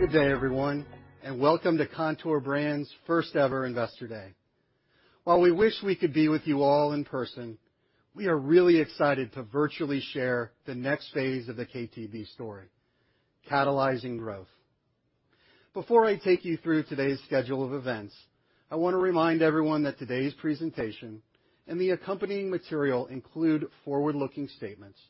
Good day everyone. Welcome to Kontoor Brands' first ever Investor Day. While we wish we could be with you all in person, we are really excited to virtually share the next phase of the KTB story, catalyzing growth. Before I take you through today's schedule of events, I want to remind everyone that today's presentation and the accompanying material include forward-looking statements.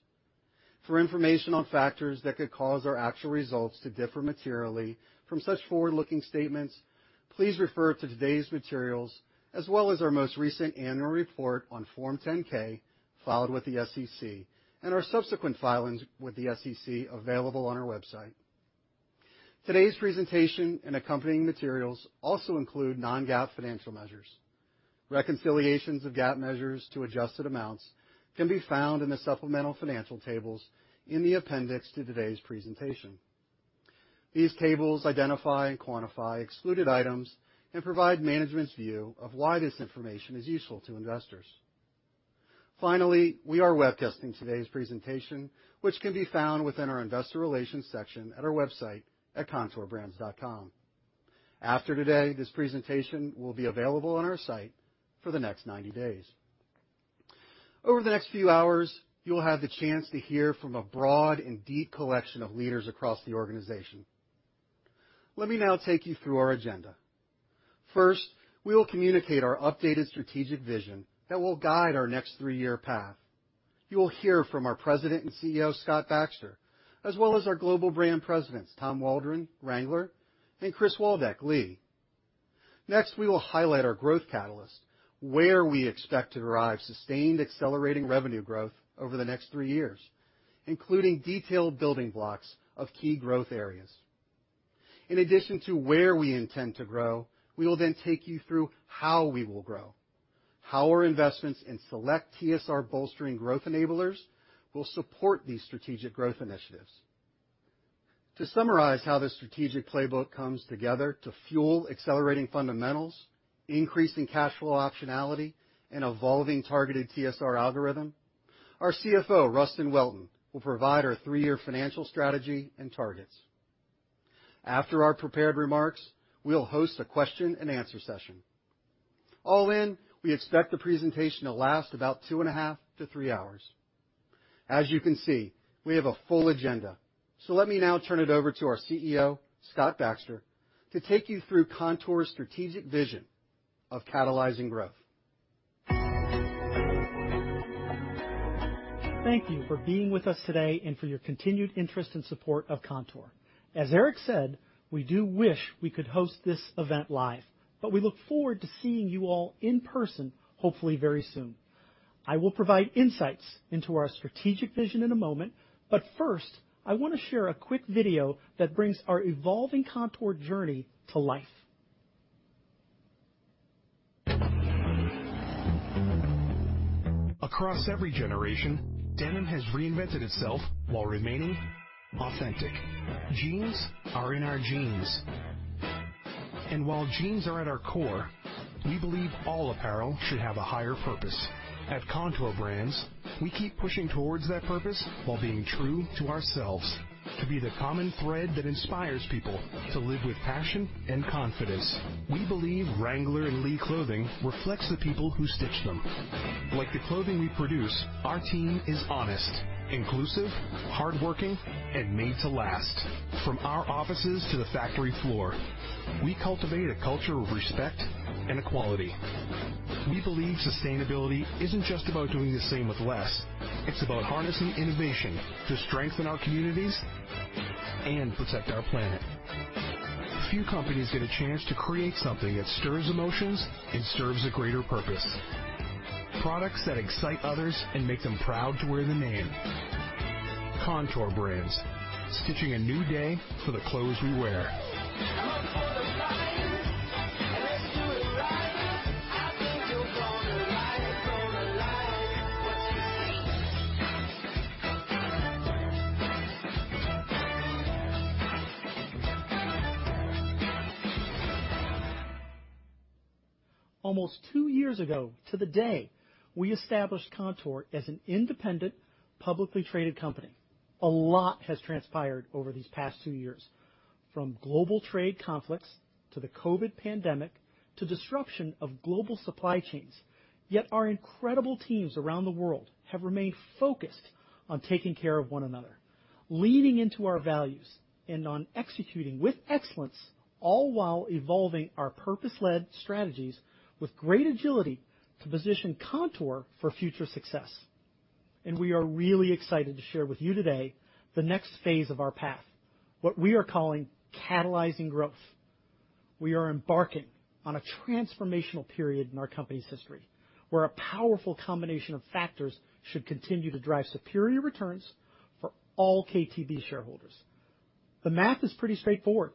For information on factors that could cause our actual results to differ materially from such forward-looking statements, please refer to today's materials, as well as our most recent annual report on Form 10-K filed with the SEC, and our subsequent filings with the SEC available on our website. Today's presentation and accompanying materials also include non-GAAP financial measures. Reconciliations of GAAP measures to adjusted amounts can be found in the supplemental financial tables in the appendix to today's presentation. These tables identify and quantify excluded items and provide management's view of why this information is useful to investors. Finally, we are webcasting today's presentation, which can be found within our investor relations section at our website at kontoorbrands.com. After today, this presentation will be available on our site for the next 90 days. Over the next few hours, you'll have the chance to hear from a broad and deep collection of leaders across the organization. Let me now take you through our agenda. First, we will communicate our updated strategic vision that will guide our next three-year path. You will hear from our President and CEO, Scott Baxter, as well as our global brand presidents, Tom Waldron, Wrangler, and Chris Waldeck, Lee. Next, we will highlight our growth catalyst, where we expect to derive sustained accelerating revenue growth over the next three years, including detailed building blocks of key growth areas. In addition to where we intend to grow, we will then take you through how we will grow, how our investments in select TSR bolstering growth enablers will support these strategic growth initiatives. To summarize how the strategic playbook comes together to fuel accelerating fundamentals, increasing cash flow optionality, and evolving targeted TSR algorithm, our CFO, Rustin Welton, will provide our three-year financial strategy and targets. After our prepared remarks, we'll host a question and answer session. All in, we expect the presentation to last about two and a half to three hours. As you can see, we have a full agenda, so let me now turn it over to our CEO, Scott Baxter, to take you through Kontoor's strategic vision of catalyzing growth. Thank you for being with us today and for your continued interest and support of Kontoor. As Eric said, we do wish we could host this event live, but we look forward to seeing you all in person, hopefully very soon. I will provide insights into our strategic vision in a moment, but first, I want to share a quick video that brings our evolving Kontoor journey to life. Across every generation, denim has reinvented itself while remaining authentic. Jeans are in our genes. While jeans are at our core, we believe all apparel should have a higher purpose. At Kontoor Brands, we keep pushing towards that purpose while being true to ourselves, to be the common thread that inspires people to live with passion and confidence. We believe Wrangler and Lee clothing reflects the people who stitch them. Like the clothing we produce, our team is honest, inclusive, hardworking, and made to last. From our offices to the factory floor, we cultivate a culture of respect and equality. We believe sustainability isn't just about doing the same with less. It's about harnessing innovation to strengthen our communities and protect our planet. Few companies get a chance to create something that stirs emotions and serves a greater purpose. Products that excite others and make them proud to wear the name. Kontoor Brands, stitching a new day to the clothes we wear. Come for the lights. Let's do it right. I think you're going to like it. Gonna like it. Almost two years ago to the day, we established Kontoor as an independent, publicly traded company. A lot has transpired over these past two years, from global trade conflicts to the COVID pandemic to disruption of global supply chains. Our incredible teams around the world have remained focused on taking care of one another, leaning into our values, and on executing with excellence, all while evolving our purpose-led strategies with great agility to position Kontoor for future success. We are really excited to share with you today the next phase of our path, what we are calling catalyzing growth. We are embarking on a transformational period in our company's history, where a powerful combination of factors should continue to drive superior returns for all KTB shareholders. The math is pretty straightforward.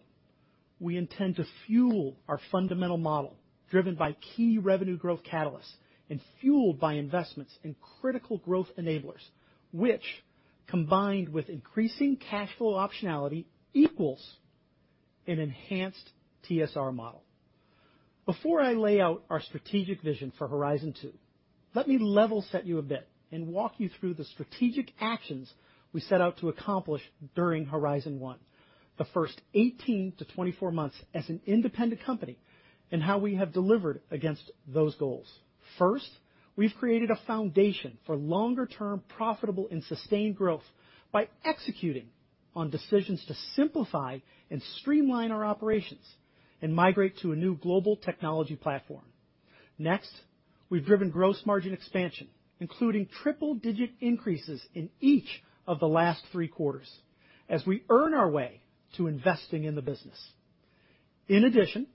We intend to fuel our fundamental model driven by key revenue growth catalysts and fueled by investments in critical growth enablers, which, combined with increasing cash flow optionality, equals an enhanced TSR model. Before I lay out our strategic vision for Horizon Two, let me level set you a bit and walk you through the strategic actions we set out to accomplish during Horizon One, the first 18-24 months as an independent company, and how we have delivered against those goals. First, we've created a foundation for longer term profitable and sustained growth by executing on decisions to simplify and streamline our operations and migrate to a new global technology platform. Next, we've driven gross margin expansion, including triple-digit increases in each of the last three quarters, as we earn our way to investing in the business. In addition,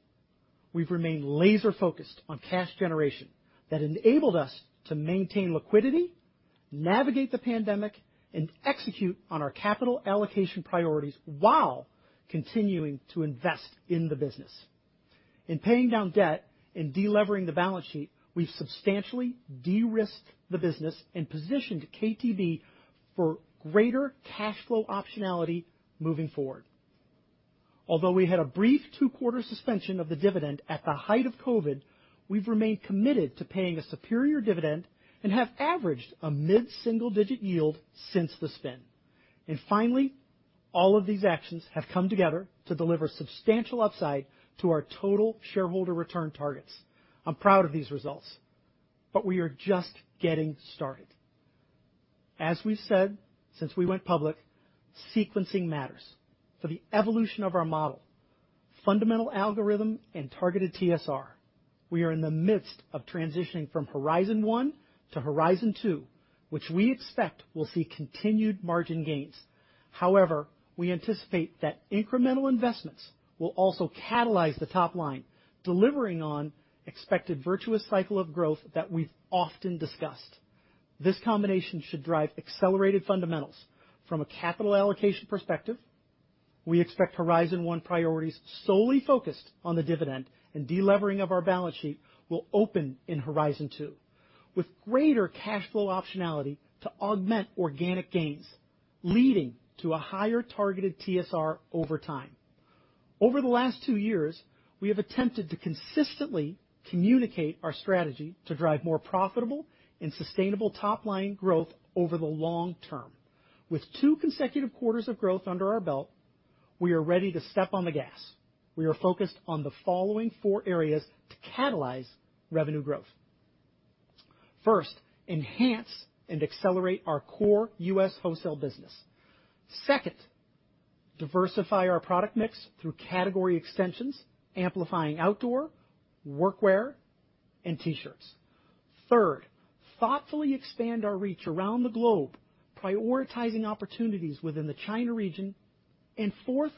we've remained laser-focused on cash generation that enabled us to maintain liquidity, navigate the pandemic, and execute on our capital allocation priorities while continuing to invest in the business. In paying down debt and de-levering the balance sheet, we've substantially de-risked the business and positioned KTB for greater cash flow optionality moving forward. Although we had a brief two-quarter suspension of the dividend at the height of COVID, we've remained committed to paying a superior dividend and have averaged a mid-single digit yield since the spin. Finally, all of these actions have come together to deliver substantial upside to our total shareholder return targets. I'm proud of these results, but we are just getting started. As we've said since we went public, sequencing matters for the evolution of our model, fundamental algorithm, and targeted TSR. We are in the midst of transitioning from Horizon One to Horizon Two, which we expect will see continued margin gains. However, we anticipate that incremental investments will also catalyze the top line, delivering on expected virtuous cycle of growth that we've often discussed. This combination should drive accelerated fundamentals. From a capital allocation perspective, we expect Horizon One priorities solely focused on the dividend and de-levering of our balance sheet will open in Horizon Two with greater cash flow optionality to augment organic gains, leading to a higher targeted TSR over time. Over the last two years, we have attempted to consistently communicate our strategy to drive more profitable and sustainable top-line growth over the long term. With two consecutive quarters of growth under our belt, we are ready to step on the gas. We are focused on the following four areas to catalyze revenue growth. First, enhance and accelerate our core U.S. wholesale business. Second, diversify our product mix through category extensions, amplifying outdoor, workwear, and T-shirts. Third, thoughtfully expand our reach around the globe, prioritizing opportunities within the China region. Fourth,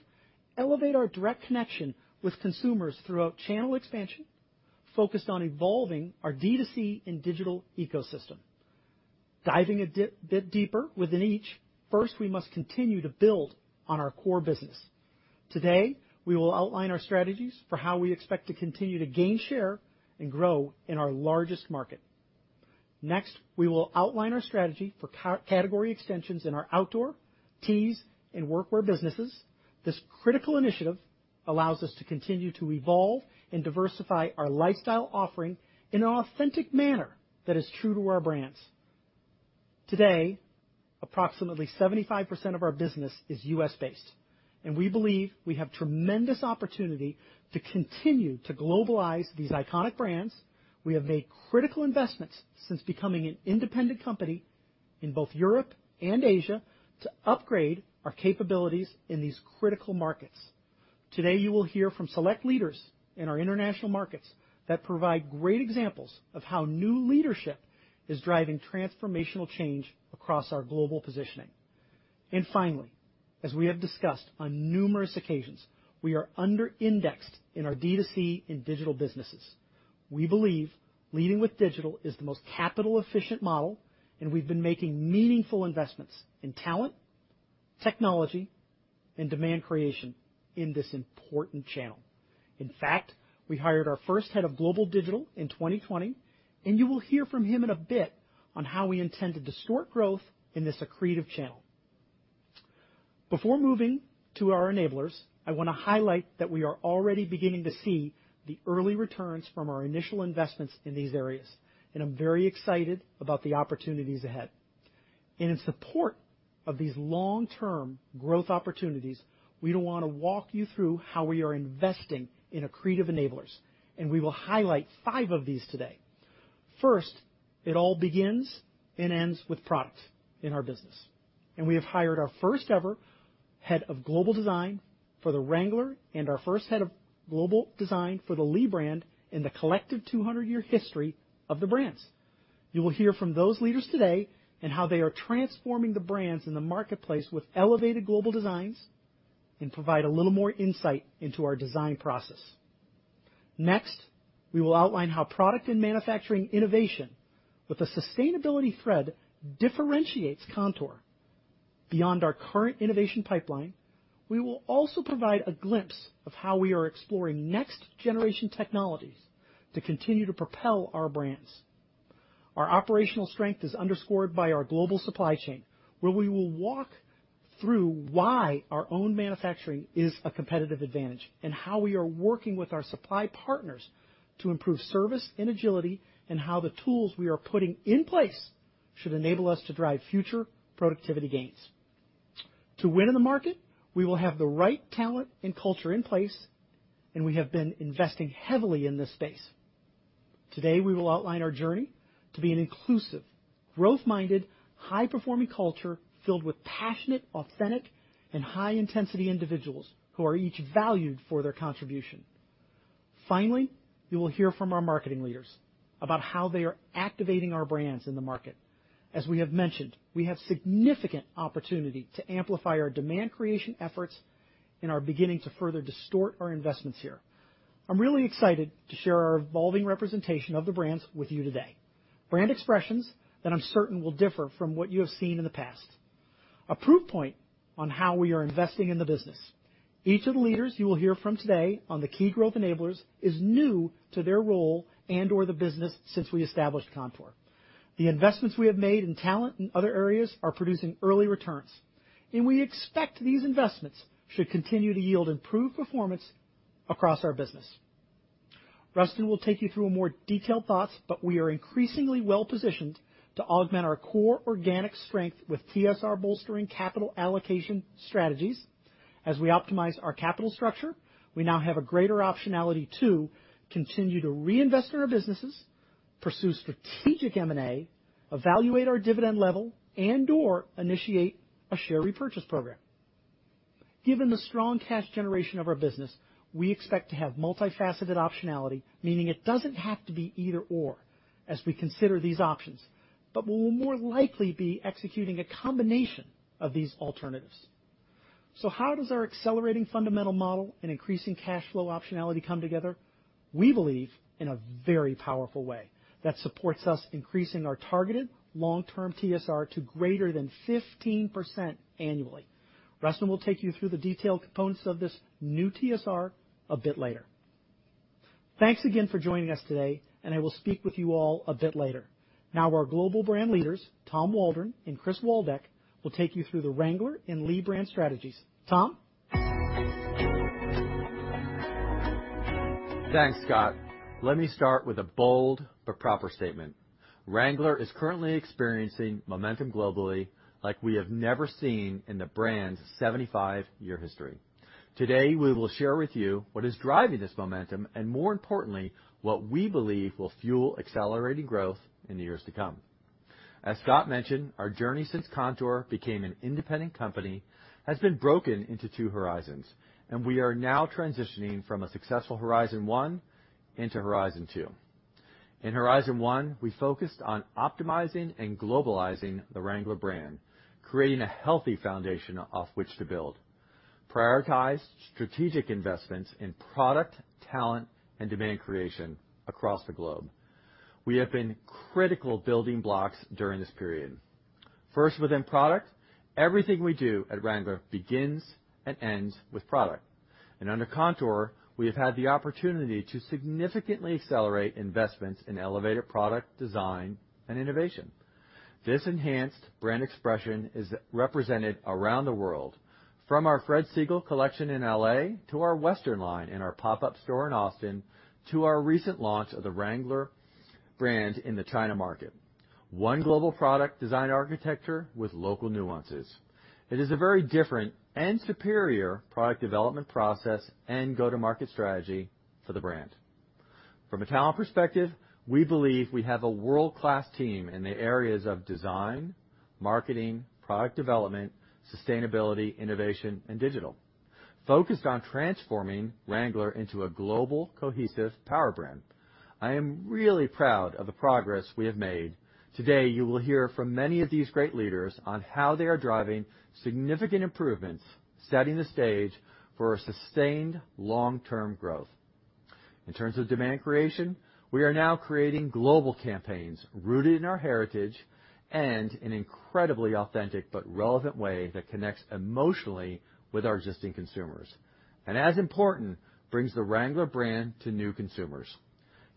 elevate our direct connection with consumers throughout channel expansion, focused on evolving our D2C and digital ecosystem. Diving a bit deeper within each. First, we must continue to build on our core business. Today, we will outline our strategies for how we expect to continue to gain share and grow in our largest market. Next, we will outline our strategy for category extensions in our outdoor, tees, and workwear businesses. This critical initiative allows us to continue to evolve and diversify our lifestyle offering in an authentic manner that is true to our brands. Today, approximately 75% of our business is U.S.-based, and we believe we have tremendous opportunity to continue to globalize these iconic brands. We have made critical investments since becoming an independent company in both Europe and Asia to upgrade our capabilities in these critical markets. Today, you will hear from select leaders in our international markets that provide great examples of how new leadership is driving transformational change across our global positioning. Finally, as we have discussed on numerous occasions, we are under-indexed in our D2C and digital businesses. We believe leading with digital is the most capital efficient model, and we've been making meaningful investments in talent, technology, and demand creation in this important channel. In fact, we hired our first head of global digital in 2020, and you will hear from him in a bit on how we intend to distort growth in this accretive channel. Before moving to our enablers, I want to highlight that we are already beginning to see the early returns from our initial investments in these areas, and I'm very excited about the opportunities ahead. In support of these long-term growth opportunities, we want to walk you through how we are investing in accretive enablers, and we will highlight five of these today. First, it all begins and ends with product in our business, and we have hired our first ever head of global design for the Wrangler and our first head of global design for the Lee brand in the collective 200-year history of the brands. You will hear from those leaders today and how they are transforming the brands in the marketplace with elevated global designs and provide a little more insight into our design process. Next, we will outline how product and manufacturing innovation with a sustainability thread differentiates Kontoor. Beyond our current innovation pipeline, we will also provide a glimpse of how we are exploring next generation technologies to continue to propel our brands. Our operational strength is underscored by our global supply chain, where we will walk through why our own manufacturing is a competitive advantage, and how we are working with our supply partners to improve service and agility, and how the tools we are putting in place should enable us to drive future productivity gains. To win in the market, we will have the right talent and culture in place, and we have been investing heavily in this space. Today, we will outline our journey to be an inclusive, growth-minded, high-performing culture filled with passionate, authentic, and high-intensity individuals who are each valued for their contribution. Finally, you will hear from our marketing leaders about how they are activating our brands in the market. As we have mentioned, we have significant opportunity to amplify our demand creation efforts and are beginning to further distort our investments here. I'm really excited to share our evolving representation of the brands with you today. Brand expressions that I'm certain will differ from what you have seen in the past, a proof point on how we are investing in the business. Each of the leaders you will hear from today on the key growth enablers is new to their role and/or the business since we established Kontoor. The investments we have made in talent and other areas are producing early returns, and we expect these investments should continue to yield improved performance across our business. Rustin will take you through more detailed thoughts, but we are increasingly well-positioned to augment our core organic strength with TSR bolstering capital allocation strategies. As we optimize our capital structure, we now have a greater optionality to continue to reinvest in our businesses, pursue strategic M&A, evaluate our dividend level, and/or initiate a share repurchase program. Given the strong cash generation of our business, we expect to have multifaceted optionality, meaning it doesn't have to be either/or as we consider these options, but we will more likely be executing a combination of these alternatives. How does our accelerating fundamental model and increasing cash flow optionality come together? We believe in a very powerful way that supports us increasing our targeted long-term TSR to greater than 15% annually. Rustin will take you through the detailed components of this new TSR a bit later. Thanks again for joining us today, and I will speak with you all a bit later. Now, our global brand leaders, Tom Waldron and Chris Waldeck, will take you through the Wrangler and Lee brand strategies. Tom? Thanks, Scott. Let me start with a bold but proper statement. Wrangler is currently experiencing momentum globally like we have never seen in the brand's 75-year history. Today, we will share with you what is driving this momentum, and more importantly, what we believe will fuel accelerating growth in the years to come. As Scott mentioned, our journey since Kontoor became an independent company has been broken into two Horizons, and we are now transitioning from a successful Horizon One into Horizon Two. In Horizon One, we focused on optimizing and globalizing the Wrangler brand, creating a healthy foundation off which to build. Prioritized strategic investments in product, talent, and demand creation across the globe. We have been critical building blocks during this period. First, within product, everything we do at Wrangler begins and ends with product. Under Kontoor, we have had the opportunity to significantly accelerate investments in elevated product design and innovation. This enhanced brand expression is represented around the world, from our Fred Segal collection in L.A. to our Western line in our pop-up store in Austin, to our recent launch of the Wrangler brand in the China market. One global product design architecture with local nuances. It is a very different and superior product development process and go-to-market strategy for the brand. From a talent perspective, we believe we have a world-class team in the areas of design, marketing, product development, sustainability, innovation, and digital, focused on transforming Wrangler into a global, cohesive power brand. I am really proud of the progress we have made. Today, you will hear from many of these great leaders on how they are driving significant improvements, setting the stage for a sustained long-term growth. In terms of demand creation, we are now creating global campaigns rooted in our heritage and an incredibly authentic but relevant way that connects emotionally with our existing consumers. As important, brings the Wrangler brand to new consumers.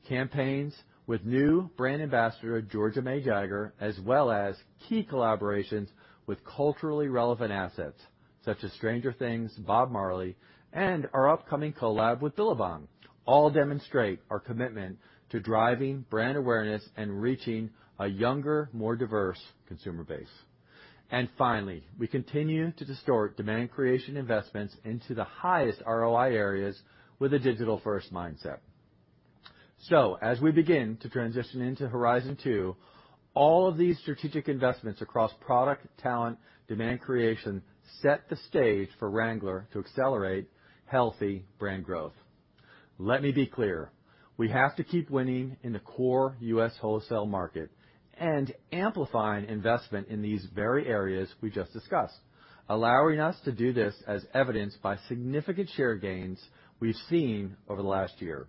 Campaigns with new brand ambassador, Georgia May Jagger, as well as key collaborations with culturally relevant assets such as Stranger Things, Bob Marley, and our upcoming collab with Billabong, all demonstrate our commitment to driving brand awareness and reaching a younger, more diverse consumer base. Finally, we continue to distort demand creation investments into the highest ROI areas with a digital-first mindset. As we begin to transition into Horizon Two, all of these strategic investments across product, talent, demand creation, set the stage for Wrangler to accelerate healthy brand growth. Let me be clear. We have to keep winning in the core U.S. wholesale market and amplifying investment in these very areas we just discussed, allowing us to do this as evidenced by significant share gains we've seen over the last year.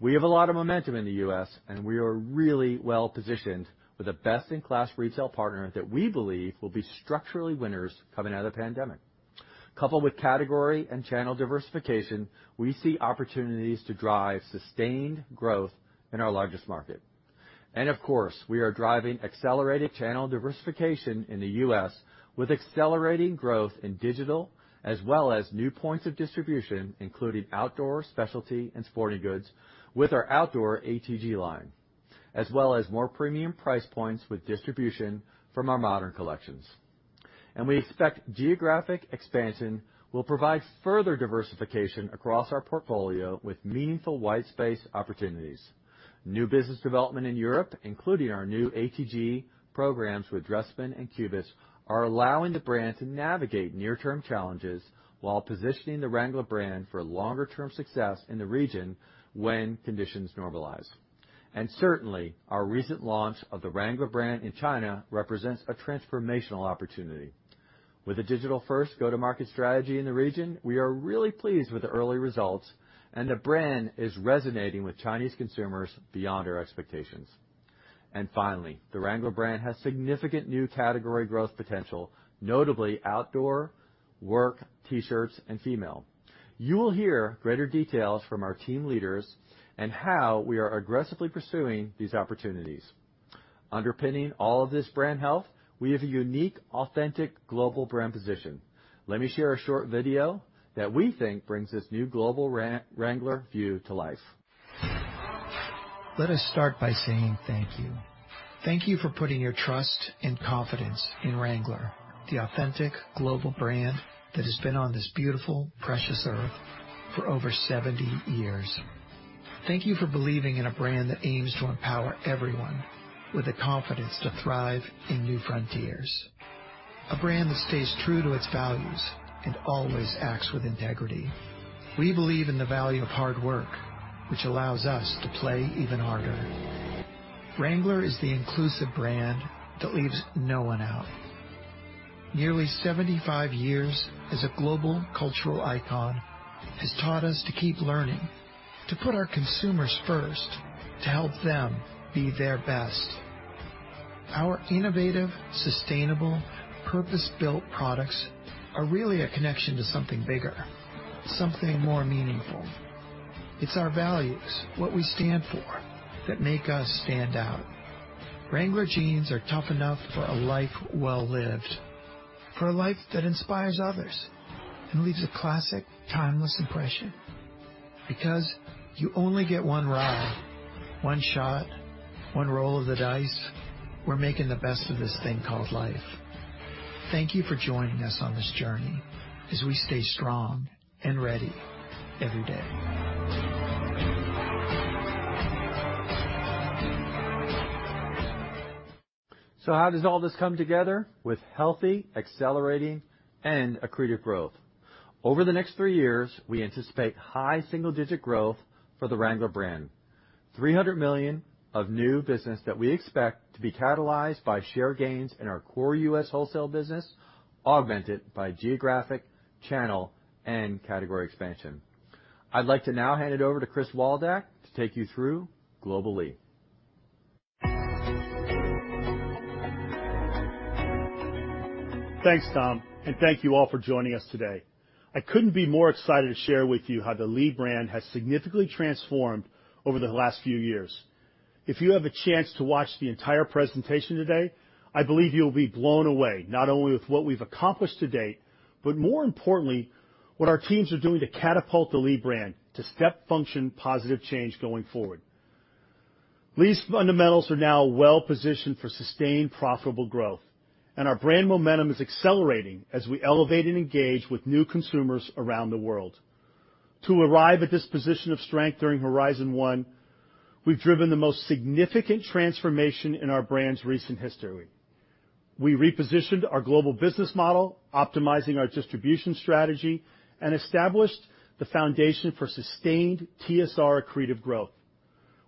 We have a lot of momentum in the U.S., and we are really well-positioned with a best-in-class retail partner that we believe will be structurally winners coming out of the pandemic. Coupled with category and channel diversification, we see opportunities to drive sustained growth in our largest market. Of course, we are driving accelerated channel diversification in the U.S. with accelerating growth in digital, as well as new points of distribution, including outdoor specialty and sporting goods with our outdoor ATG line, as well as more premium price points with distribution from our modern collections. We expect geographic expansion will provide further diversification across our portfolio with meaningful white space opportunities. New business development in Europe, including our new ATG programs with Dressmann and Cubus, are allowing the brand to navigate near-term challenges while positioning the Wrangler brand for longer-term success in the region when conditions normalize. Certainly, our recent launch of the Wrangler brand in China represents a transformational opportunity. With a digital-first go-to-market strategy in the region, we are really pleased with the early results, and the brand is resonating with Chinese consumers beyond our expectations. Finally, the Wrangler brand has significant new category growth potential, notably outdoor, work, T-shirts, and female. You will hear greater details from our team leaders on how we are aggressively pursuing these opportunities. Underpinning all of this brand health, we have a unique, authentic global brand position. Let me share a short video that we think brings this new global Wrangler view to life. Let us start by saying thank you. Thank you for putting your trust and confidence in Wrangler, the authentic global brand that has been on this beautiful, precious Earth for over 70 years. Thank you for believing in a brand that aims to empower everyone with the confidence to thrive in new frontiers. A brand that stays true to its values and always acts with integrity. We believe in the value of hard work, which allows us to play even harder. Wrangler is the inclusive brand that leaves no one out. Nearly 75 years as a global cultural icon has taught us to keep learning, to put our consumers first, to help them be their best. Our innovative, sustainable, purpose-built products are really a connection to something bigger, something more meaningful. It's our values, what we stand for, that make us stand out. Wrangler jeans are tough enough for a life well-lived, for a life that inspires others and leaves a classic, timeless impression. You only get one ride, one shot, one roll of the dice. We're making the best of this thing called life. Thank you for joining us on this journey as we stay strong and ready every day. How does all this come together? With healthy, accelerating, and accretive growth. Over the next three years, we anticipate high single-digit growth for the Wrangler brand. $300 million of new business that we expect to be catalyzed by share gains in our core U.S. wholesale business, augmented by geographic, channel, and category expansion. I'd like to now hand it over to Chris Waldeck to take you through global Lee. Thanks, Tom, and thank you all for joining us today. I couldn't be more excited to share with you how the Lee brand has significantly transformed over the last few years. If you have a chance to watch the entire presentation today, I believe you'll be blown away not only with what we've accomplished to date, but more importantly, what our teams are doing to catapult the Lee brand to step-function positive change going forward. Lee's fundamentals are now well-positioned for sustained profitable growth, and our brand momentum is accelerating as we elevate and engage with new consumers around the world. To arrive at this position of strength during Horizon One, we've driven the most significant transformation in our brand's recent history. We repositioned our global business model, optimizing our distribution strategy, and established the foundation for sustained TSR accretive growth.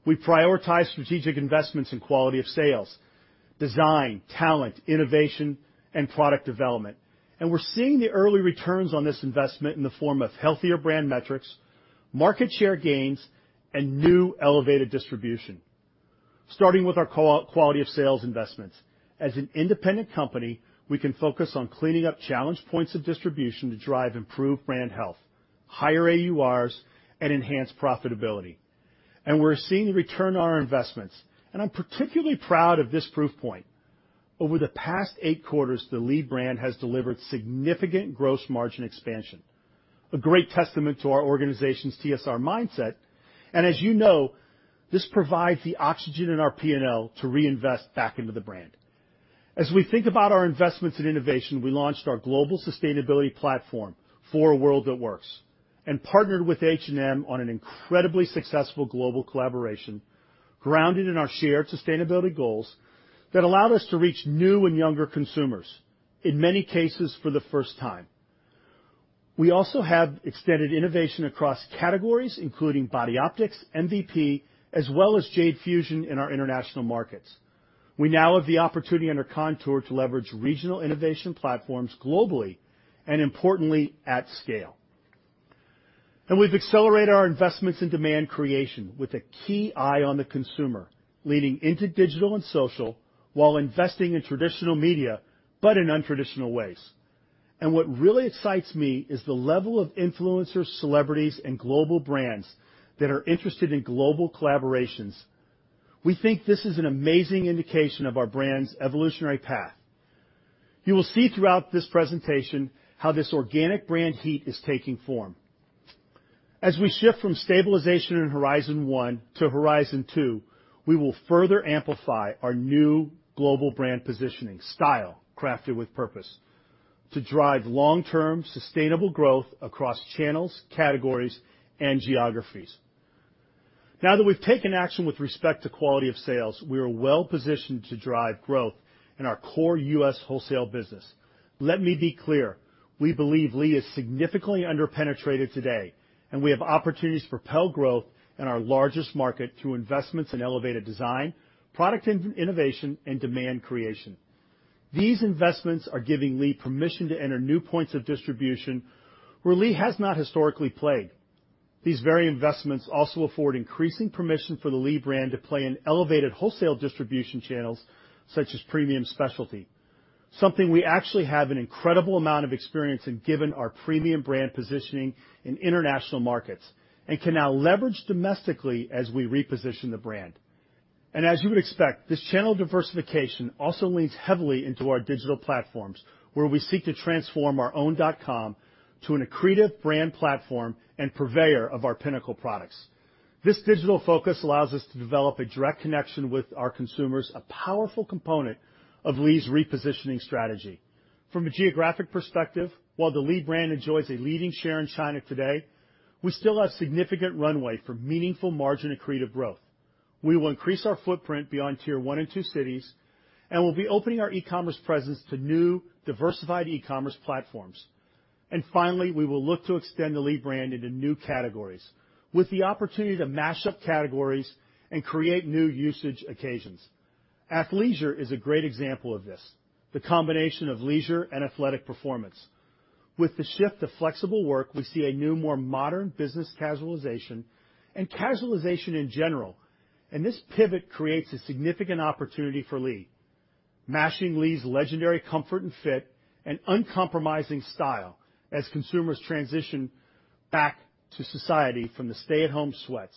We prioritize strategic investments in quality of sales, design, talent, innovation, and product development, and we're seeing the early returns on this investment in the form of healthier brand metrics, market share gains, and new elevated distribution. Starting with our quality of sales investments. As an independent company, we can focus on cleaning up challenged points of distribution to drive improved brand health, higher AURs, and enhanced profitability. We're seeing a return on our investments, and I'm particularly proud of this proof point. Over the past eight quarters, the Lee brand has delivered significant gross margin expansion, a great testament to our organization's TSR mindset. As you know, this provides the oxygen in our P&L to reinvest back into the brand. As we think about our investments in innovation, we launched our Global Sustainability Platform for a World That Works, and partnered with H&M on an incredibly successful global collaboration grounded in our shared sustainability goals that allowed us to reach new and younger consumers, in many cases, for the first time. We also have extended innovation across categories, including Body Optix, MVP, as well as Jade Fusion in our international markets. We now have the opportunity under Kontoor to leverage regional innovation platforms globally and importantly, at scale. We've accelerated our investments in demand creation with a key eye on the consumer, leading into digital and social while investing in traditional media but in untraditional ways. What really excites me is the level of influencers, celebrities, and global brands that are interested in global collaborations. We think this is an amazing indication of our brand's evolutionary path. You will see throughout this presentation how this organic brand heat is taking form. As we shift from stabilization in Horizon One to Horizon Two, we will further amplify our new global brand positioning, style crafted with purpose, to drive long-term sustainable growth across channels, categories, and geographies. Now that we've taken action with respect to quality of sales, we are well-positioned to drive growth in our core U.S. wholesale business. Let me be clear. We believe Lee is significantly under-penetrated today, and we have opportunities for apparel growth in our largest market through investments in elevated design, product innovation, and demand creation. These investments are giving Lee permission to enter new points of distribution where Lee has not historically played. These very investments also afford increasing permission for the Lee brand to play in elevated wholesale distribution channels such as premium specialty. Something we actually have an incredible amount of experience in given our premium brand positioning in international markets and can now leverage domestically as we reposition the brand. As you expect, this channel diversification also leans heavily into our digital platforms, where we seek to transform our own dot com to an accretive brand platform and purveyor of our pinnacle products. This digital focus allows us to develop a direct connection with our consumers, a powerful component of Lee's repositioning strategy. From a geographic perspective, while the Lee brand enjoys a leading share in China today, we still have significant runway for meaningful margin accretive growth. We will increase our footprint beyond tier one and two cities, we'll be opening our e-commerce presence to new diversified e-commerce platforms. Finally, we will look to extend the Lee brand into new categories with the opportunity to mash up categories and create new usage occasions. Athleisure is a great example of this, the combination of leisure and athletic performance. With the shift to flexible work, we see a new, more modern business casualization and casualization in general, This pivot creates a significant opportunity for Lee. Mashing Lee's legendary comfort and fit and uncompromising style as consumers transition back to society from the stay-at-home sweats,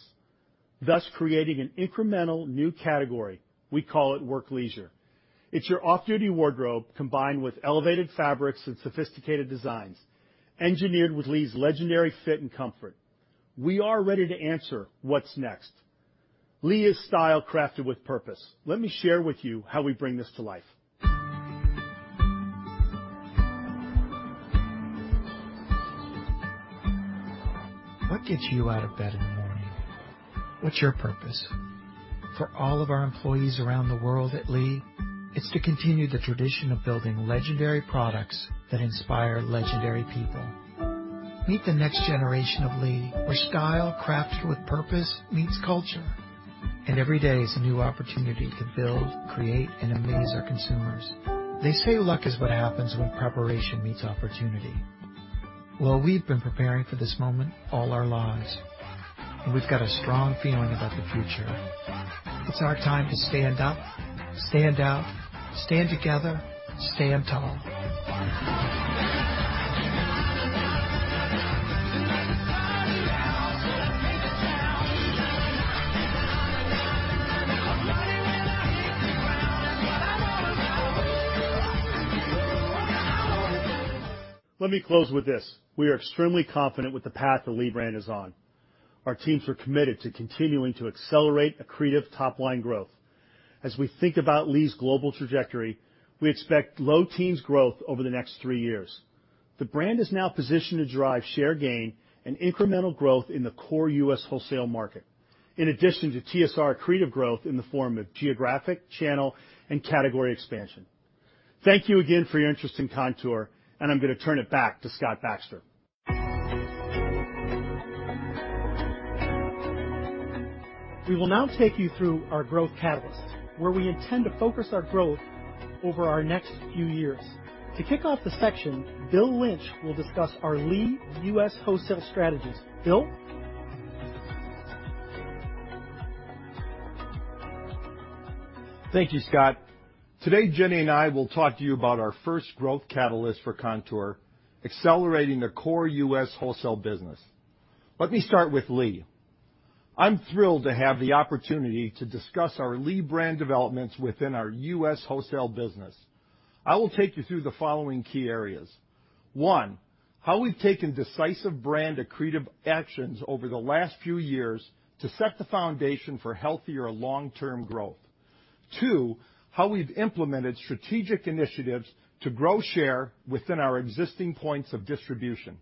thus creating an incremental new category. We call it work leisure. It's your off-duty wardrobe combined with elevated fabrics and sophisticated designs, engineered with Lee's legendary fit and comfort. We are ready to answer, what's next? Lee is style crafted with purpose. Let me share with you how we bring this to life. What gets you out of bed in the morning? What's your purpose? For all of our employees around the world at Lee, it's to continue the tradition of building legendary products that inspire legendary people. Meet the next generation of Lee, where style crafted with purpose meets culture, and every day is a new opportunity to build, create, and amaze our consumers. They say luck is what happens when preparation meets opportunity. Well, we've been preparing for this moment all our lives, and we've got a strong feeling about the future. It's our time to stand up, stand out, stand together, Stand Tall. Let me close with this. We are extremely confident with the path the Lee brand is on. Our teams are committed to continuing to accelerate accretive top-line growth. As we think about Lee's global trajectory, we expect low teens growth over the next three years. The brand is now positioned to drive share gain and incremental growth in the core U.S. wholesale market, in addition to TSR accretive growth in the form of geographic, channel, and category expansion. Thank you again for your interest in Kontoor, I'm going to turn it back to Scott Baxter. We will now take you through our growth catalysts, where we intend to focus our growth over our next few years. To kick off the section, Bill Lynch will discuss our Lee U.S. wholesale strategies. Bill. Thank you, Scott. Today, Jimmy Shafer and I will talk to you about our first growth catalyst for Kontoor Brands, accelerating the core U.S. wholesale business. Let me start with Lee. I'm thrilled to have the opportunity to discuss our Lee brand developments within our U.S. wholesale business. I will take you through the following key areas. One, how we've taken decisive brand accretive actions over the last few years to set the foundation for healthier long-term growth. Two, how we've implemented strategic initiatives to grow share within our existing points of distribution.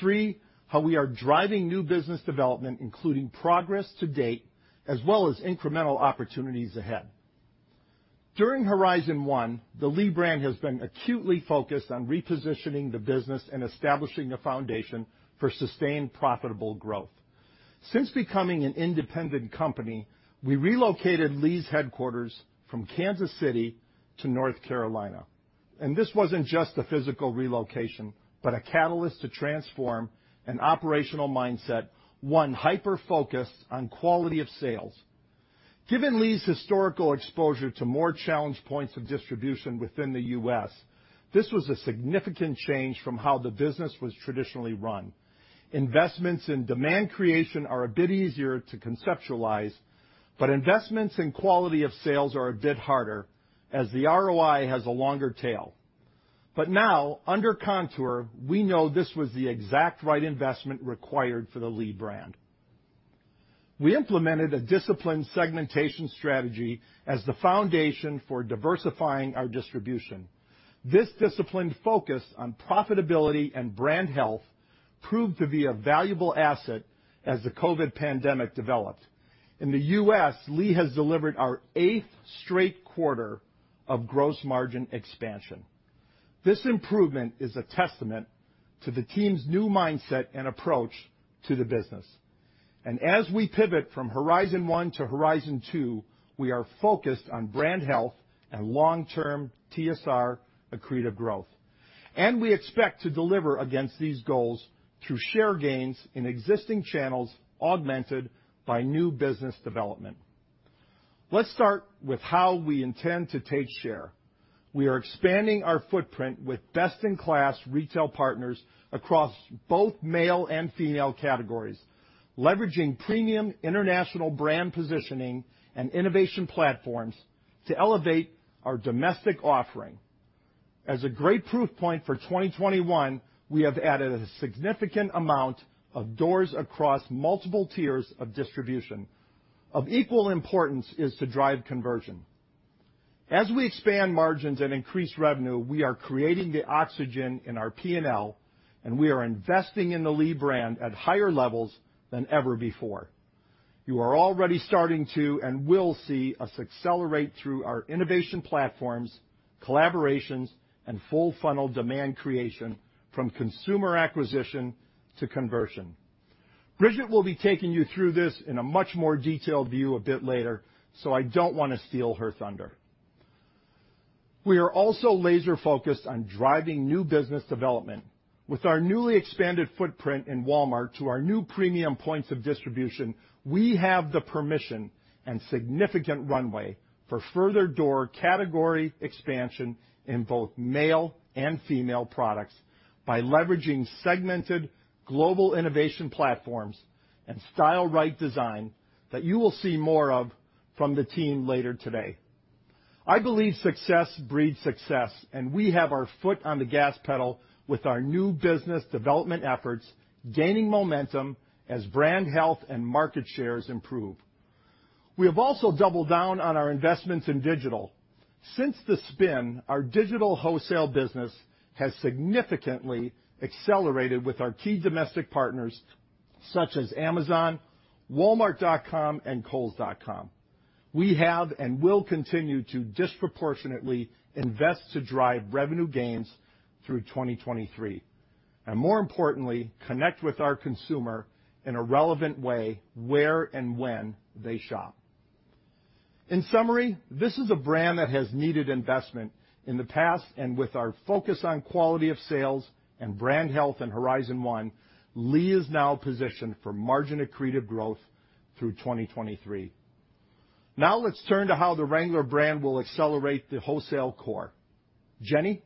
Three, how we are driving new business development, including progress to date, as well as incremental opportunities ahead. During Horizon One, the Lee brand has been acutely focused on repositioning the business and establishing a foundation for sustained profitable growth. Since becoming an independent company, we relocated Lee's headquarters from Kansas City to North Carolina. This wasn't just a physical relocation, but a catalyst to transform an operational mindset, one hyper-focused on quality of sales. Given Lee's historical exposure to more challenged points of distribution within the U.S., this was a significant change from how the business was traditionally run. Investments in demand creation are a bit easier to conceptualize, but investments in quality of sales are a bit harder, as the ROI has a longer tail. Now, under Kontoor, we know this was the exact right investment required for the Lee brand. We implemented a disciplined segmentation strategy as the foundation for diversifying our distribution. This disciplined focus on profitability and brand health proved to be a valuable asset as the COVID pandemic developed. In the U.S., Lee has delivered our eighth straight quarter of gross margin expansion. This improvement is a testament to the team's new mindset and approach to the business. As we pivot from Horizon One to Horizon Two, we are focused on brand health and long-term TSR accretive growth. We expect to deliver against these goals through share gains in existing channels, augmented by new business development. Let's start with how we intend to take share. We are expanding our footprint with best-in-class retail partners across both male and female categories, leveraging premium international brand positioning and innovation platforms to elevate our domestic offering. As a great proof point for 2021, we have added a significant amount of doors across multiple tiers of distribution. Of equal importance is to drive conversion. As we expand margins and increase revenue, we are creating the oxygen in our P&L, and we are investing in the Lee brand at higher levels than ever before. You are already starting to and will see us accelerate through our innovation platforms, collaborations, and full-funnel demand creation from consumer acquisition to conversion. Brigid will be taking you through this in a much more detailed view a bit later, so I don't want to steal her thunder. We are also laser-focused on driving new business development. With our newly expanded footprint in Walmart to our new premium points of distribution, we have the permission and significant runway for further door category expansion in both male and female products by leveraging segmented global innovation platforms and style right design that you will see more of from the team later today. I believe success breeds success, and we have our foot on the gas pedal with our new business development efforts gaining momentum as brand health and market shares improve. We have also doubled down on our investments in digital. Since the spin, our digital wholesale business has significantly accelerated with our key domestic partners such as Amazon, walmart.com, and kohls.com. We have and will continue to disproportionately invest to drive revenue gains through 2023, and more importantly, connect with our consumer in a relevant way where and when they shop. In summary, this is a brand that has needed investment in the past, and with our focus on quality of sales and brand health in Horizon One, Lee is now positioned for margin accretive growth through 2023. Now let's turn to how the Wrangler brand will accelerate the wholesale core. Jenni?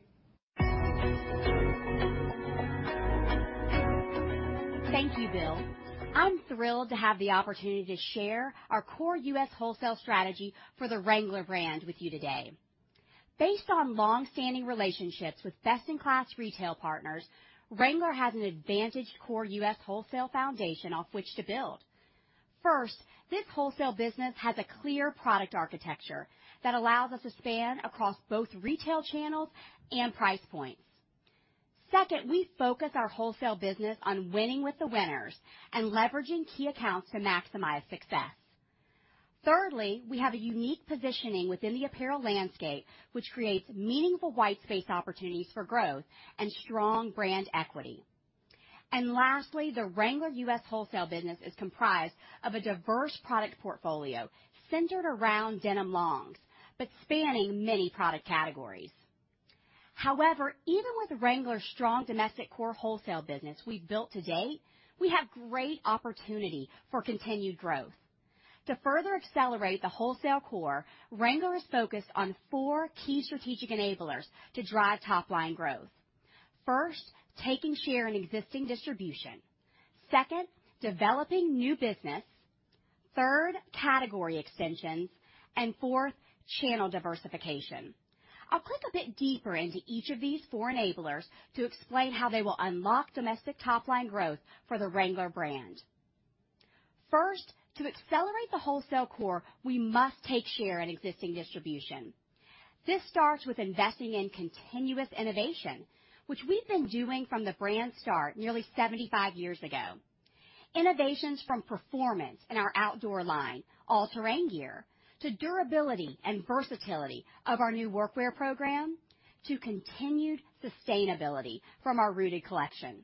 Thank you, Bill. I'm thrilled to have the opportunity to share our core U.S. wholesale strategy for the Wrangler brand with you today. Based on long-standing relationships with best-in-class retail partners, Wrangler has an advantaged core U.S. wholesale foundation off which to build. First, this wholesale business has a clear product architecture that allows us to span across both retail channels and price points. Second, we focus our wholesale business on winning with the winners and leveraging key accounts to maximize success. Thirdly, we have a unique positioning within the apparel landscape, which creates meaningful white space opportunities for growth and strong brand equity. Lastly, the Wrangler U.S. wholesale business is comprised of a diverse product portfolio centered around denim longs, but spanning many product categories. However, even with Wrangler's strong domestic core wholesale business we've built today, we have great opportunity for continued growth. To further accelerate the wholesale core, Wrangler is focused on four key strategic enablers to drive top-line growth. First, taking share in existing distribution. Second, developing new business. Third, category extensions. Fourth, channel diversification. I'll click a bit deeper into each of these four enablers to explain how they will unlock domestic top-line growth for the Wrangler brand. First, to accelerate the wholesale core, we must take share in existing distribution. This starts with investing in continuous innovation, which we've been doing from the brand start nearly 75 years ago. Innovations from performance in our outdoor line, All Terrain Gear, to durability and versatility of our new Workwear program, to continued sustainability from our Rooted Collection.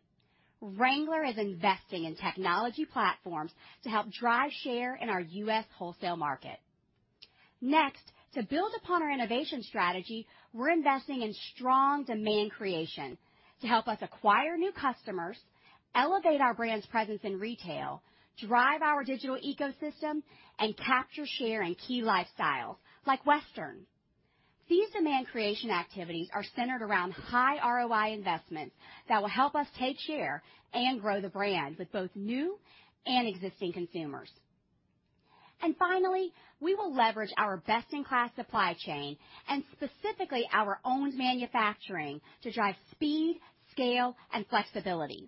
Wrangler is investing in technology platforms to help drive share in our U.S. wholesale market. To build upon our innovation strategy, we're investing in strong demand creation to help us acquire new customers, elevate our brand's presence in retail, drive our digital ecosystem, and capture share in key lifestyles like western. These demand creation activities are centered around high ROI investments that will help us take share and grow the brand with both new and existing consumers. Finally, we will leverage our best-in-class supply chain and specifically our own manufacturing to drive speed, scale, and flexibility.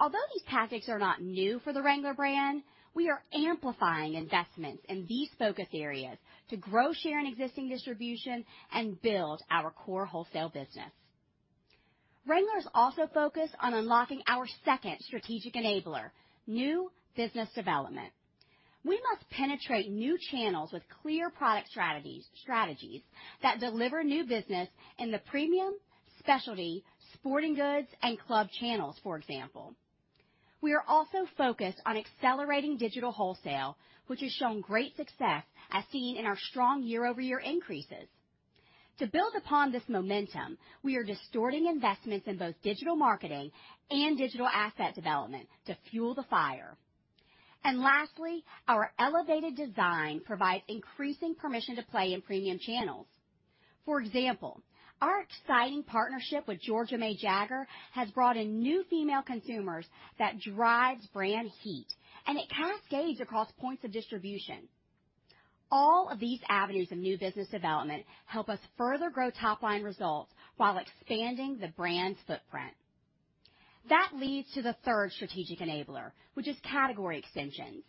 Although these tactics are not new for the Wrangler brand, we are amplifying investments in these focus areas to grow share in existing distribution and build our core wholesale business. Wrangler is also focused on unlocking our second strategic enabler, new business development. We must penetrate new channels with clear product strategies that deliver new business in the premium, specialty, sporting goods, and club channels, for example. We are also focused on accelerating digital wholesale, which is showing great success as seen in our strong year-over-year increases. To build upon this momentum, we are distorting investments in both digital marketing and digital asset development to fuel the fire. Lastly, our elevated design provides increasing permission to play in premium channels. For example, our exciting partnership with Georgia May Jagger has brought in new female consumers that drives brand heat, and it cascades across points of distribution. All of these avenues of new business development help us further grow top-line results while expanding the brand's footprint. That leads to the third strategic enabler, which is category extensions.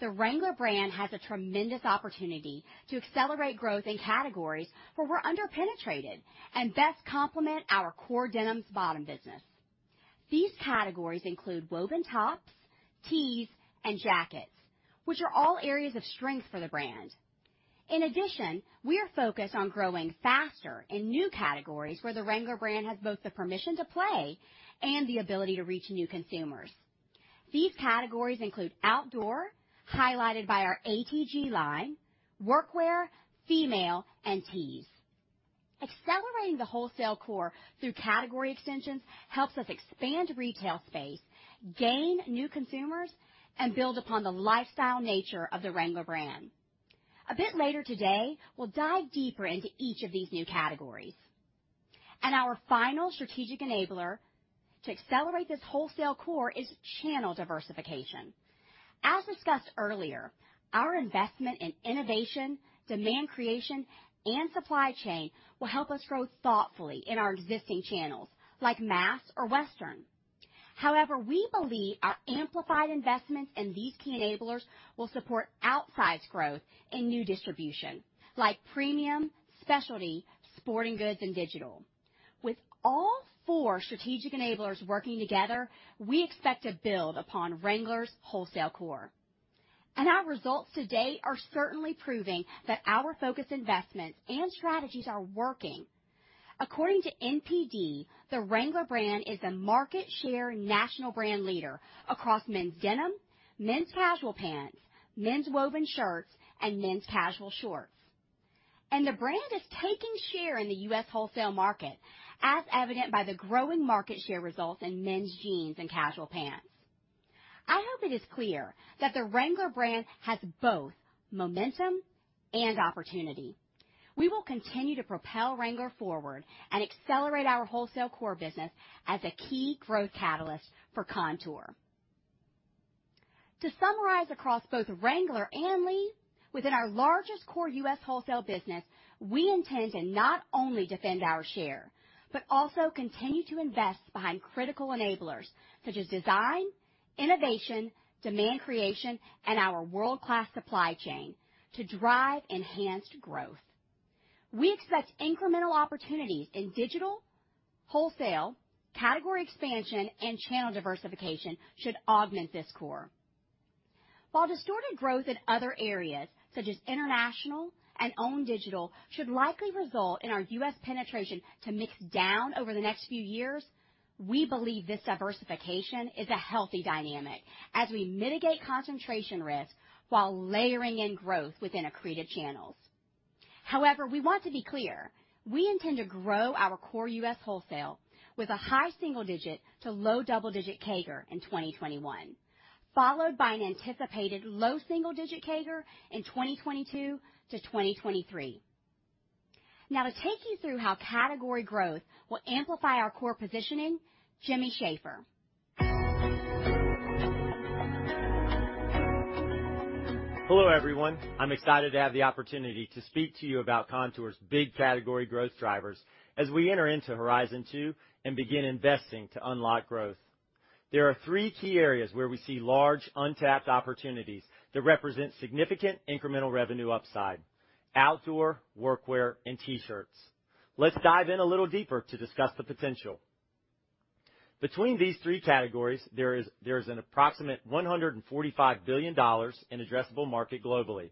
The Wrangler brand has a tremendous opportunity to accelerate growth in categories where we're under-penetrated and best complement our core denim bottom business. These categories include woven tops, tees, and jackets, which are all areas of strength for the brand. In addition, we are focused on growing faster in new categories where the Wrangler brand has both the permission to play and the ability to reach new consumers. These categories include outdoor, highlighted by our ATG line, workwear, female, and tees. Accelerating the wholesale core through category extensions helps us expand retail space, gain new consumers, and build upon the lifestyle nature of the Wrangler brand. A bit later today, we'll dive deeper into each of these new categories. Our final strategic enabler to accelerate this wholesale core is channel diversification. As discussed earlier, our investment in innovation, demand creation, and supply chain will help us grow thoughtfully in our existing channels like mass or western. However, we believe our amplified investments in these key enablers will support outsized growth in new distribution, like premium, specialty, sporting goods, and digital. With all four strategic enablers working together, we expect to build upon Wrangler's wholesale core. Our results to date are certainly proving that our focused investments and strategies are working. According to NPD, the Wrangler brand is a market share national brand leader across men's denim, men's casual pants, men's woven shirts, and men's casual shorts. The brand is taking share in the U.S. wholesale market, as evident by the growing market share results in men's jeans and casual pants. I hope it is clear that the Wrangler brand has both momentum and opportunity. We will continue to propel Wrangler forward and accelerate our wholesale core business as a key growth catalyst for Kontoor. To summarize across both Wrangler and Lee, within our largest core U.S. wholesale business, we intend to not only defend our share, but also continue to invest behind critical enablers such as design, innovation, demand creation, and our world-class supply chain to drive enhanced growth. We expect incremental opportunities in digital, wholesale, category expansion, and channel diversification should augment this core. While distorting growth in other areas such as international and owned digital should likely result in our U.S. penetration to mix down over the next few years, we believe this diversification is a healthy dynamic as we mitigate concentration risks while layering in growth within accretive channels. We want to be clear, we intend to grow our core U.S. wholesale with a high single digit to low double-digit CAGR in 2021, followed by an anticipated low single digit CAGR in 2022-2023. To take you through how category growth will amplify our core positioning, Jimmy Shafer. Hello, everyone. I'm excited to have the opportunity to speak to you about Kontoor's big category growth drivers as we enter into Horizon Two and begin investing to unlock growth. There are three key areas where we see large untapped opportunities that represent significant incremental revenue upside: outdoor, workwear, and T-shirts. Let's dive in a little deeper to discuss the potential. Between these three categories, there is an approximate $145 billion in addressable market globally.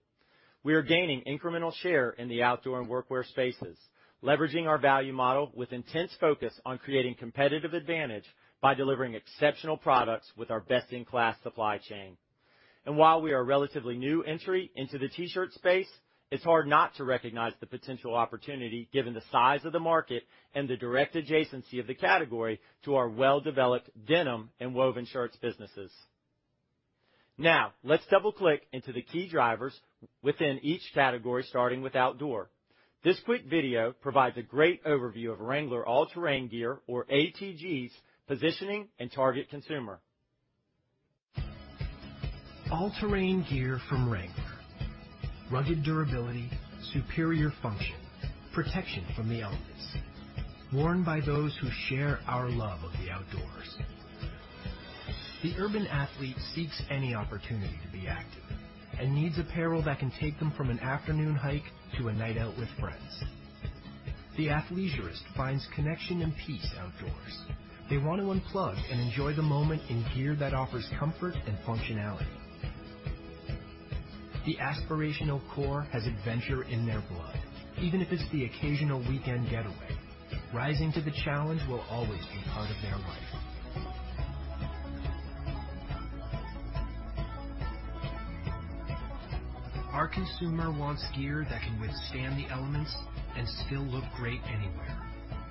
We are gaining incremental share in the outdoor and workwear spaces, leveraging our value model with intense focus on creating competitive advantage by delivering exceptional products with our best-in-class supply chain. While we are a relatively new entry into the t-shirt space, it's hard not to recognize the potential opportunity given the size of the market and the direct adjacency of the category to our well-developed denim and woven shirts businesses. Now, let's double-click into the key drivers within each category, starting with outdoor. This quick video provides a great overview of Wrangler All-Terrain Gear, or ATG's, positioning and target consumer. All Terrain Gear from Wrangler. Rugged durability, superior function, protection from the elements. Worn by those who share our love of the outdoors. The urban athlete seeks any opportunity to be active and needs apparel that can take them from an afternoon hike to a night out with friends. The athleisurist finds connection and peace outdoors. They want to unplug and enjoy the moment in gear that offers comfort and functionality. The aspirational core has adventure in their blood, even if it's the occasional weekend getaway. Rising to the challenge will always be part of their life. Our consumer wants gear that can withstand the elements and still look great anywhere,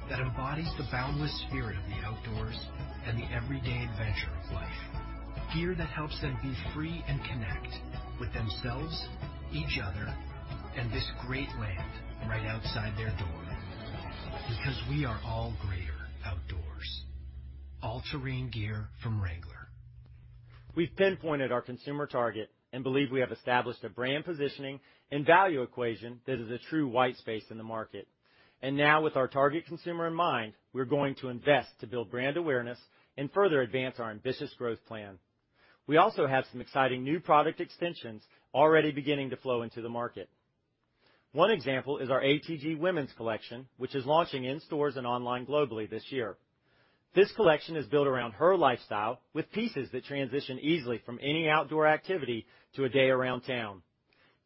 that embodies the boundless spirit of the outdoors and the everyday adventure of life. Gear that helps them be free and connect with themselves, each other, and this great land right outside their door. Because we are all greater outdoors. All Terrain Gear from Wrangler. We've pinpointed our consumer target and believe we have established a brand positioning and value equation that is a true white space in the market. Now with our target consumer in mind, we're going to invest to build brand awareness and further advance our ambitious growth plan. We also have some exciting new product extensions already beginning to flow into the market. One example is our ATG women's collection, which is launching in stores and online globally this year. This collection is built around her lifestyle with pieces that transition easily from any outdoor activity to a day around town.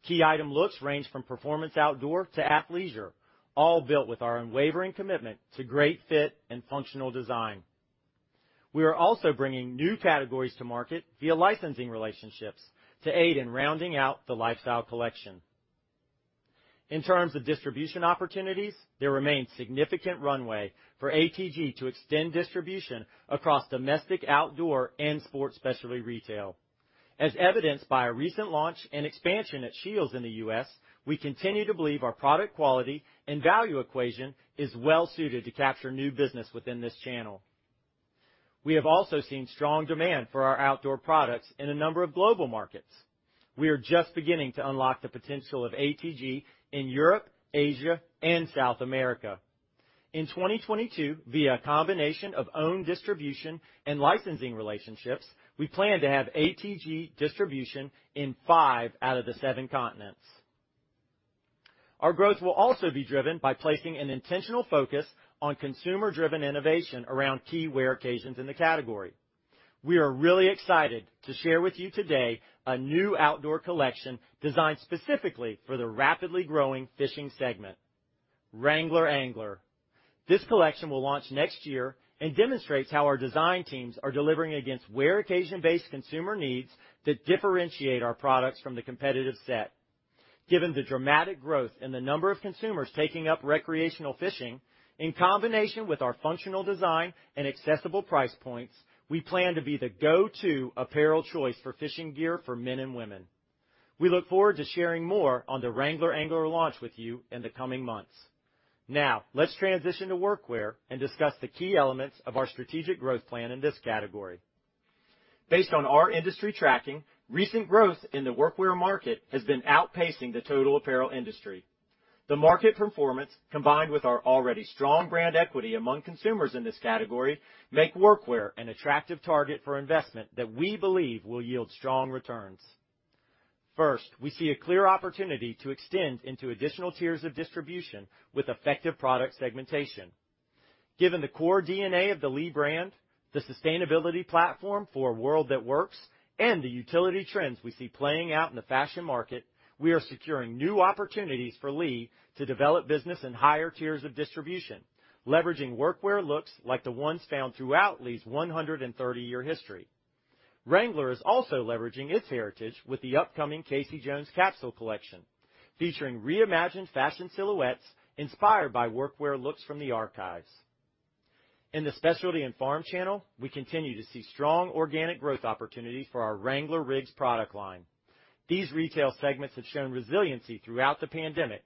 Key item looks range from performance outdoor to athleisure, all built with our unwavering commitment to great fit and functional design. We are also bringing new categories to market via licensing relationships to aid in rounding out the lifestyle collection. In terms of distribution opportunities, there remains significant runway for ATG to extend distribution across domestic, outdoor, and sports specialty retail. As evidenced by a recent launch and expansion at Scheels in the U.S., we continue to believe our product quality and value equation is well suited to capture new business within this channel. We have also seen strong demand for our outdoor products in a number of global markets. We are just beginning to unlock the potential of ATG in Europe, Asia, and South America. In 2022, via a combination of owned distribution and licensing relationships, we plan to have ATG distribution in five out of the seven continents. Our growth will also be driven by placing an intentional focus on consumer-driven innovation around key wear occasions in the category. We are really excited to share with you today a new outdoor collection designed specifically for the rapidly growing fishing segment, Wrangler Angler. This collection will launch next year and demonstrates how our design teams are delivering against wear-occasion-based consumer needs that differentiate our products from the competitive set. Given the dramatic growth in the number of consumers taking up recreational fishing, in combination with our functional design and accessible price points, we plan to be the go-to apparel choice for fishing gear for men and women. We look forward to sharing more on the Wrangler Angler launch with you in the coming months. Let's transition to work wear and discuss the key elements of our strategic growth plan in this category. Based on our industry tracking, recent growth in the work wear market has been outpacing the total apparel industry. The market performance, combined with our already strong brand equity among consumers in this category, make workwear an attractive target for investment that we believe will yield strong returns. First, we see a clear opportunity to extend into additional tiers of distribution with effective product segmentation. Given the core DNA of the Lee brand, the sustainability platform for a world that works, and the utility trends we see playing out in the fashion market, we are securing new opportunities for Lee to develop business in higher tiers of distribution, leveraging workwear looks like the ones found throughout Lee's 130-year history. Wrangler is also leveraging its heritage with the upcoming Casey Jones capsule collection, featuring reimagined fashion silhouettes inspired by workwear looks from the archives. In the specialty and farm channel, we continue to see strong organic growth opportunities for our Wrangler RIGGS Workwear product line. These retail segments have shown resiliency throughout the pandemic,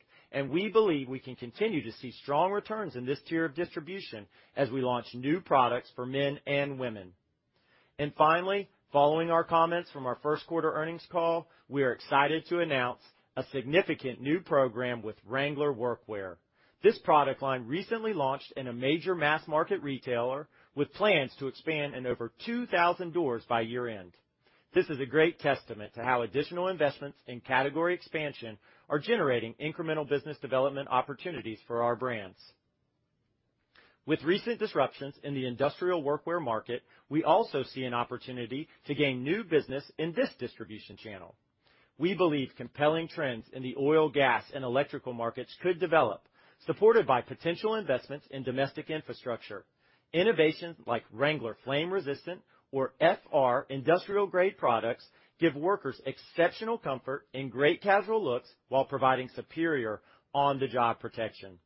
We believe we can continue to see strong returns in this tier of distribution as we launch new products for men and women. Finally, following our comments from our first quarter earnings call, we are excited to announce a significant new program with Wrangler RIGGS Workwear. This product line recently launched in a major mass market retailer with plans to expand in over 2,000 doors by year-end. This is a great testament to how additional investments in category expansion are generating incremental business development opportunities for our brands. With recent disruptions in the industrial workwear market, we also see an opportunity to gain new business in this distribution channel. We believe compelling trends in the oil, gas, and electrical markets could develop, supported by potential investments in domestic infrastructure. Innovations like Wrangler flame-resistant or FR industrial-grade products give workers exceptional comfort and great casual looks while providing superior on-the-job protection.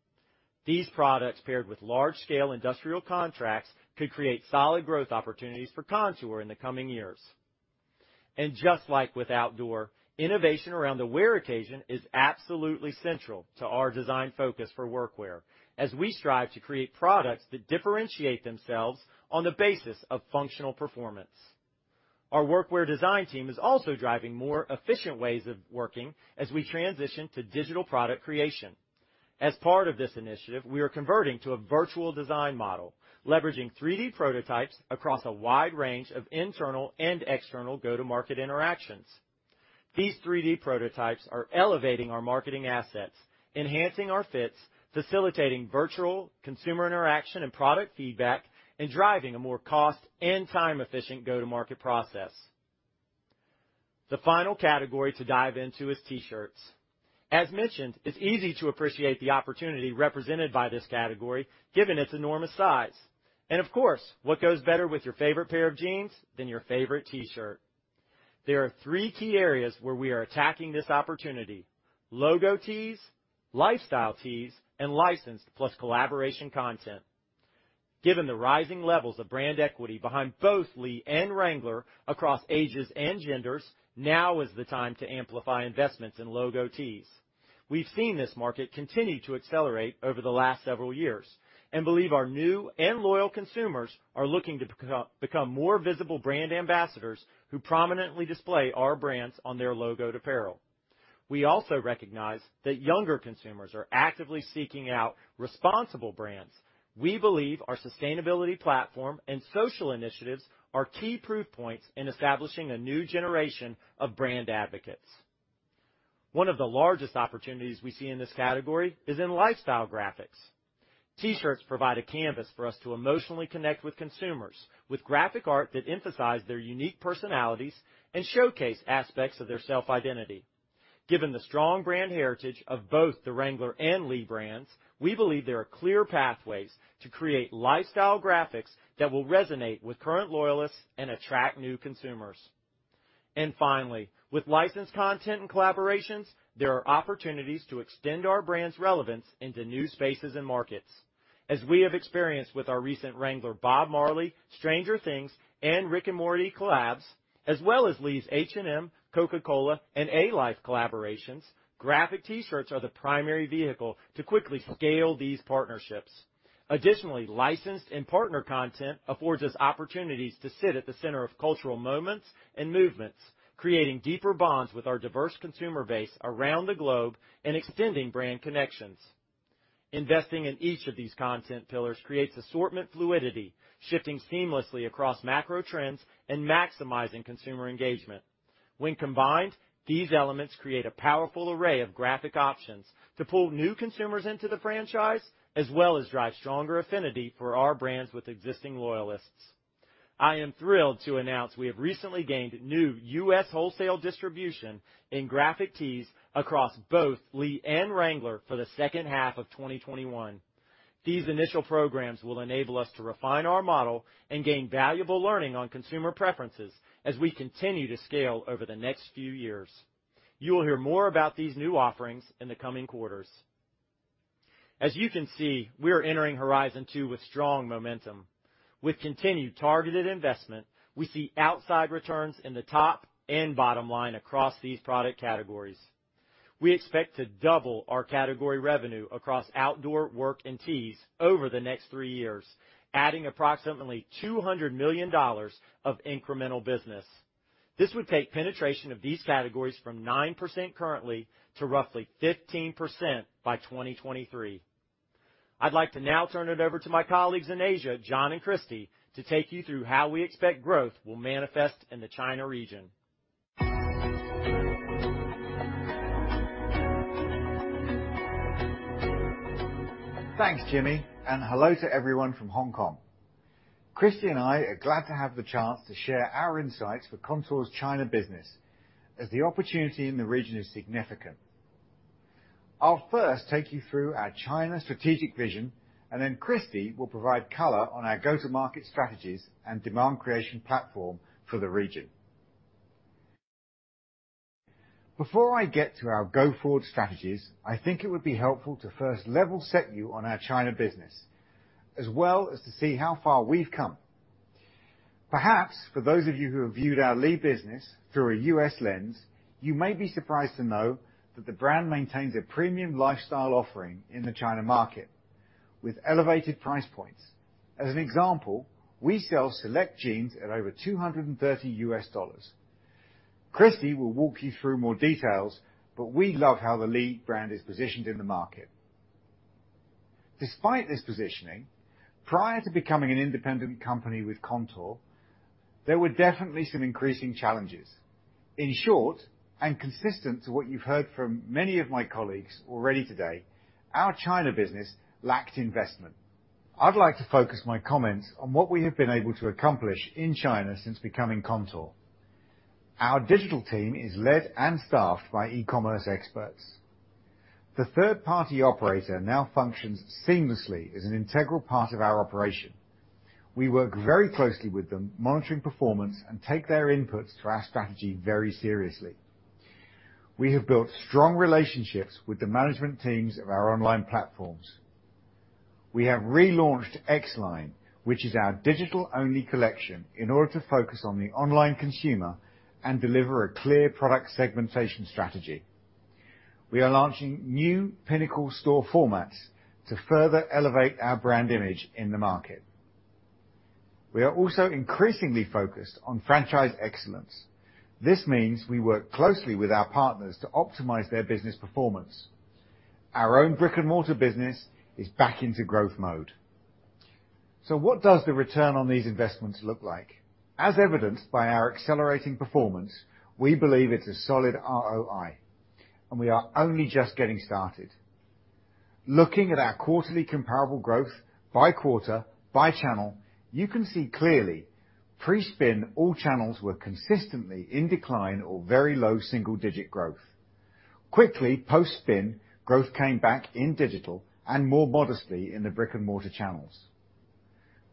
These products, paired with large-scale industrial contracts, could create solid growth opportunities for Kontoor in the coming years. Just like with outdoor, innovation around the wear occasion is absolutely central to our design focus for workwear, as we strive to create products that differentiate themselves on the basis of functional performance. Our workwear design team is also driving more efficient ways of working as we transition to digital product creation. As part of this initiative, we are converting to a virtual design model, leveraging 3D prototypes across a wide range of internal and external go-to-market interactions. These 3D prototypes are elevating our marketing assets, enhancing our fits, facilitating virtual consumer interaction and product feedback, and driving a more cost and time-efficient go-to-market process. The final category to dive into is t-shirts. As mentioned, it's easy to appreciate the opportunity represented by this category given its enormous size. Of course, what goes better with your favorite pair of jeans than your favorite t-shirt? There are three key areas where we are attacking this opportunity: logo tees, lifestyle tees, and licensed plus collaboration content. Given the rising levels of brand equity behind both Lee and Wrangler across ages and genders, now is the time to amplify investments in logo tees. We've seen this market continue to accelerate over the last several years and believe our new and loyal consumers are looking to become more visible brand ambassadors who prominently display our brands on their logoed apparel. We also recognize that younger consumers are actively seeking out responsible brands. We believe our sustainability platform and social initiatives are key proof points in establishing a new generation of brand advocates. One of the largest opportunities we see in this category is in lifestyle graphics. T-shirts provide a canvas for us to emotionally connect with consumers with graphic art that emphasize their unique personalities and showcase aspects of their self-identity. Given the strong brand heritage of both the Wrangler and Lee brands, we believe there are clear pathways to create lifestyle graphics that will resonate with current loyalists and attract new consumers. Finally, with licensed content and collaborations, there are opportunities to extend our brand's relevance into new spaces and markets. As we have experienced with our recent Wrangler Bob Marley, "Stranger Things," and Rick and Morty collabs, as well as Lee's H&M, Coca-Cola, and Alife collaborations, graphic t-shirts are the primary vehicle to quickly scale these partnerships. Additionally, licensed and partner content affords us opportunities to sit at the center of cultural moments and movements, creating deeper bonds with our diverse consumer base around the globe and extending brand connections. Investing in each of these content pillars creates assortment fluidity, shifting seamlessly across macro trends and maximizing consumer engagement. When combined, these elements create a powerful array of graphic options to pull new consumers into the franchise, as well as drive stronger affinity for our brands with existing loyalists. I am thrilled to announce we have recently gained new U.S. wholesale distribution in graphic tees across both Lee and Wrangler for the second half of 2021. These initial programs will enable us to refine our model and gain valuable learning on consumer preferences as we continue to scale over the next few years. You will hear more about these new offerings in the coming quarters. As you can see, we are entering Horizon Two with strong momentum. With continued targeted investment, we see outsized returns in the top and bottom line across these product categories. We expect to double our category revenue across outdoor, work, and tees over the next three years, adding approximately $200 million of incremental business. This would take penetration of these categories from 9% currently to roughly 15% by 2023. I'd like to now turn it over to my colleagues in Asia, John and Christy, to take you through how we expect growth will manifest in the China region. Thanks, Jimmy, and hello to everyone from Hong Kong. Christy and I are glad to have the chance to share our insights for Kontoor's China business, as the opportunity in the region is significant. I'll first take you through our China strategic vision, then Christy will provide color on our go-to-market strategies and demand creation platform for the region. Before I get to our go-forward strategies, I think it would be helpful to first level set you on our China business, as well as to see how far we've come. Perhaps for those of you who have viewed our Lee business through a U.S. lens, you may be surprised to know that the brand maintains a premium lifestyle offering in the China market with elevated price points. As an example, we sell select jeans at over $230. Christy will walk you through more details. We love how the Lee brand is positioned in the market. Despite this positioning, prior to becoming an independent company with Kontoor, there were definitely some increasing challenges. In short, consistent to what you've heard from many of my colleagues already today, our China business lacked investment. I'd like to focus my comments on what we have been able to accomplish in China since becoming Kontoor. Our digital team is led and staffed by e-commerce experts. The third-party operator now functions seamlessly as an integral part of our operation. We work very closely with them, monitoring performance, and take their inputs to our strategy very seriously. We have built strong relationships with the management teams of our online platforms. We have relaunched X-Line, which is our digital-only collection, in order to focus on the online consumer and deliver a clear product segmentation strategy. We are launching new pinnacle store formats to further elevate our brand image in the market. We are also increasingly focused on franchise excellence. This means we work closely with our partners to optimize their business performance. Our own brick-and-mortar business is back into growth mode. What does the return on these investments look like? As evidenced by our accelerating performance, we believe it's a solid ROI, and we are only just getting started. Looking at our quarterly comparable growth by quarter by channel, you can see clearly pre-spin all channels were consistently in decline or very low single-digit growth. Quickly post-spin, growth came back in digital and more modestly in the brick-and-mortar channels.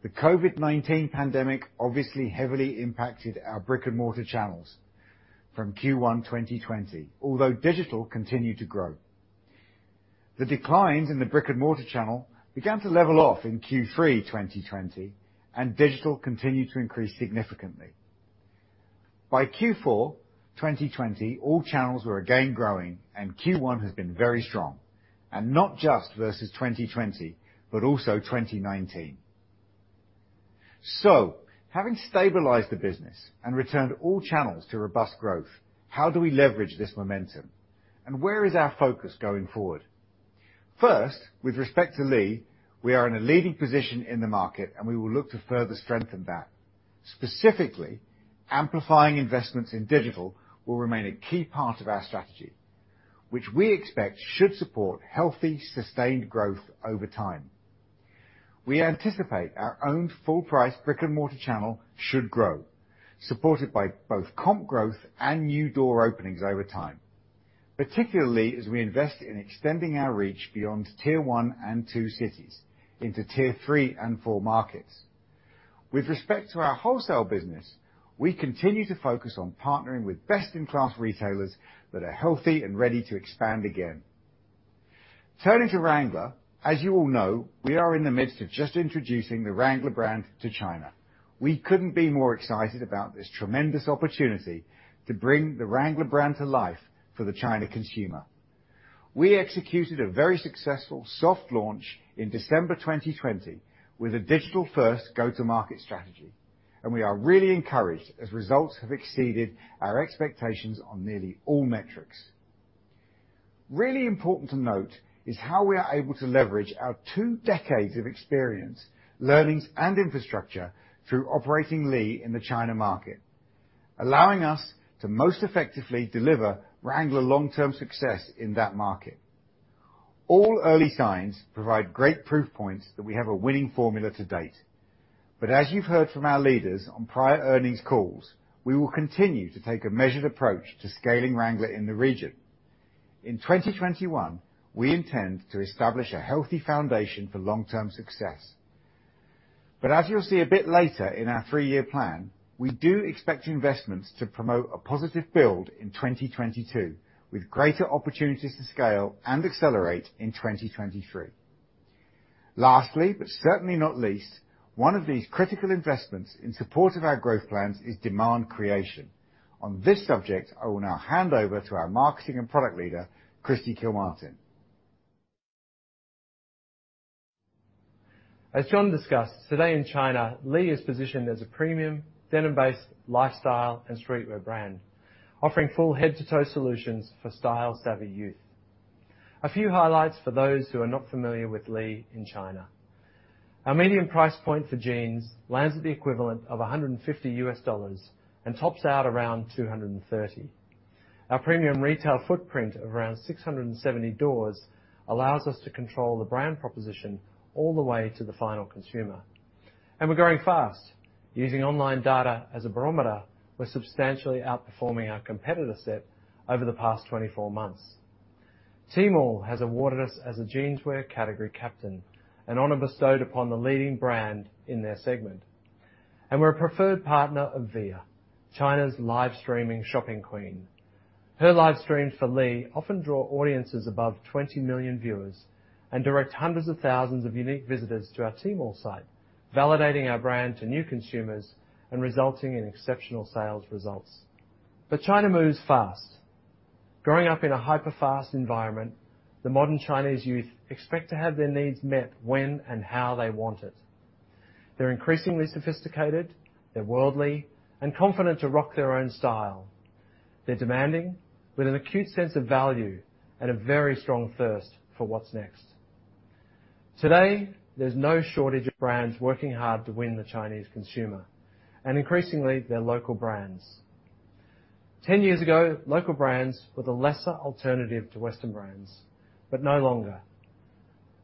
The COVID-19 pandemic obviously heavily impacted our brick-and-mortar channels from Q1 2020, although digital continued to grow. The declines in the brick-and-mortar channel began to level off in Q3 2020, and digital continued to increase significantly. By Q4 2020, all channels were again growing, and Q1 has been very strong, and not just versus 2020, but also 2019. Having stabilized the business and returned all channels to robust growth, how do we leverage this momentum, and where is our focus going forward? First, with respect to Lee, we are in a leading position in the market, and we will look to further strengthen that. Specifically, amplifying investments in digital will remain a key part of our strategy, which we expect should support healthy, sustained growth over time. We anticipate our own full-price brick-and-mortar channel should grow, supported by both comp growth and new door openings over time, particularly as we invest in extending our reach beyond tier one and two cities into tier three and four markets. With respect to our wholesale business, we continue to focus on partnering with best-in-class retailers that are healthy and ready to expand again. Turning to Wrangler, as you all know, we are in the midst of just introducing the Wrangler brand to China. We couldn't be more excited about this tremendous opportunity to bring the Wrangler brand to life for the China consumer. We executed a very successful soft launch in December 2020 with a digital-first go-to-market strategy. We are really encouraged as results have exceeded our expectations on nearly all metrics. Really important to note is how we are able to leverage our two decades of experience, learnings, and infrastructure through operating Lee in the China market, allowing us to most effectively deliver Wrangler long-term success in that market. All early signs provide great proof points that we have a winning formula to date. As you've heard from our leaders on prior earnings calls, we will continue to take a measured approach to scaling Wrangler in the region. In 2021, we intend to establish a healthy foundation for long-term success. As you'll see a bit later in our three-year plan, we do expect investments to promote a positive build in 2022, with greater opportunities to scale and accelerate in 2023. Lastly, but certainly not least, one of these critical investments in support of our growth plans is demand creation. On this subject, I will now hand over to our marketing and product leader, Christy Kilmartin. As John discussed, today in China, Lee is positioned as a premium denim-based lifestyle and streetwear brand, offering full head-to-toe solutions for style-savvy youth. A few highlights for those who are not familiar with Lee in China. Our medium price point for jeans lands at the equivalent of $150 U.S. and tops out around $230. Our premium retail footprint of around 670 doors allows us to control the brand proposition all the way to the final consumer. We're growing fast. Using online data as a barometer, we're substantially outperforming our competitor set over the past 24 months. Tmall has awarded us as a jeanswear category captain, an honor bestowed upon the leading brand in their segment. We're a preferred partner of Viya, China's live streaming shopping queen. Her live streams for Lee often draw audiences above 20 million viewers and direct hundreds of thousands of unique visitors to our Tmall site, validating our brand to new consumers and resulting in exceptional sales results. China moves fast. Growing up in a hyperfast environment, the modern Chinese youth expect to have their needs met when and how they want it. They're increasingly sophisticated, they're worldly, and confident to rock their own style. They're demanding, with an acute sense of value and a very strong thirst for what's next. Today, there's no shortage of brands working hard to win the Chinese consumer, and increasingly, they're local brands. 10 years ago, local brands were the lesser alternative to Western brands, but no longer.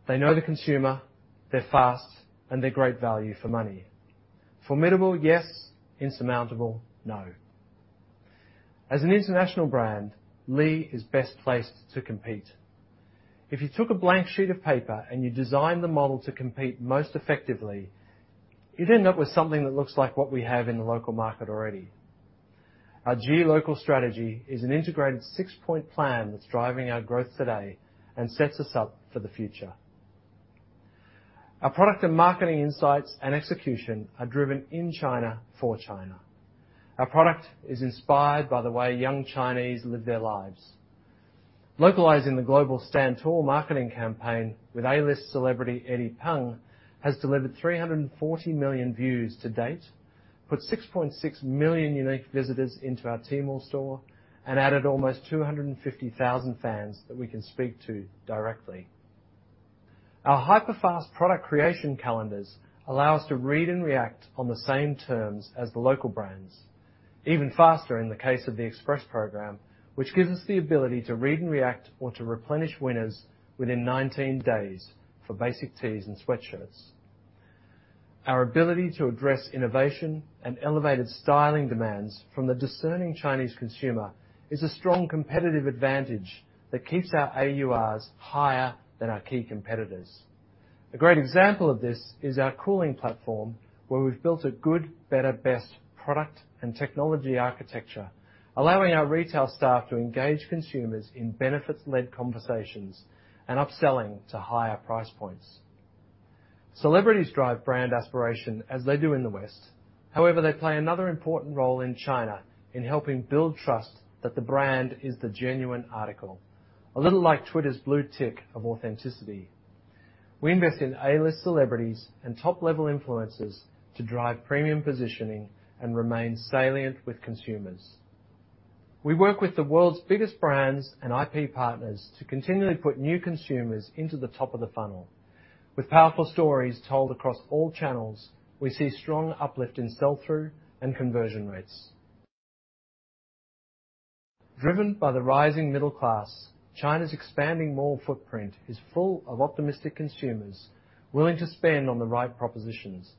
They know the consumer, they're fast, and they're great value for money. Formidable, yes. Insurmountable, no. As an international brand, Lee is best placed to compete. If you took a blank sheet of paper and you designed the model to compete most effectively, you'd end up with something that looks like what we have in the local market already. Our geo-local strategy is an integrated six-point plan that's driving our growth today and sets us up for the future. Our product and marketing insights and execution are driven in China for China. Our product is inspired by the way young Chinese live their lives. Localizing the global Stand Tall marketing campaign with A-list celebrity Eddie Peng has delivered 340 million views to date, put 6.6 million unique visitors into our Tmall store, and added almost 250,000 fans that we can speak to directly. Our hyperfast product creation calendars allow us to read and react on the same terms as the local brands. Even faster in the case of the express program, which gives us the ability to read and react or to replenish winners within 19 days for basic tees and sweatshirts. Our ability to address innovation and elevated styling demands from the discerning Chinese consumer is a strong competitive advantage that keeps our AURs higher than our key competitors. A great example of this is our cooling platform, where we've built a good, better, best product and technology architecture, allowing our retail staff to engage consumers in benefits-led conversations, and upselling to higher price points. Celebrities drive brand aspiration as they do in the West. They play another important role in China in helping build trust that the brand is the genuine article. A little like Twitter's blue tick of authenticity. We invest in A-list celebrities and top-level influencers to drive premium positioning and remain salient with consumers. We work with the world's biggest brands and IP partners to continually put new consumers into the top of the funnel. With powerful stories told across all channels, we see strong uplift in sell-through and conversion rates. Driven by the rising middle class, China's expanding mall footprint is full of optimistic consumers willing to spend on the right propositions.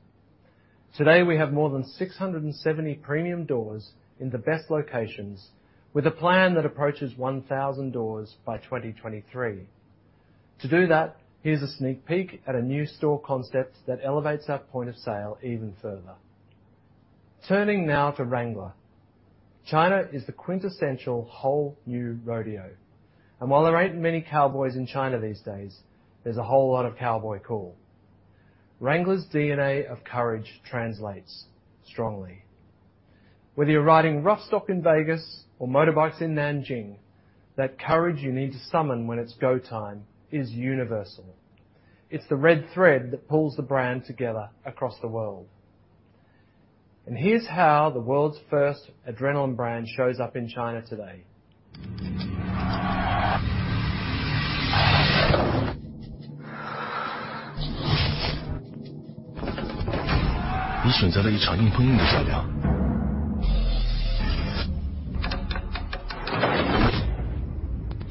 Today, we have more than 670 premium doors in the best locations, with a plan that approaches 1,000 doors by 2023. To do that, here's a sneak peek at a new store concept that elevates our point of sale even further. Turning now to Wrangler. China is the quintessential whole new rodeo. While there ain't many cowboys in China these days, there's a whole lot of cowboy cool. Wrangler's DNA of courage translates strongly. Whether you're riding roughstock in Vegas or motorbikes in Nanjing, that courage you need to summon when it's go time is universal. It's the red thread that pulls the brand together across the world. Here's how the world's first adrenaline brand shows up in China today.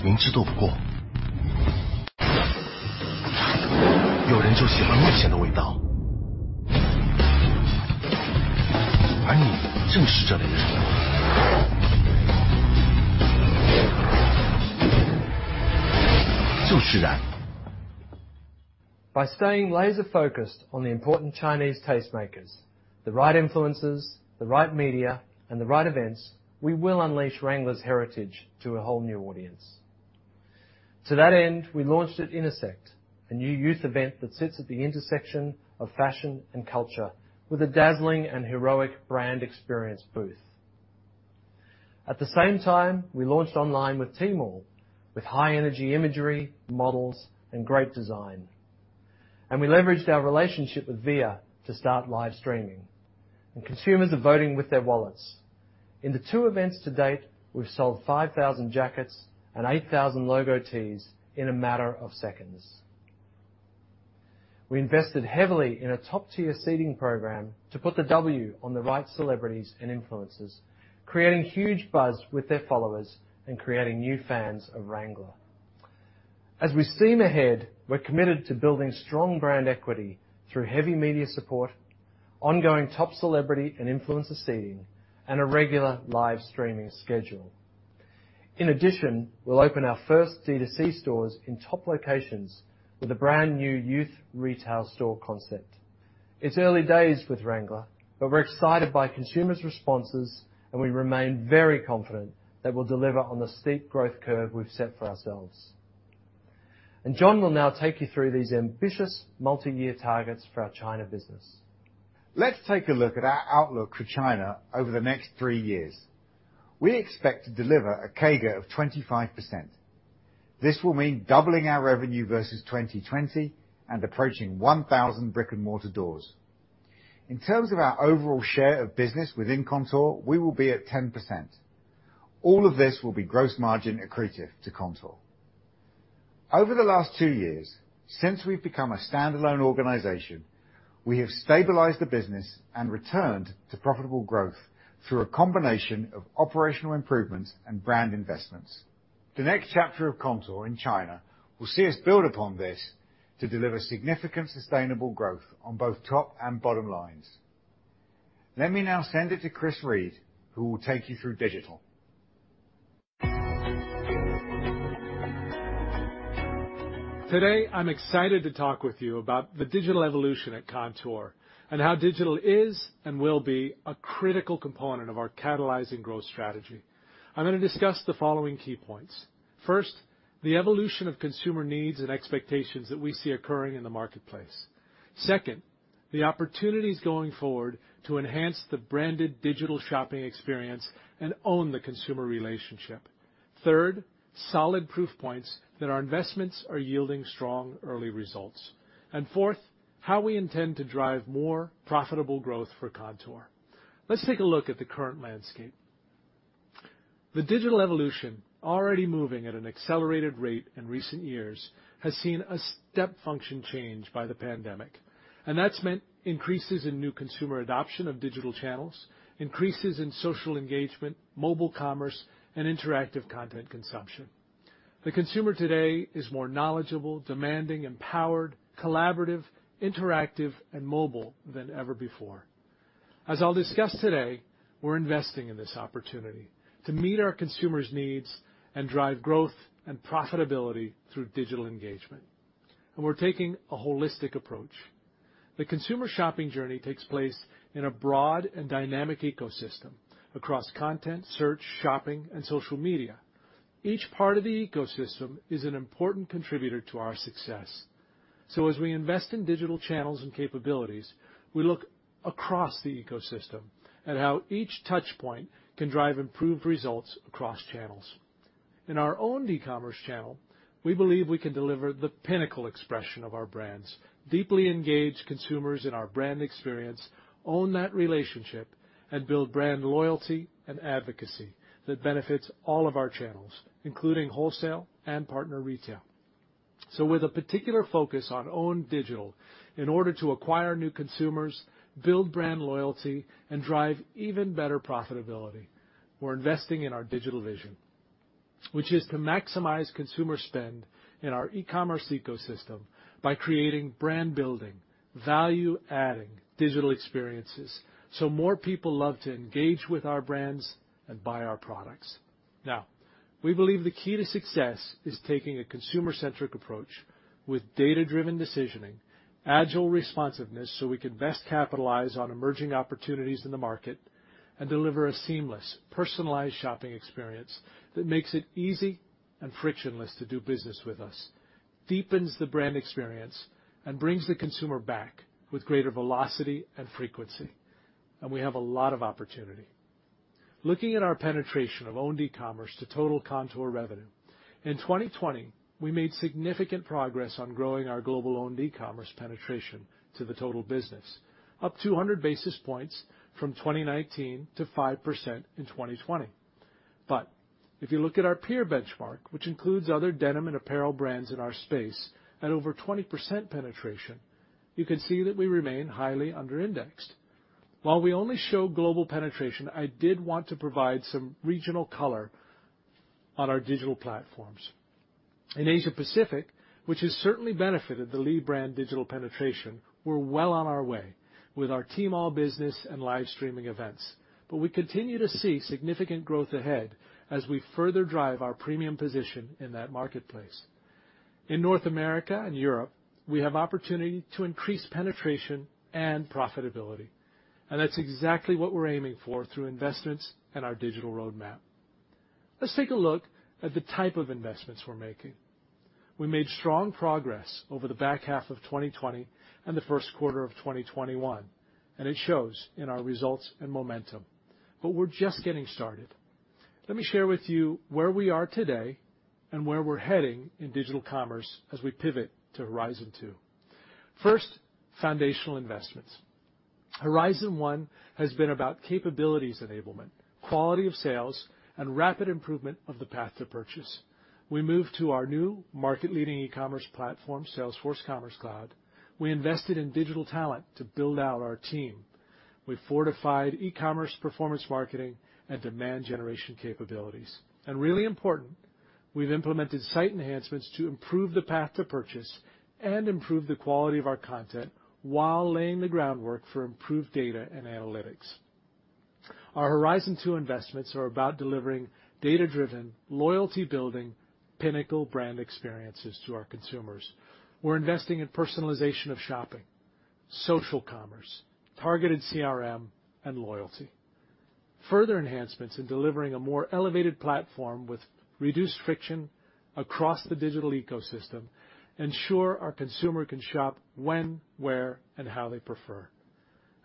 By staying laser-focused on the important Chinese tastemakers, the right influencers, the right media, and the right events, we will unleash Wrangler's heritage to a whole new audience. To that end, we launched at Innersect, a new youth event that sits at the intersection of fashion and culture with a dazzling and heroic brand experience booth. At the same time, we launched online with Tmall, with high-energy imagery, models, and great design. We leveraged our relationship with Viya to start live streaming. Consumers are voting with their wallets. In the two events to date, we've sold 5,000 jackets and 8,000 logo tees in a matter of seconds. We invested heavily in a top-tier seeding program to put the W on the right celebrities and influencers, creating huge buzz with their followers and creating new fans of Wrangler. As we steam ahead, we're committed to building strong brand equity through heavy media support, ongoing top celebrity and influencer seeding, and a regular live streaming schedule. In addition, we'll open our first D2C stores in top locations with a brand-new youth retail store concept. It's early days with Wrangler, we're excited by consumers' responses, we remain very confident that we'll deliver on the steep growth curve we've set for ourselves. John will now take you through these ambitious multi-year targets for our China business. Let's take a look at our outlook for China over the next three years. We expect to deliver a CAGR of 25%. This will mean doubling our revenue versus 2020 and approaching 1,000 brick-and-mortar doors. In terms of our overall share of business within Kontoor, we will be at 10%. All of this will be gross margin accretive to Kontoor. Over the last two years, since we've become a standalone organization, we have stabilized the business and returned to profitable growth through a combination of operational improvements and brand investments. The next chapter of Kontoor in China will see us build upon this to deliver significant sustainable growth on both top and bottom lines. Let me now send it to Chris Reid, who will take you through digital. Today, I'm excited to talk with you about the digital evolution at Kontoor and how digital is and will be a critical component of our catalyzing growth strategy. I'm going to discuss the following key points. First, the evolution of consumer needs and expectations that we see occurring in the marketplace. Second, the opportunities going forward to enhance the branded digital shopping experience and own the consumer relationship. Third, solid proof points that our investments are yielding strong early results, and fourth, how we intend to drive more profitable growth for Kontoor. Let's take a look at the current landscape. The digital evolution, already moving at an accelerated rate in recent years, has seen a step function change by the pandemic, and that's meant increases in new consumer adoption of digital channels, increases in social engagement, mobile commerce, and interactive content consumption. The consumer today is more knowledgeable, demanding, empowered, collaborative, interactive, and mobile than ever before. As I'll discuss today, we're investing in this opportunity to meet our consumers' needs and drive growth and profitability through digital engagement, and we're taking a holistic approach. The consumer shopping journey takes place in a broad and dynamic ecosystem across content, search, shopping, and social media. Each part of the ecosystem is an important contributor to our success. As we invest in digital channels and capabilities, we look across the ecosystem at how each touchpoint can drive improved results across channels. In our own e-commerce channel, we believe we can deliver the pinnacle expression of our brands, deeply engage consumers in our brand experience, own that relationship, and build brand loyalty and advocacy that benefits all of our channels, including wholesale and partner retail. With a particular focus on owned digital, in order to acquire new consumers, build brand loyalty, and drive even better profitability, we're investing in our digital vision. Which is to maximize consumer spend in our e-commerce ecosystem by creating brand-building, value-adding digital experiences so more people love to engage with our brands and buy our products. We believe the key to success is taking a consumer-centric approach with data-driven decisioning, agile responsiveness so we can best capitalize on emerging opportunities in the market, and deliver a seamless, personalized shopping experience that makes it easy and frictionless to do business with us, deepens the brand experience, and brings the consumer back with greater velocity and frequency. We have a lot of opportunity. Looking at our penetration of owned e-commerce to total Kontoor revenue. In 2020, we made significant progress on growing our global owned e-commerce penetration to the total business. Up 200 basis points from 2019 to 5% in 2020. If you look at our peer benchmark, which includes other denim and apparel brands in our space at over 20% penetration, you can see that we remain highly under-indexed. While we only show global penetration, I did want to provide some regional color on our digital platforms. In Asia Pacific, which has certainly benefited the Lee brand digital penetration, we're well on our way with our Tmall business and live streaming events. We continue to see significant growth ahead as we further drive our premium position in that marketplace. In North America and Europe, we have opportunity to increase penetration and profitability, that's exactly what we're aiming for through investments in our digital roadmap. Let's take a look at the type of investments we're making. We made strong progress over the back half of 2020 and the first quarter of 2021, it shows in our results and momentum. We're just getting started. Let me share with you where we are today and where we're heading in digital commerce as we pivot to Horizon Two. First, foundational investments. Horizon One has been about capabilities enablement, quality of sales, and rapid improvement of the path to purchase. We moved to our new market-leading e-commerce platform, Salesforce Commerce Cloud. We invested in digital talent to build out our team. We fortified e-commerce performance marketing and demand generation capabilities. Really important, we've implemented site enhancements to improve the path to purchase and improve the quality of our content while laying the groundwork for improved data and analytics. Our Horizon Two investments are about delivering data-driven, loyalty-building, pinnacle brand experiences to our consumers. We're investing in personalization of shopping, social commerce, targeted CRM, and loyalty. Further enhancements in delivering a more elevated platform with reduced friction across the digital ecosystem ensure our consumer can shop when, where, and how they prefer.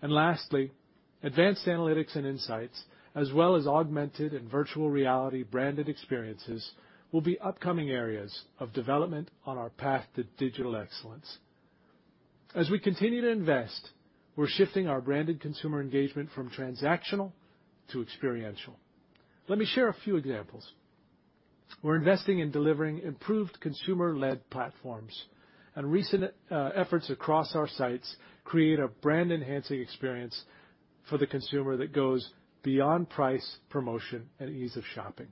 Lastly, advanced analytics and insights, as well as augmented and virtual reality branded experiences, will be upcoming areas of development on our path to digital excellence. As we continue to invest, we're shifting our branded consumer engagement from transactional to experiential. Let me share a few examples. We're investing in delivering improved consumer-led platforms, and recent efforts across our sites create a brand-enhancing experience for the consumer that goes beyond price, promotion, and ease of shopping.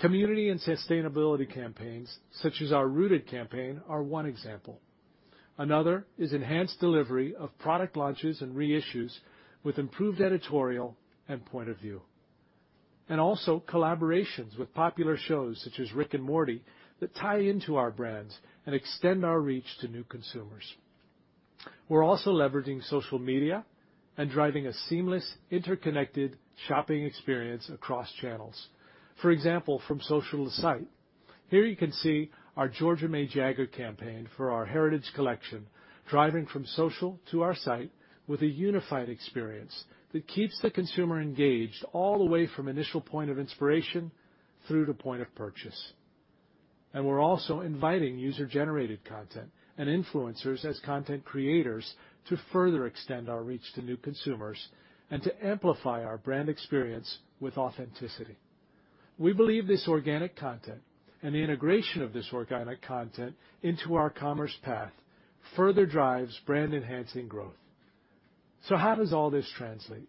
Community and sustainability campaigns, such as our Rooted campaign, are one example. Another is enhanced delivery of product launches and reissues with improved editorial and point of view. Also collaborations with popular shows such as "Rick and Morty" that tie into our brands and extend our reach to new consumers. We're also leveraging social media and driving a seamless, interconnected shopping experience across channels. For example, from social to site. Here you can see our Georgia May Jagger campaign for our Heritage collection, driving from social to our site with a unified experience that keeps the consumer engaged all the way from initial point of inspiration through to point of purchase. We're also inviting user-generated content and influencers as content creators to further extend our reach to new consumers and to amplify our brand experience with authenticity. We believe this organic content, and the integration of this organic content into our commerce path, further drives brand-enhancing growth. How does all this translate?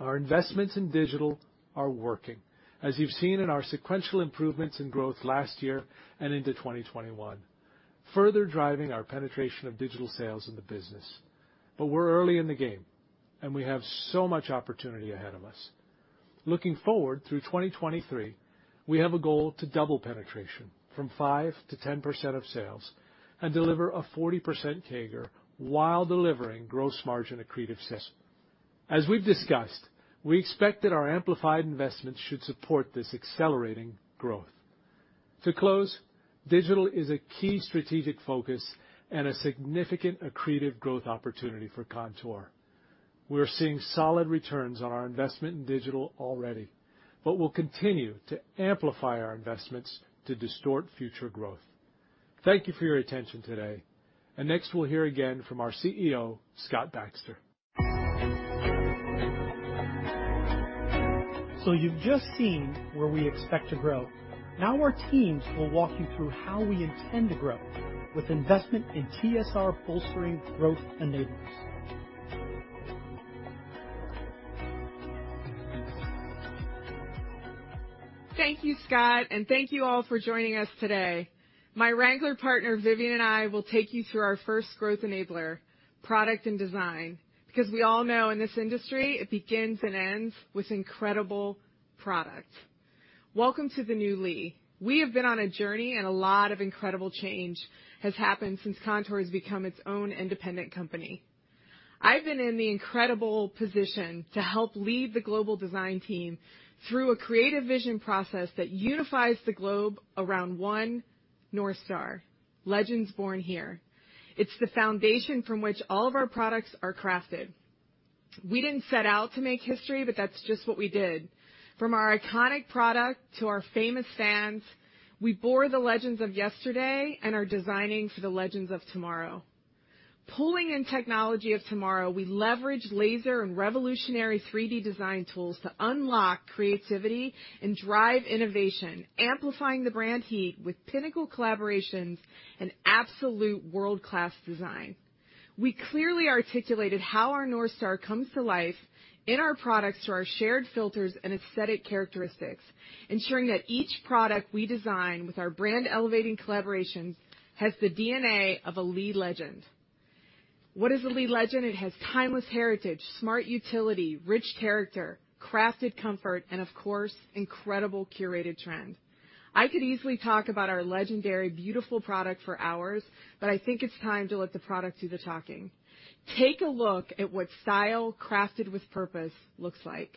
Our investments in digital are working, as you've seen in our sequential improvements in growth last year and into 2021, further driving our penetration of digital sales in the business. We're early in the game, and we have so much opportunity ahead of us. Looking forward through 2023, we have a goal to double penetration from 5% to 10% of sales and deliver a 40% CAGR while delivering gross margin accretive system. As we've discussed, we expect that our amplified investments should support this accelerating growth. To close, digital is a key strategic focus and a significant accretive growth opportunity for Kontoor. We are seeing solid returns on our investment in digital already, but we'll continue to amplify our investments to distort future growth. Thank you for your attention today. Next we'll hear again from our CEO, Scott Baxter. You've just seen where we expect to grow. Now our teams will walk you through how we intend to grow with investment in TSR-bolstering growth enablers. Thank you, Scott, and thank you all for joining us today. My Wrangler partner, Vivian, and I will take you through our first growth enabler, product and design, because we all know in this industry, it begins and ends with incredible product. Welcome to the new Lee. We have been on a journey, and a lot of incredible change has happened since Kontoor has become its own independent company. I've been in the incredible position to help lead the global design team through a creative vision process that unifies the globe around one North Star, Legends Born Here. It's the foundation from which all of our products are crafted. We didn't set out to make history, but that's just what we did. From our iconic product to our famous fans, we bore the legends of yesterday and are designing for the legends of tomorrow. Pulling in technology of tomorrow, we leverage laser and revolutionary 3D design tools to unlock creativity and drive innovation, amplifying the brand heat with pinnacle collaborations and absolute world-class design. We clearly articulated how our North Star comes to life in our products through our shared filters and aesthetic characteristics, ensuring that each product we design with our brand-elevating collaborations has the DNA of a Lee legend. What is a Lee legend? It has timeless heritage, smart utility, rich character, crafted comfort, and of course, incredible curated trend. I could easily talk about our legendary beautiful product for hours, but I think it's time to let the product do the talking. Take a look at what style crafted with purpose looks like.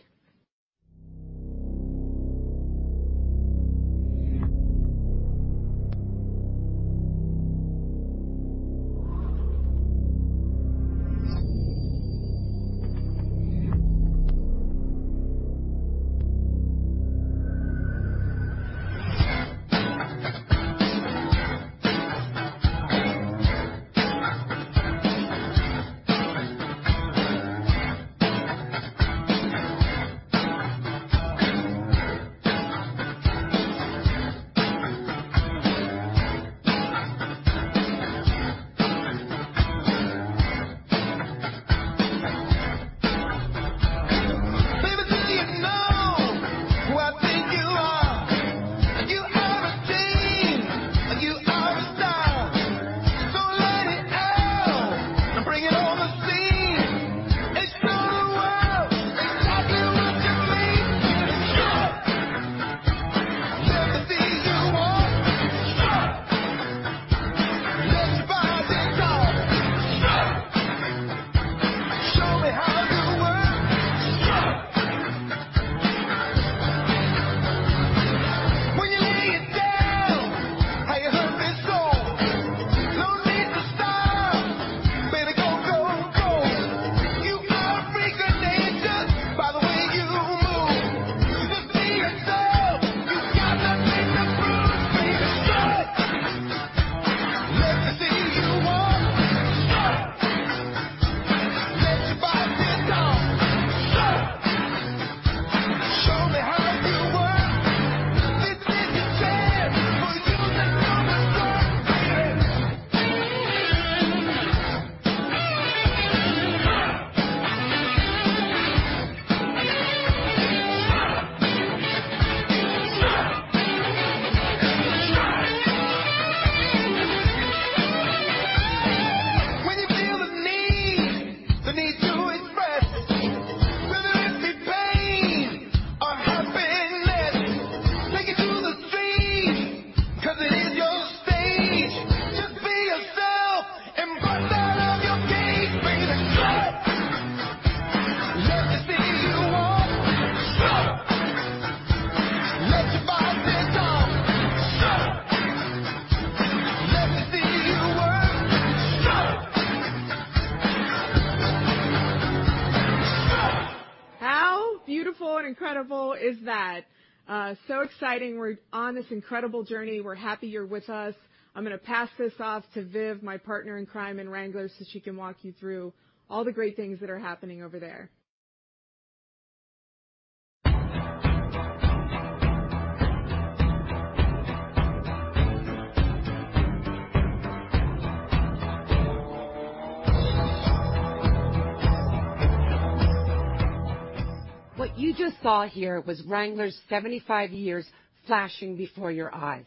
What you just saw here was Wrangler's 75 years flashing before your eyes.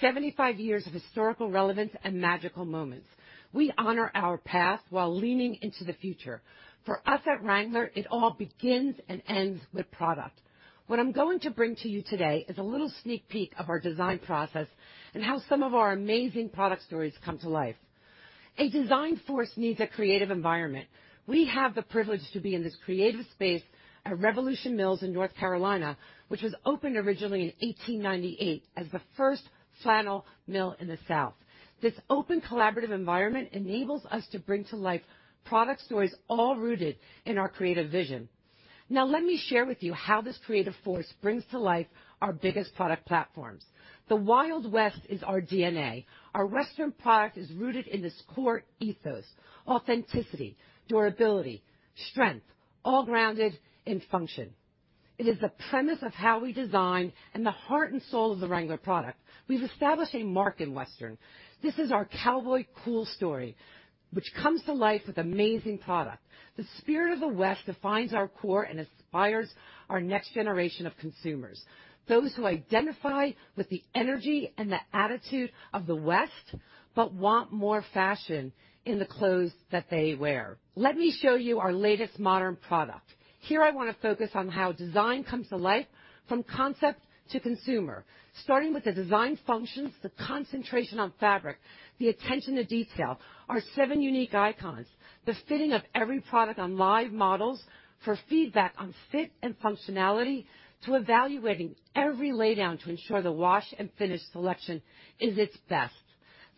75 years of historical relevance and magical moments. We honor our past while leaning into the future. For us at Wrangler, it all begins and ends with product. What I'm going to bring to you today is a little sneak peek of our design process and how some of our amazing product stories come to life. A design force needs a creative environment. We have the privilege to be in this creative space at Revolution Mills in North Carolina, which was opened originally in 1898 as the first flannel mill in the South. This open, collaborative environment enables us to bring to life product stories all rooted in our creative vision. Let me share with you how this creative force brings to life our biggest product platforms. The Wild West is our DNA. Our Western product is rooted in this core ethos, authenticity, durability, strength, all grounded in function. It is the premise of how we design and the heart and soul of the Wrangler product. We've established a mark in Western. This is our cowboy cool story, which comes to life with amazing product. The spirit of the West defines our core and inspires our next generation of consumers, those who identify with the energy and the attitude of the West, but want more fashion in the clothes that they wear. Let me show you our latest modern product. Here, I want to focus on how design comes to life from concept to consumer, starting with the design functions, the concentration on fabric, the attention to detail, our seven unique icons, the fitting of every product on live models for feedback on fit and functionality, to evaluating every laydown to ensure the wash and finish selection is its best.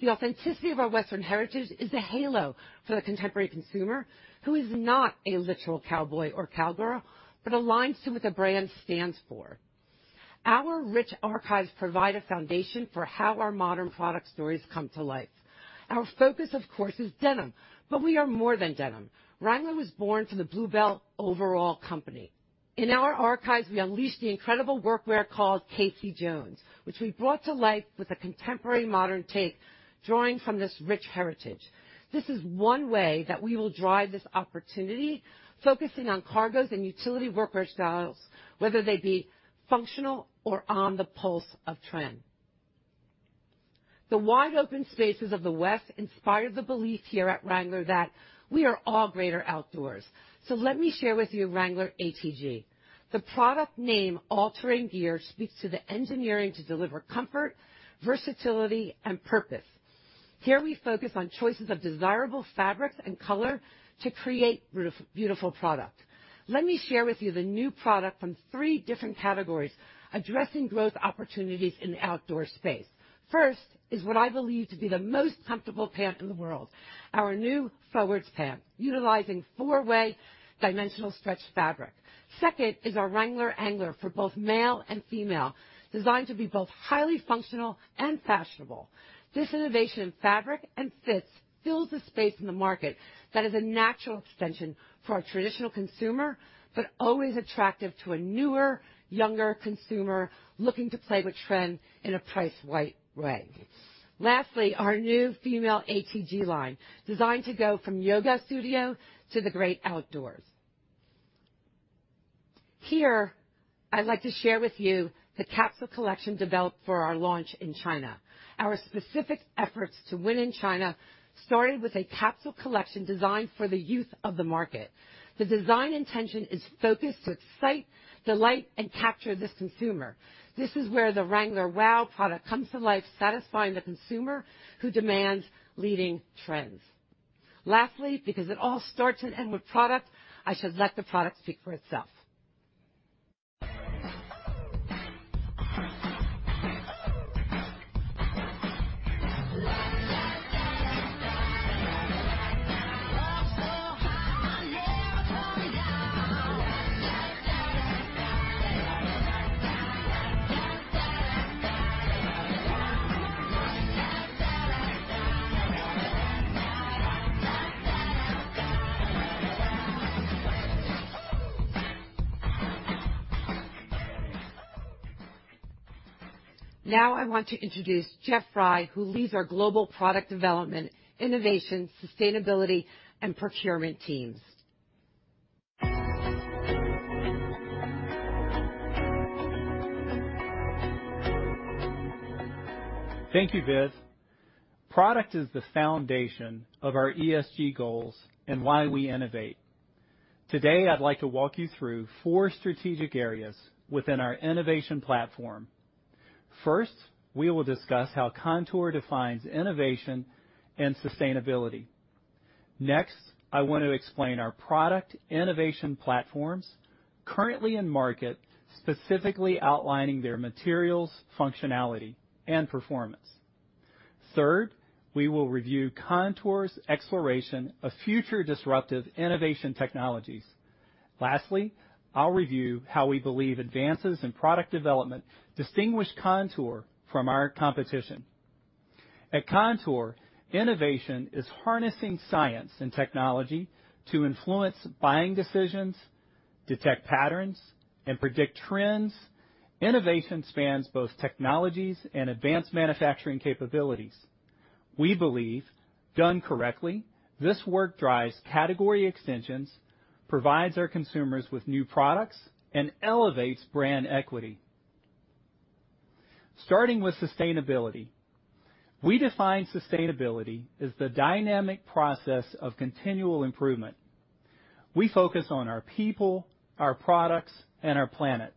The authenticity of our Western heritage is a halo for the contemporary consumer who is not a literal cowboy or cowgirl, but aligns to what the brand stands for. Our rich archives provide a foundation for how our modern product stories come to life. Our focus, of course, is denim, but we are more than denim. Wrangler was born from the Blue Bell Overall Company. In our archives, we unleashed the incredible workwear called Casey. Jones, which we brought to life with a contemporary modern take, drawing from this rich heritage. This is one way that we will drive this opportunity, focusing on cargos and utility workwear styles, whether they be functional or on the pulse of trend. The wide-open spaces of the West inspire the belief here at Wrangler that we are all greater outdoors. Let me share with you Wrangler ATG. The product name All Terrain Gear speaks to the engineering to deliver comfort, versatility, and purpose. Here, we focus on choices of desirable fabrics and color to create beautiful product. Let me share with you the new product from three different categories addressing growth opportunities in the outdoor space. First is what I believe to be the most comfortable pant in the world, our new Forwards pant, utilizing four-way dimensional stretch fabric. Second is our Wrangler Angler for both male and female, designed to be both highly functional and fashionable. This innovation in fabric and fits fills a space in the market that is a natural extension for our traditional consumer, but always attractive to a newer, younger consumer looking to play with trends in a price right way. Lastly, our new female ATG line, designed to go from yoga studio to the great outdoors. Here, I'd like to share with you the capsule collection developed for our launch in China. Our specific efforts to win in China started with a capsule collection designed for the youth of the market. The design intention is focused to excite, delight, and capture this consumer. This is where the Wrangler WOW product comes to life, satisfying the consumer who demands leading trends. Because it all starts and ends with product, I should let the product speak for itself. I want to introduce Jeff Frye, who leads our global product development, innovation, sustainability, and procurement teams. Thank you, Viv. Product is the foundation of our ESG goals and why we innovate. Today, I'd like to walk you through four strategic areas within our innovation platform. First, we will discuss how Kontoor defines innovation and sustainability. Next, I want to explain our product innovation platforms currently in market, specifically outlining their materials, functionality, and performance. Third, we will review Kontoor's exploration of future disruptive innovation technologies. Lastly, I'll review how we believe advances in product development distinguish Kontoor from our competition. At Kontoor, innovation is harnessing science and technology to influence buying decisions, detect patterns, and predict trends. Innovation spans both technologies and advanced manufacturing capabilities. We believe, done correctly, this work drives category extensions, provides our consumers with new products, and elevates brand equity. Starting with sustainability. We define sustainability as the dynamic process of continual improvement. We focus on our people, our products, and our planet.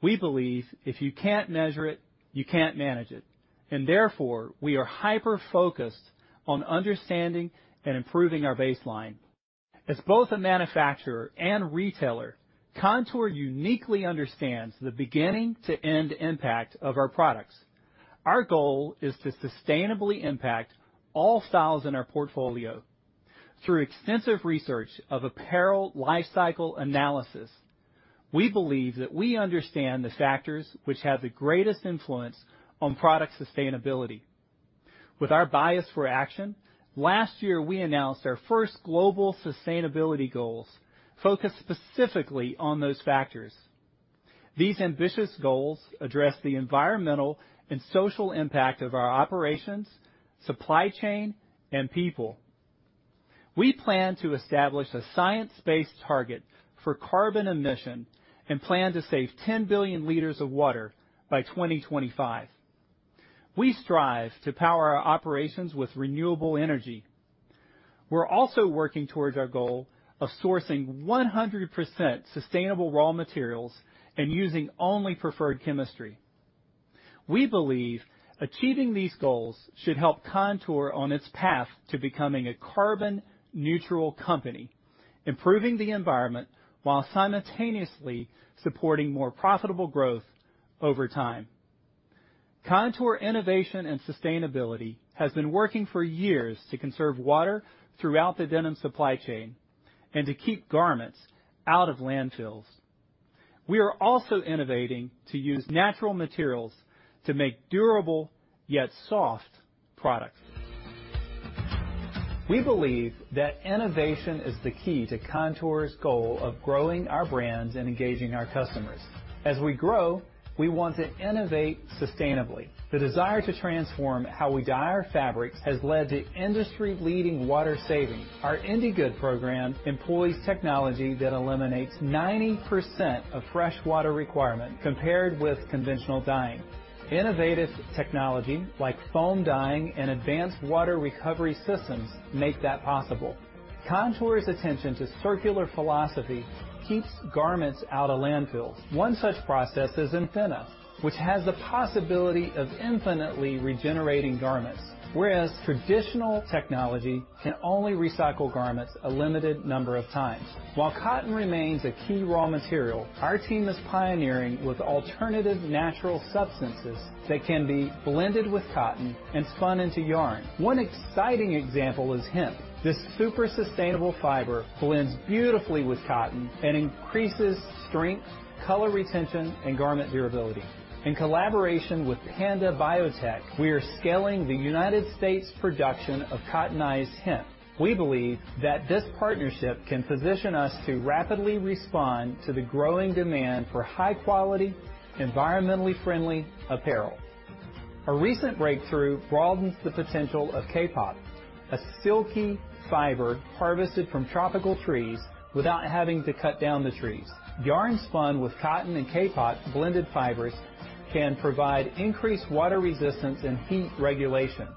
We believe if you can't measure it, you can't manage it, and therefore, we are hyper-focused on understanding and improving our baseline. As both a manufacturer and retailer, Kontoor uniquely understands the beginning to end impact of our products. Our goal is to sustainably impact all styles in our portfolio. Through extensive research of apparel lifecycle analysis, we believe that we understand the factors which have the greatest influence on product sustainability. With our bias for action, last year we announced our first global sustainability goals focused specifically on those factors. These ambitious goals address the environmental and social impact of our operations, supply chain, and people. We plan to establish a science-based target for carbon emission and plan to save 10 billion liters of water by 2025. We strive to power our operations with renewable energy. We're also working towards our goal of sourcing 100% sustainable raw materials and using only preferred chemistry. We believe achieving these goals should help Kontoor on its path to becoming a carbon neutral company, improving the environment while simultaneously supporting more profitable growth over time. Kontoor Innovation and Sustainability has been working for years to conserve water throughout the denim supply chain and to keep garments out of landfills. We are also innovating to use natural materials to make durable yet soft products. We believe that innovation is the key to Kontoor's goal of growing our brands and engaging our customers. As we grow, we want to innovate sustainably. The desire to transform how we dye our fabrics has led to industry-leading water savings. Our Indigood program employs technology that eliminates 90% of fresh water requirement compared with conventional dyeing. Innovative technology like foam dyeing and advanced water recovery systems make that possible. Kontoor's attention to circular philosophy keeps garments out of landfills. One such process is Infinna, which has the possibility of infinitely regenerating garments, whereas traditional technology can only recycle garments a limited number of times. While cotton remains a key raw material, our team is pioneering with alternative natural substances that can be blended with cotton and spun into yarn. One exciting example is hemp. This super sustainable fiber blends beautifully with cotton and increases strength, color retention, and garment durability. In collaboration with Panda Biotech, we are scaling the U.S. production of cottonized hemp. We believe that this partnership can position us to rapidly respond to the growing demand for high-quality, environmentally friendly apparel. A recent breakthrough broadens the potential of kapok, a silky fiber harvested from tropical trees without having to cut down the trees. Yarns spun with cotton and kapok blended fibers can provide increased water resistance and heat regulation.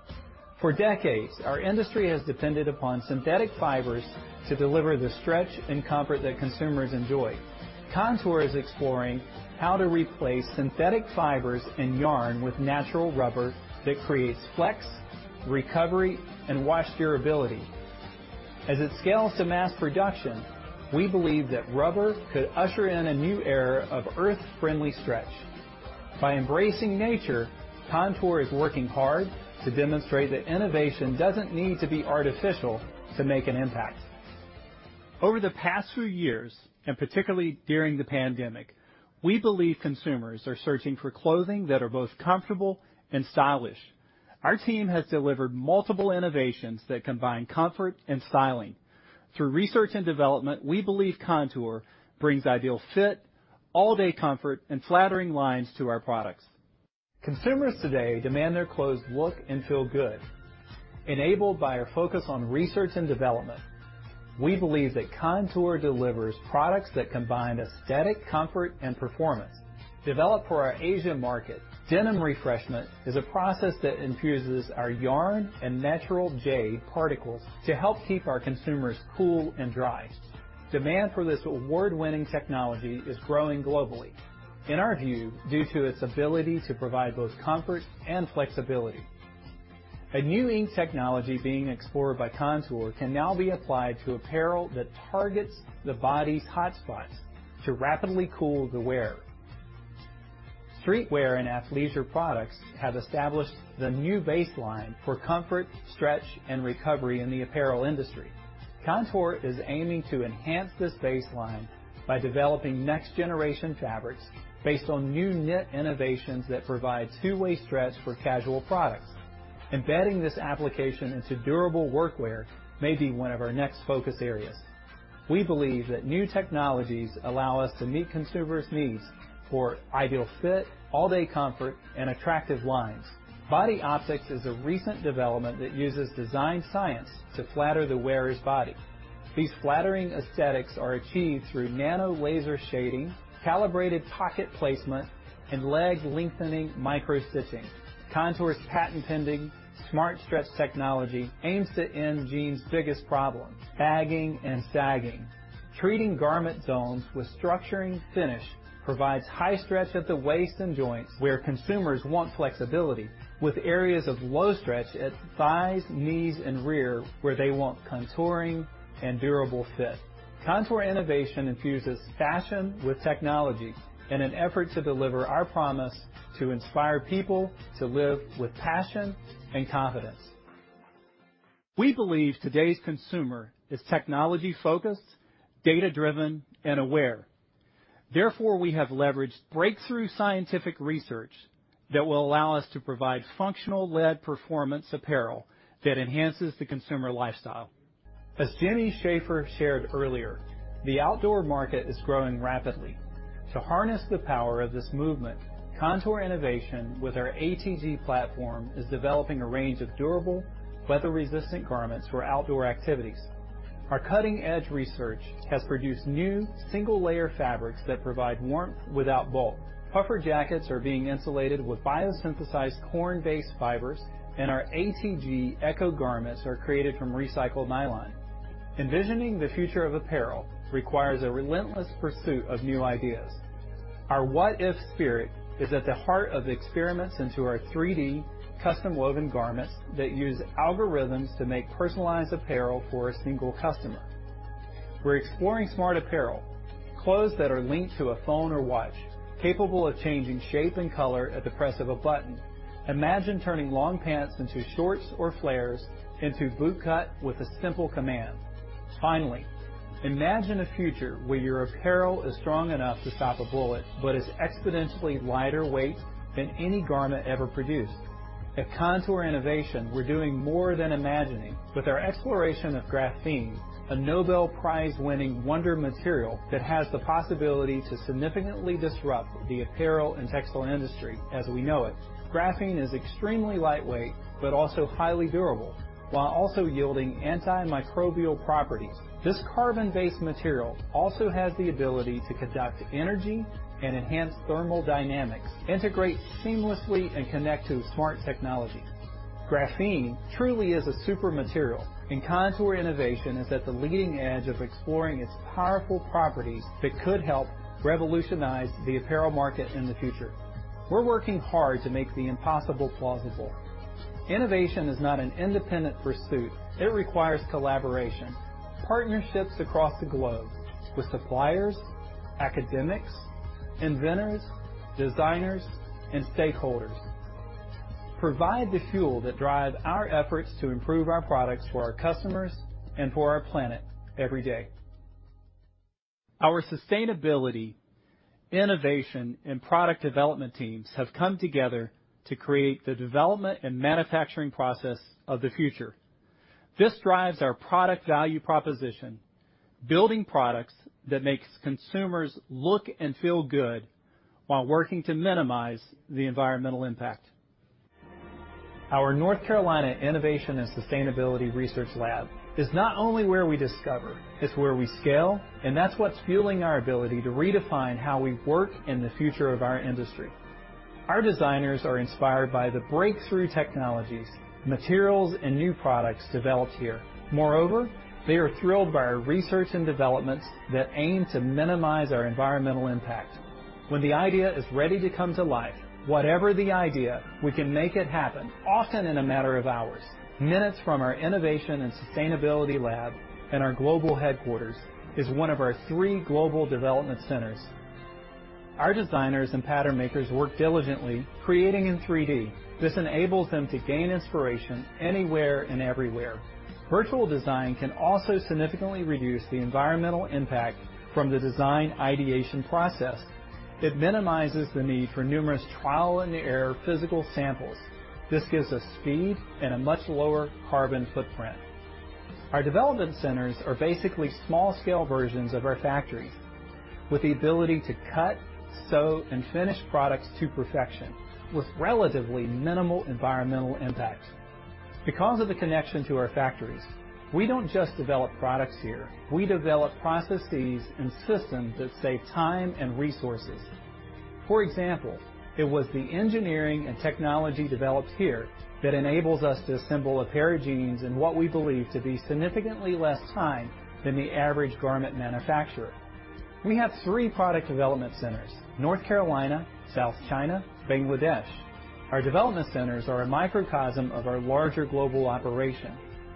For decades, our industry has depended upon synthetic fibers to deliver the stretch and comfort that consumers enjoy. Kontoor is exploring how to replace synthetic fibers and yarn with natural rubber that creates flex, recovery, and wash durability. As it scales to mass production, we believe that rubber could usher in a new era of earth-friendly stretch. By embracing nature, Kontoor is working hard to demonstrate that innovation doesn't need to be artificial to make an impact. Over the past few years, and particularly during the pandemic, we believe consumers are searching for clothing that are both comfortable and stylish. Our team has delivered multiple innovations that combine comfort and styling. Through research and development, we believe Kontoor brings ideal fit, all-day comfort, and flattering lines to our products. Consumers today demand their clothes look and feel good. Enabled by our focus on research and development, we believe that Kontoor delivers products that combine aesthetic comfort and performance. Developed for our Asian market, denim refreshment is a process that infuses our yarn and natural jade particles to help keep our consumers cool and dry. Demand for this award-winning technology is growing globally, in our view, due to its ability to provide both comfort and flexibility. A new ink technology being explored by Kontoor can now be applied to apparel that targets the body's hotspots to rapidly cool the wearer. Streetwear and athleisure products have established the new baseline for comfort, stretch, and recovery in the apparel industry. Kontoor is aiming to enhance this baseline by developing next-generation fabrics based on new knit innovations that provide two-way stretch for casual products. Embedding this application into durable workwear may be one of our next focus areas. We believe that new technologies allow us to meet consumers' needs for ideal fit, all-day comfort, and attractive lines. Body Optix is a recent development that uses design science to flatter the wearer's body. These flattering aesthetics are achieved through nano laser shading, calibrated pocket placement, and leg lengthening micro stitching. Kontoor's patent-pending smart stretch technology aims to end jeans' biggest problem, sagging. Treating garment zones with structuring finish provides high stretch at the waist and joints, where consumers want flexibility, with areas of low stretch at thighs, knees, and rear, where they want contouring and durable fit. Kontoor Innovation infuses fashion with technology in an effort to deliver our promise to inspire people to live with passion and confidence. We believe today's consumer is technology-focused, data-driven, and aware. We have leveraged breakthrough scientific research that will allow us to provide functional-led performance apparel that enhances the consumer lifestyle. As Jimmy Shafer shared earlier, the outdoor market is growing rapidly. To harness the power of this movement, Kontoor Innovation with our ATG platform is developing a range of durable, weather-resistant garments for outdoor activities. Our cutting-edge research has produced new single-layer fabrics that provide warmth without bulk. Puffer jackets are being insulated with biosynthesized corn-based fibers, and our ATG Eco garments are created from recycled nylon. Envisioning the future of apparel requires a relentless pursuit of new ideas. Our "what if" spirit is at the heart of the experiments into our 3D custom-woven garments that use algorithms to make personalized apparel for a single customer. We're exploring smart apparel, clothes that are linked to a phone or watch, capable of changing shape and color at the press of a button. Imagine turning long pants into shorts or flares into bootcut with a simple command. Finally, imagine a future where your apparel is strong enough to stop a bullet but is exponentially lighter weight than any garment ever produced. At Kontoor Innovation, we're doing more than imagining. With our exploration of graphene, a Nobel Prize-winning wonder material that has the possibility to significantly disrupt the apparel and textile industry as we know it. Graphene is extremely lightweight, but also highly durable, while also yielding antimicrobial properties. This carbon-based material also has the ability to conduct energy and enhance thermal dynamics, integrate seamlessly, and connect to smart technology. Graphene truly is a super material, and Kontoor Innovation is at the leading edge of exploring its powerful properties that could help revolutionize the apparel market in the future. We're working hard to make the impossible plausible. Innovation is not an independent pursuit. It requires collaboration. Partnerships across the globe with suppliers, academics, inventors, designers, and stakeholders provide the fuel that drive our efforts to improve our products for our customers and for our planet every day. Our sustainability, innovation, and product development teams have come together to create the development and manufacturing process of the future. This drives our product value proposition, building products that makes consumers look and feel good while working to minimize the environmental impact. Our North Carolina Innovation and Sustainability Research Lab is not only where we discover, it's where we scale, and that's what's fueling our ability to redefine how we work in the future of our industry. Our designers are inspired by the breakthrough technologies, materials, and new products developed here. Moreover, they are thrilled by our research and developments that aim to minimize our environmental impact. When the idea is ready to come to life, whatever the idea, we can make it happen, often in a matter of hours. Minutes from our Innovation and Sustainability lab and our global headquarters is one of our three global development centers. Our designers and pattern makers work diligently creating in 3D. This enables them to gain inspiration anywhere and everywhere. Virtual design can also significantly reduce the environmental impact from the design ideation process. It minimizes the need for numerous trial and error physical samples. This gives us speed and a much lower carbon footprint. Our development centers are basically small-scale versions of our factories with the ability to cut, sew, and finish products to perfection with relatively minimal environmental impact. Because of the connection to our factories, we don't just develop products here. We develop processes and systems that save time and resources. For example, it was the engineering and technology developed here that enables us to assemble a pair of jeans in what we believe to be significantly less time than the average garment manufacturer. We have three product development centers, North Carolina, South China, Bangladesh. Our development centers are a microcosm of our larger global operation.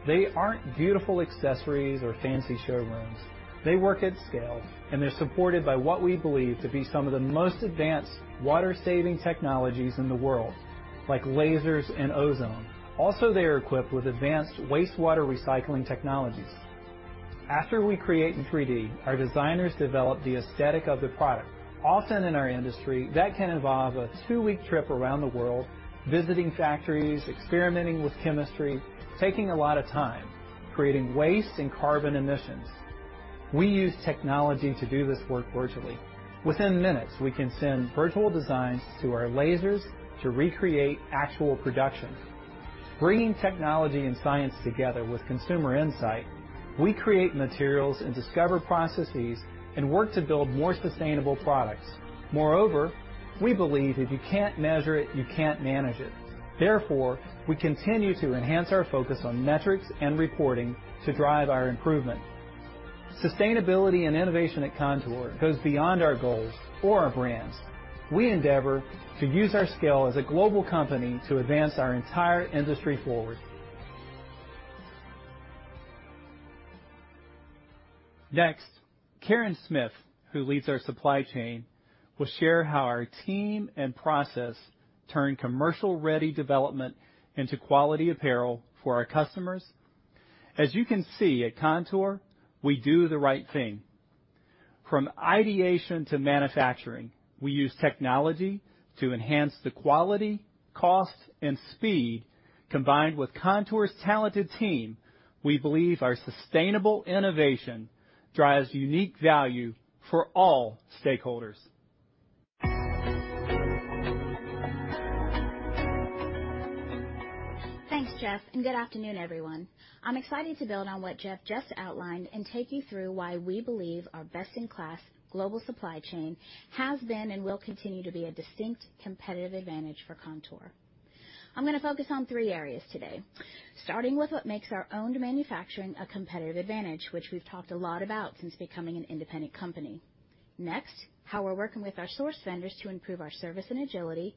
They aren't beautiful accessories or fancy showrooms. They work at scale and they're supported by what we believe to be some of the most advanced water-saving technologies in the world, like lasers and ozone. They are equipped with advanced wastewater recycling technologies. After we create in 3D, our designers develop the aesthetic of the product. In our industry, that can involve a two-week trip around the world, visiting factories, experimenting with chemistry, taking a lot of time, creating waste and carbon emissions. We use technology to do this work virtually. Within minutes, we can send virtual designs to our lasers to recreate actual production. Bringing technology and science together with consumer insight, we create materials and discover processes and work to build more sustainable products. We believe if you can't measure it, you can't manage it. We continue to enhance our focus on metrics and reporting to drive our improvement. Sustainability and innovation at Kontoor goes beyond our goals or our brands. We endeavor to use our scale as a global company to advance our entire industry forward. Next, Karen Smith, who leads our supply chain, will share how our team and process turn commercial-ready development into quality apparel for our customers. As you can see, at Kontoor, we do the right thing. From ideation to manufacturing, we use technology to enhance the quality, cost, and speed. Combined with Kontoor's talented team, we believe our sustainable innovation drives unique value for all stakeholders. Thanks, Jeff. Good afternoon, everyone. I'm excited to build on what Jeff just outlined and take you through why we believe our best-in-class global supply chain has been and will continue to be a distinct competitive advantage for Kontoor. I'm going to focus on three areas today, starting with what makes our owned manufacturing a competitive advantage, which we've talked a lot about since becoming an independent company. Next, how we're working with our source vendors to improve our service and agility.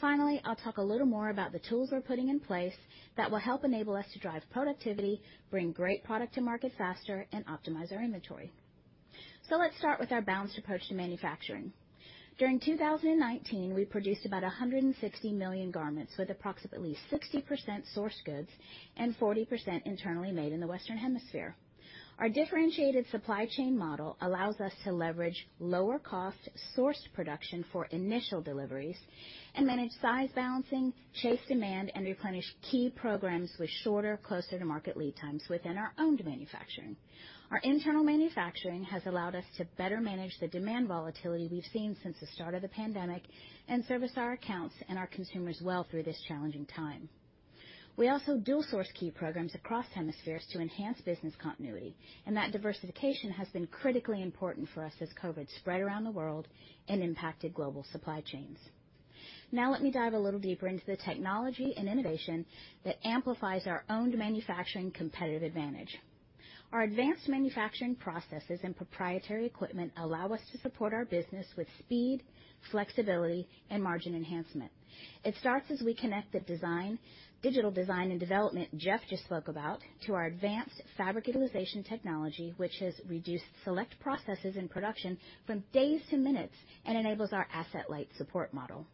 Finally, I'll talk a little more about the tools we're putting in place that will help enable us to drive productivity, bring great product to market faster, and optimize our inventory. Let's start with our balanced approach to manufacturing. During 2019, we produced about 160 million garments with approximately 60% sourced goods and 40% internally made in the Western Hemisphere. Our differentiated supply chain model allows us to leverage lower cost sourced production for initial deliveries and then in size balancing, chase demand, and replenish key programs with shorter, closer to market lead times within our owned manufacturing. Our internal manufacturing has allowed us to better manage the demand volatility we've seen since the start of the pandemic and service our accounts and our consumers well through this challenging time. We also dual source key programs across hemispheres to enhance business continuity, and that diversification has been critically important for us as COVID spread around the world and impacted global supply chains. Let me dive a little deeper into the technology and innovation that amplifies our owned manufacturing competitive advantage. Our advanced manufacturing processes and proprietary equipment allow us to support our business with speed, flexibility, and margin enhancement. It starts as we connect the design, digital design and development Jeff just spoke about, to our advanced fabric utilization technology, which has reduced select processes in production from days to minutes and enables our asset-light support model.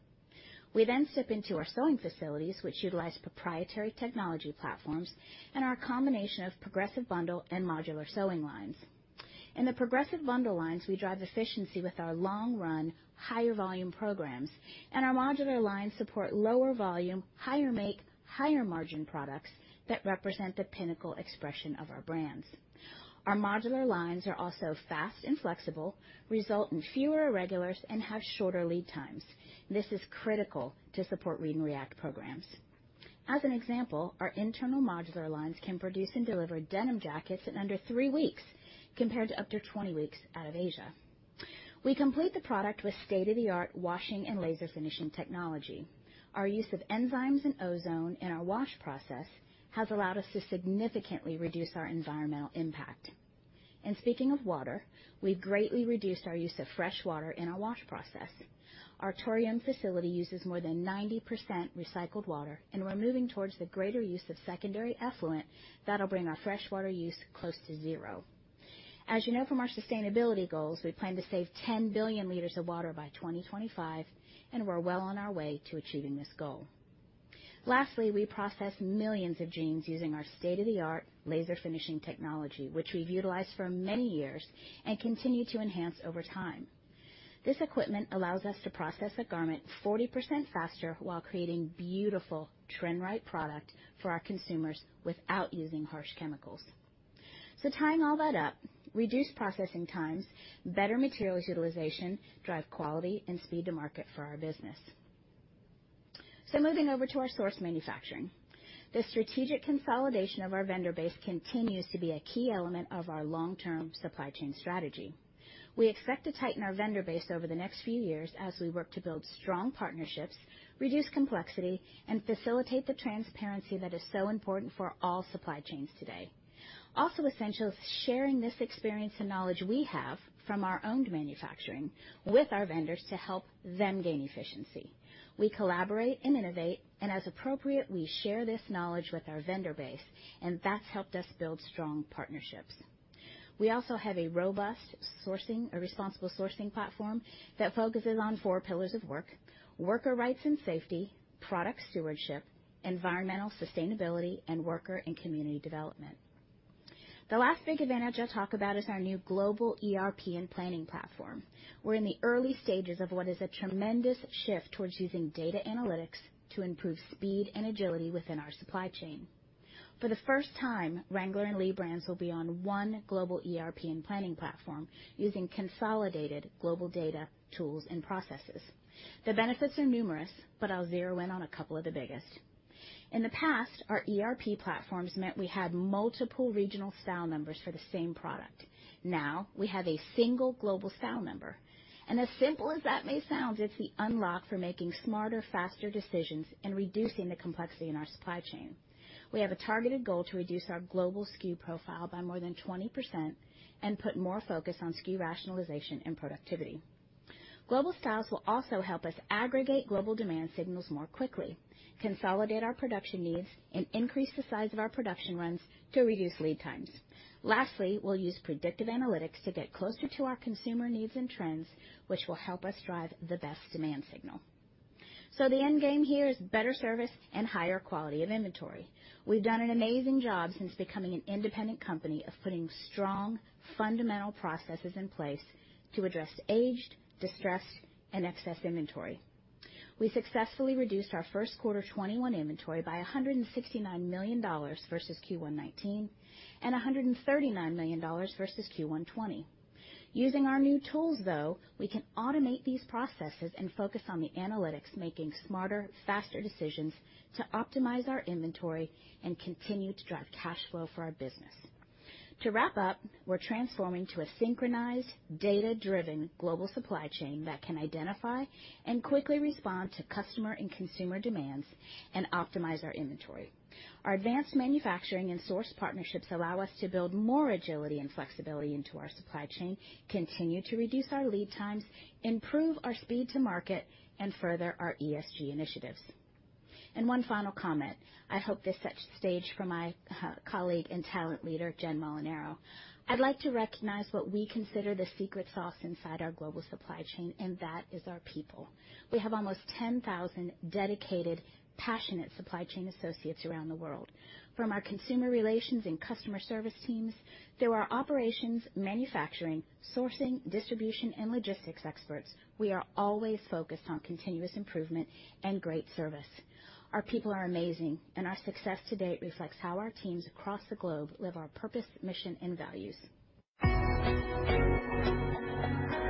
We zip into our sewing facilities, which utilize proprietary technology platforms and our combination of progressive bundle and modular sewing lines. In the progressive bundle lines, we drive efficiency with our long-run, higher volume programs, and our modular lines support lower volume, higher make, higher margin products that represent the pinnacle expression of our brands. Our modular lines are also fast and flexible, result in fewer irregulars, and have shorter lead times, and this is critical to support read and react programs. As an example, our internal modular lines can produce and deliver denim jackets in under three weeks, compared to up to 20 weeks out of Asia. We complete the product with state-of-the-art washing and laser finishing technology. Our use of enzymes and ozone in our wash process has allowed us to significantly reduce our environmental impact. Speaking of water, we greatly reduced our use of fresh water in our wash process. Our Torreon facility uses more than 90% recycled water, and we're moving towards the greater use of secondary effluent that'll bring our fresh water use close to zero. As you know from our sustainability goals, we plan to save 10 billion liters of water by 2025, we're well on our way to achieving this goal. Lastly, we process millions of jeans using our state-of-the-art laser finishing technology, which we've utilized for many years and continue to enhance over time. This equipment allows us to process a garment 40% faster while creating beautiful trend-right product for our consumers without using harsh chemicals. Tying all that up, reduced processing times, better materials utilization, drive quality, and speed to market for our business. Moving over to our source manufacturing. The strategic consolidation of our vendor base continues to be a key element of our long-term supply chain strategy. We expect to tighten our vendor base over the next few years as we work to build strong partnerships, reduce complexity, and facilitate the transparency that is so important for all supply chains today. Also essential is sharing this experience and knowledge we have from our owned manufacturing with our vendors to help them gain efficiency. We collaborate and innovate, and as appropriate, we share this knowledge with our vendor base, and that's helped us build strong partnerships. We also have a robust responsible sourcing platform that focuses on four pillars of work. Worker rights and safety, product stewardship, environmental sustainability, and worker and community development. The last big advantage I'll talk about is our new global ERP and planning platform. We're in the early stages of what is a tremendous shift towards using data analytics to improve speed and agility within our supply chain. For the first time, Wrangler and Lee brands will be on one global ERP and planning platform using consolidated global data, tools, and processes. The benefits are numerous, but I'll zero in on a couple of the biggest. In the past, our ERP platforms meant we had multiple regional style numbers for the same product. Now, we have a single global style number. As simple as that may sound, it's the unlock for making smarter, faster decisions and reducing the complexity in our supply chain. We have a targeted goal to reduce our global SKU profile by more than 20% and put more focus on SKU rationalization and productivity. Global styles will also help us aggregate global demand signals more quickly, consolidate our production needs, and increase the size of our production runs to reduce lead times. Lastly, we'll use predictive analytics to get closer to our consumer needs and trends, which will help us drive the best demand signal. The end game here is better service and higher quality of inventory. We've done an amazing job since becoming an independent company of putting strong, fundamental processes in place to address aged, distressed, and excess inventory. We successfully reduced our first quarter 2021 inventory by $169 million versus Q1 2019 and $139 million versus Q1 2020. Using our new tools, though, we can automate these processes and focus on the analytics, making smarter, faster decisions to optimize our inventory and continue to drive cash flow for our business. To wrap up, we're transforming to a synchronized, data-driven global supply chain that can identify and quickly respond to customer and consumer demands and optimize our inventory. Our advanced manufacturing and source partnerships allow us to build more agility and flexibility into our supply chain, continue to reduce our lead times, improve our speed to market, and further our ESG initiatives. One final comment. I hope this sets the stage for my colleague and talent leader, Jen Molinaro. I'd like to recognize what we consider the secret sauce inside our global supply chain, and that is our people. We have almost 10,000 dedicated, passionate supply chain associates around the world. From our consumer relations and customer service teams, through our operations, manufacturing, sourcing, distribution, and logistics experts, we are always focused on continuous improvement and great service. Our people are amazing, and our success to date reflects how our teams across the globe live our purpose, mission, and values. Thank you,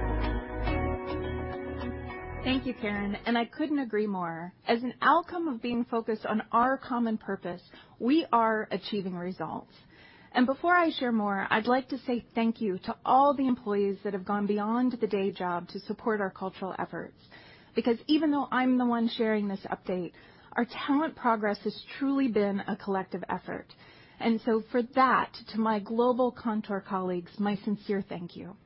Karen. I couldn't agree more. As an outcome of being focused on our common purpose, we are achieving results. Before I share more, I'd like to say thank you to all the employees that have gone beyond the day job to support our cultural efforts. Because even though I'm the one sharing this update, our talent progress has truly been a collective effort. For that, to my global Kontoor colleagues, my sincere thank you.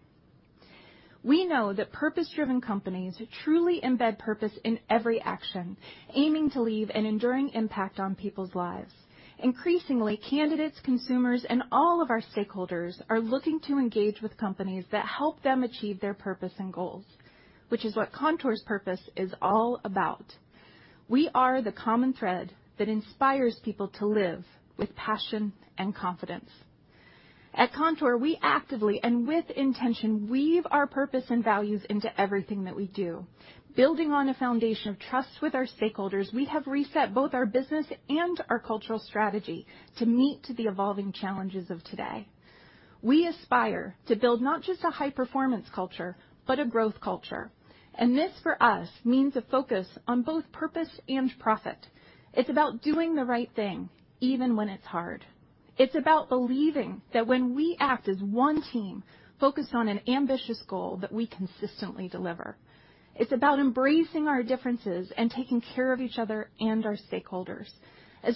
We know that purpose-driven companies truly embed purpose in every action, aiming to leave an enduring impact on people's lives. Increasingly, candidates, consumers, and all of our stakeholders are looking to engage with companies that help them achieve their purpose and goals, which is what Kontoor's purpose is all about. We are the common thread that inspires people to live with passion and confidence. At Kontoor, we actively and with intention weave our purpose and values into everything that we do. Building on a foundation of trust with our stakeholders, we have reset both our business and our cultural strategy to meet the evolving challenges of today. We aspire to build not just a high-performance culture, but a growth culture. This, for us, means a focus on both purpose and profit. It's about doing the right thing, even when it's hard. It's about believing that when we act as one team focused on an ambitious goal, that we consistently deliver. It's about embracing our differences and taking care of each other and our stakeholders.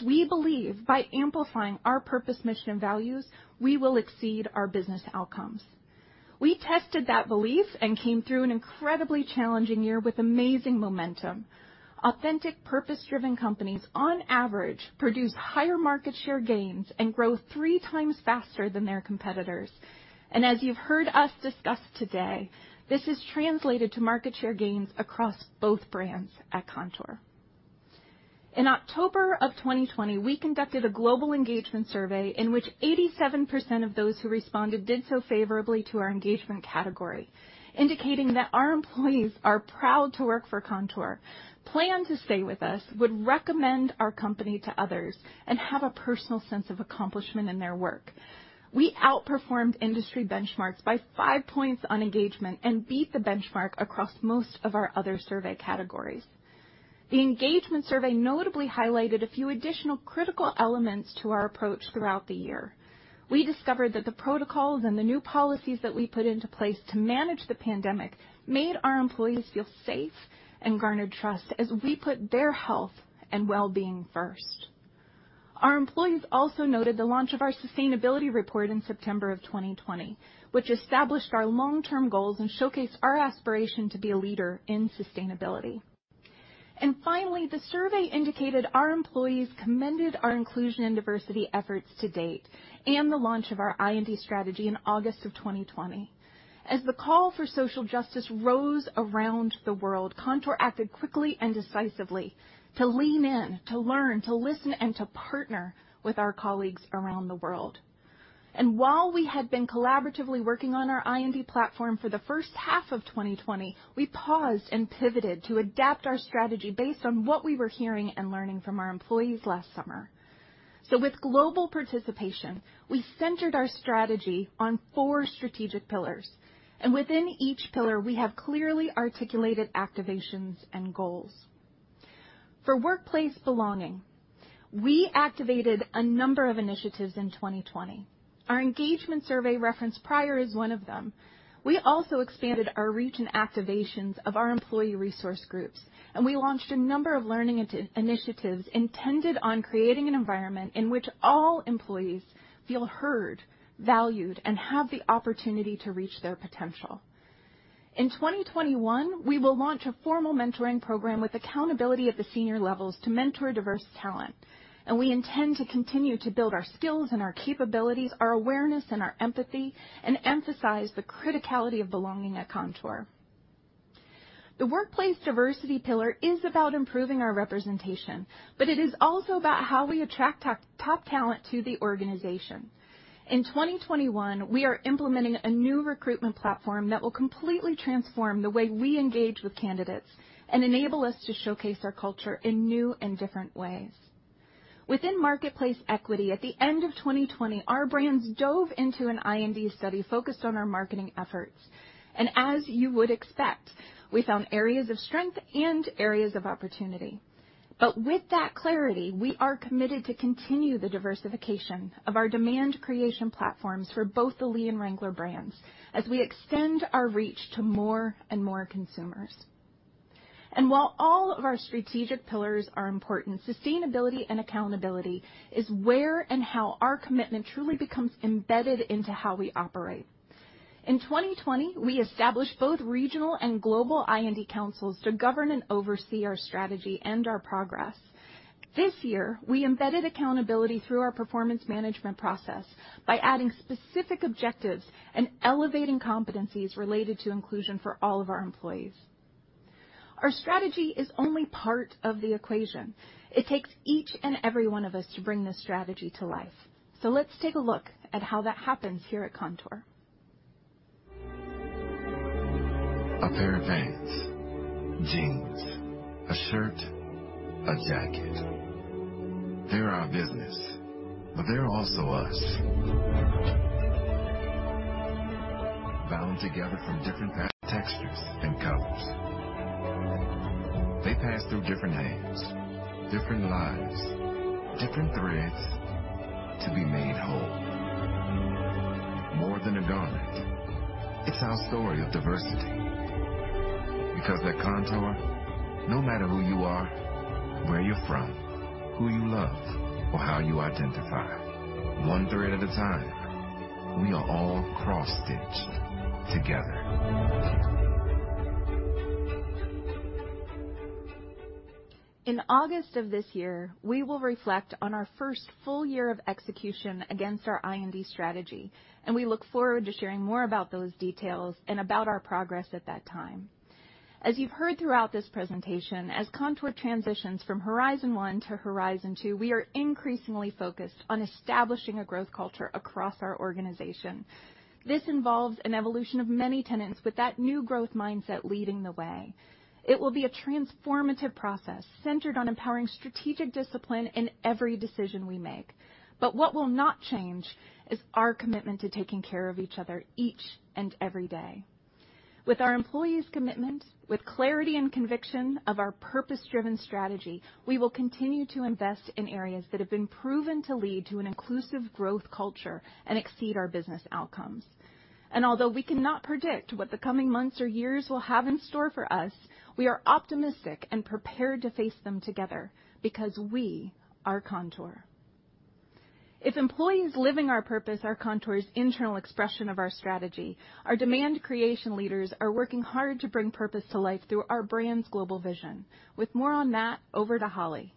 We believe by amplifying our purpose, mission, and values, we will exceed our business outcomes. We tested that belief and came through an incredibly challenging year with amazing momentum. Authentic purpose-driven companies, on average, produce higher market share gains and grow three times faster than their competitors. As you've heard us discuss today, this has translated to market share gains across both brands at Kontoor. In October of 2020, we conducted a global engagement survey in which 87% of those who responded did so favorably to our engagement category, indicating that our employees are proud to work for Kontoor, plan to stay with us, would recommend our company to others, and have a personal sense of accomplishment in their work. We outperformed industry benchmarks by five points on engagement and beat the benchmark across most of our other survey categories. The engagement survey notably highlighted a few additional critical elements to our approach throughout the year. We discovered that the protocols and the new policies that we put into place to manage the pandemic made our employees feel safe and garnered trust as we put their health and wellbeing first. Our employees also noted the launch of our sustainability report in September of 2020, which established our long-term goals and showcased our aspiration to be a leader in sustainability. Finally, the survey indicated our employees commended our inclusion and diversity efforts to date and the launch of our I&D strategy in August of 2020. As the call for social justice rose around the world, Kontoor acted quickly and decisively to lean in, to learn, to listen, and to partner with our colleagues around the world. While we had been collaboratively working on our I&D platform for the first half of 2020, we paused and pivoted to adapt our strategy based on what we were hearing and learning from our employees last summer. With global participation, we centered our strategy on four strategic pillars, and within each pillar, we have clearly articulated activations and goals. For workplace belonging, we activated a number of initiatives in 2020. Our engagement survey referenced prior is one of them. We also expanded our reach and activations of our employee resource groups, and we launched a number of learning initiatives intended on creating an environment in which all employees feel heard, valued, and have the opportunity to reach their potential. In 2021, we will launch a formal mentoring program with accountability at the senior levels to mentor diverse talent. We intend to continue to build our skills and our capabilities, our awareness and our empathy, and emphasize the criticality of belonging at Kontoor. The workplace diversity pillar is about improving our representation. It is also about how we attract top talent to the organization. In 2021, we are implementing a new recruitment platform that will completely transform the way we engage with candidates and enable us to showcase our culture in new and different ways. Within marketplace equity at the end of 2020, our brands dove into an I&D study focused on our marketing efforts. As you would expect, we found areas of strength and areas of opportunity. With that clarity, we are committed to continue the diversification of our demand creation platforms for both the Lee and Wrangler brands as we extend our reach to more and more consumers. While all of our strategic pillars are important, sustainability and accountability is where and how our commitment truly becomes embedded into how we operate. In 2020, we established both regional and global I&D councils to govern and oversee our strategy and our progress. This year, we embedded accountability through our performance management process by adding specific objectives and elevating competencies related to inclusion for all of our employees. Our strategy is only part of the equation. It takes each and every one of us to bring this strategy to life. Let's take a look at how that happens here at Kontoor. A pair of pants, jeans, a shirt, a jacket. They're our business, but they're also us. Bound together from different textures and colors. They pass through different hands, different lives, different threads to be made whole. More than a garment, it's our story of diversity. Because at Kontoor, no matter who you are, where you're from, who you love, or how you identify, one thread at a time, we are all cross-stitched together. In August of this year, we will reflect on our first full year of execution against our I&D strategy, and we look forward to sharing more about those details and about our progress at that time. As you've heard throughout this presentation, as Kontoor transitions from Horizon One to Horizon Two, we are increasingly focused on establishing a growth culture across our organization. This involves an evolution of many tenets with that new growth mindset leading the way. It will be a transformative process centered on empowering strategic discipline in every decision we make. What will not change is our commitment to taking care of each other each and every day. With our employees' commitment, with clarity and conviction of our purpose-driven strategy, we will continue to invest in areas that have been proven to lead to an inclusive growth culture and exceed our business outcomes. Although we cannot predict what the coming months or years will have in store for us, we are optimistic and prepared to face them together because we are Kontoor. If employees living our purpose are Kontoor's internal expression of our strategy, our demand creation leaders are working hard to bring purpose to life through our brand's global vision. With more on that, over to Holly.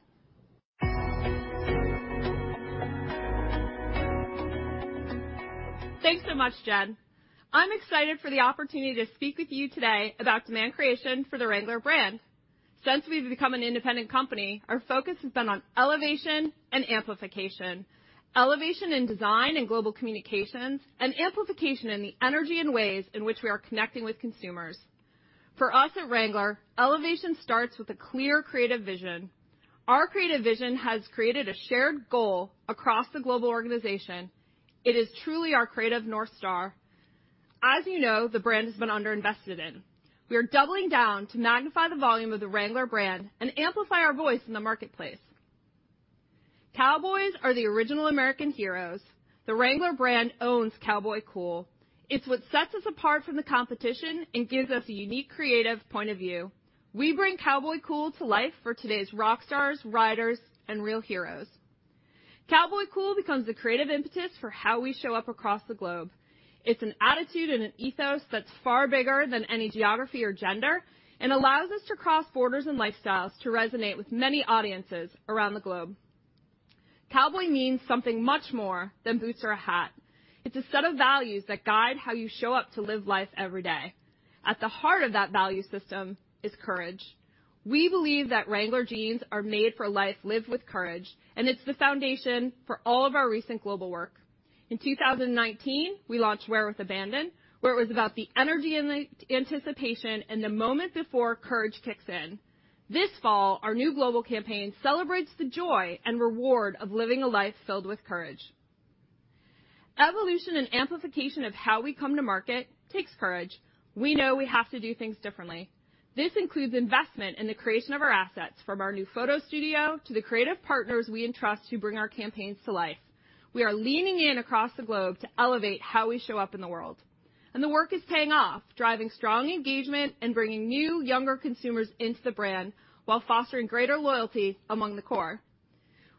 Thanks so much, Jen. I'm excited for the opportunity to speak with you today about demand creation for the Wrangler brand. Since we've become an independent company, our focus has been on elevation and amplification, elevation in design and global communications, and amplification in the energy and ways in which we are connecting with consumers. For us at Wrangler, elevation starts with a clear creative vision. Our creative vision has created a shared goal across the global organization. It is truly our creative North Star. As you know, the brand has been under-invested in. We are doubling down to magnify the volume of the Wrangler brand and amplify our voice in the marketplace. Cowboys are the original American heroes. The Wrangler brand owns cowboy cool. It's what sets us apart from the competition and gives us a unique creative point of view. We bring cowboy cool to life for today's rock stars, riders, and real heroes. Cowboy cool becomes the creative impetus for how we show up across the globe. It's an attitude and an ethos that's far bigger than any geography or gender and allows us to cross borders and lifestyles to resonate with many audiences around the globe. Cowboy means something much more than boots or a hat. It's a set of values that guide how you show up to live life every day. At the heart of that value system is courage. We believe that Wrangler jeans are made for life lived with courage, and it's the foundation for all of our recent global work. In 2019, we launched Wear with Abandon, where it was about the energy and the anticipation and the moment before courage kicks in. This fall, our new global campaign celebrates the joy and reward of living a life filled with courage. Evolution and amplification of how we come to market takes courage. We know we have to do things differently. This includes investment in the creation of our assets, from our new photo studio to the creative partners we entrust to bring our campaigns to life. We are leaning in across the globe to elevate how we show up in the world. The work is paying off, driving strong engagement and bringing new, younger consumers into the brand while fostering greater loyalty among the core.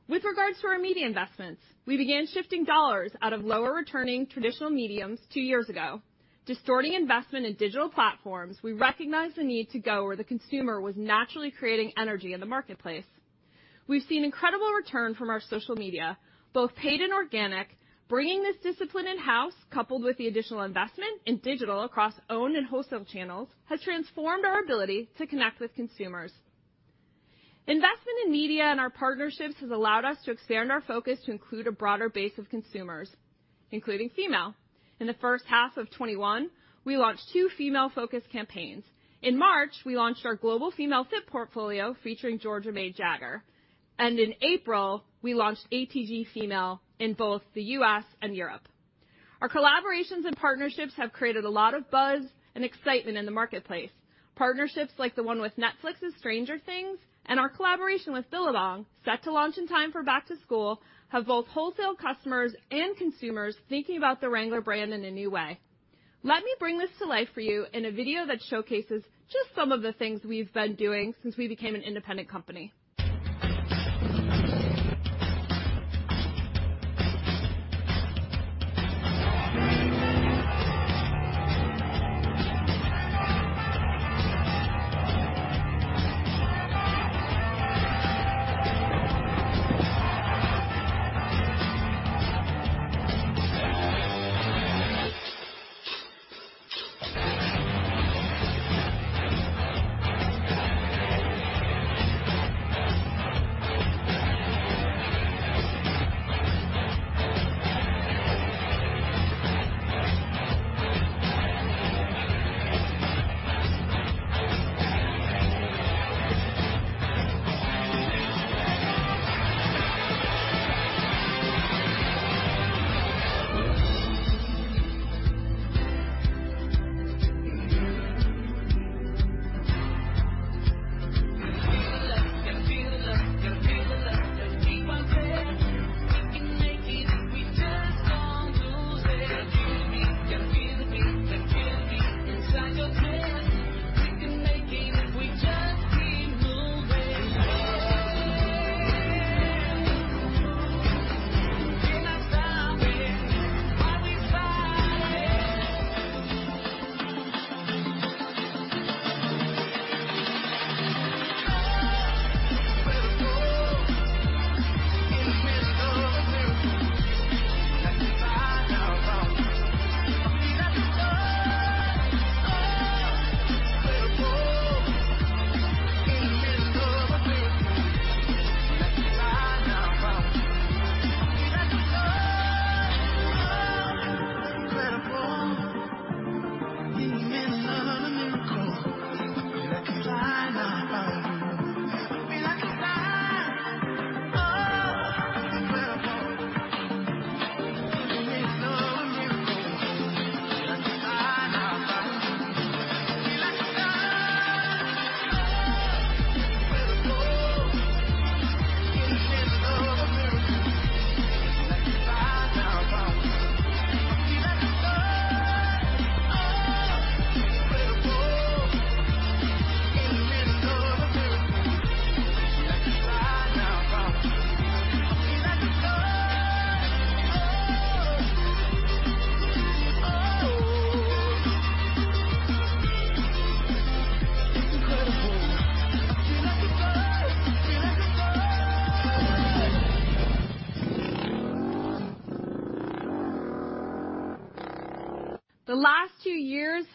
With regards to our media investments, we began shifting dollars out of lower returning traditional mediums two years ago. Distorting investment in digital platforms, we recognized the need to go where the consumer was naturally creating energy in the marketplace. We've seen incredible return from our social media, both paid and organic. Bringing this discipline in-house, coupled with the additional investment in digital across owned and wholesale channels, has transformed our ability to connect with consumers. Investment in media and our partnerships has allowed us to expand our focus to include a broader base of consumers, including female. In the first half of 2021, we launched two female-focused campaigns. In March, we launched our global female fit portfolio featuring Georgia May Jagger, and in April, we launched ATG Female in both the U.S. and Europe. Our collaborations and partnerships have created a lot of buzz and excitement in the marketplace. Partnerships like the one with Netflix's "Stranger Things," and our collaboration with Billabong, set to launch in time for back to school, have both wholesale customers and consumers thinking about the Wrangler brand in a new way. Let me bring this to life for you in a video that showcases just some of the things we've been doing since we became an independent company.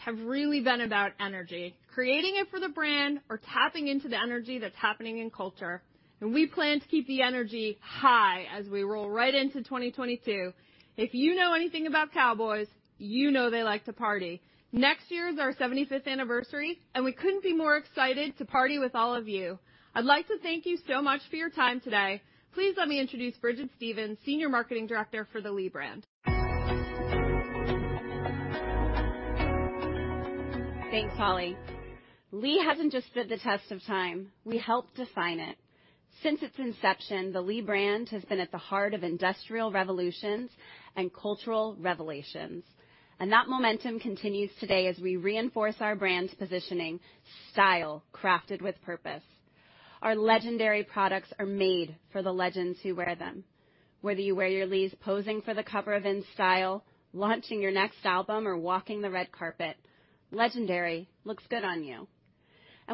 The last two years have really been about energy, creating it for the brand or tapping into the energy that's happening in culture. We plan to keep the energy high as we roll right into 2022. If you know anything about cowboys, you know they like to party. Next year is our 75th anniversary. We couldn't be more excited to party with all of you. I'd like to thank you so much for your time today. Please let me introduce Brigid Stevens, Senior Marketing Director for the Lee brand. Thanks, Holly. Lee hasn't just stood the test of time. We helped define it. Since its inception, the Lee brand has been at the heart of industrial revolutions and cultural revelations, that momentum continues today as we reinforce our brand's positioning, "Style crafted with purpose." Our legendary products are made for the legends who wear them. Whether you wear your Lee's posing for the cover of InStyle, launching your next album, or walking the red carpet, legendary looks good on you.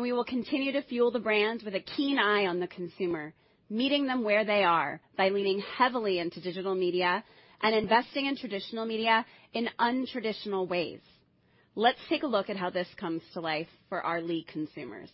We will continue to fuel the brand with a keen eye on the consumer, meeting them where they are by leaning heavily into digital media and investing in traditional media in untraditional ways. Let's take a look at how this comes to life for our Lee consumers.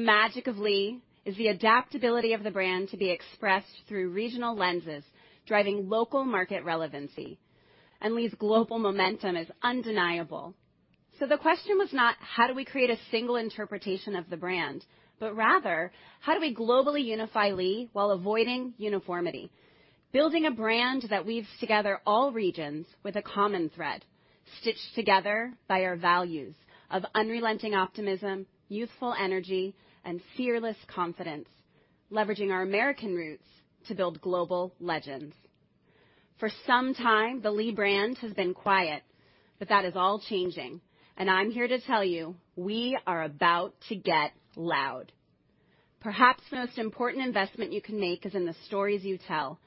The magic of Lee is the adaptability of the brand to be expressed through regional lenses, driving local market relevancy, and Lee's global momentum is undeniable. The question was not how do we create a single interpretation of the brand, but rather, how do we globally unify Lee while avoiding uniformity? Building a brand that weaves together all regions with a common thread, stitched together by our values of unrelenting optimism, youthful energy, and fearless confidence, leveraging our American roots to build global legends. For some time, the Lee brand has been quiet, but that is all changing, and I'm here to tell you, we are about to get loud. Perhaps the most important investment you can make is in the stories you tell,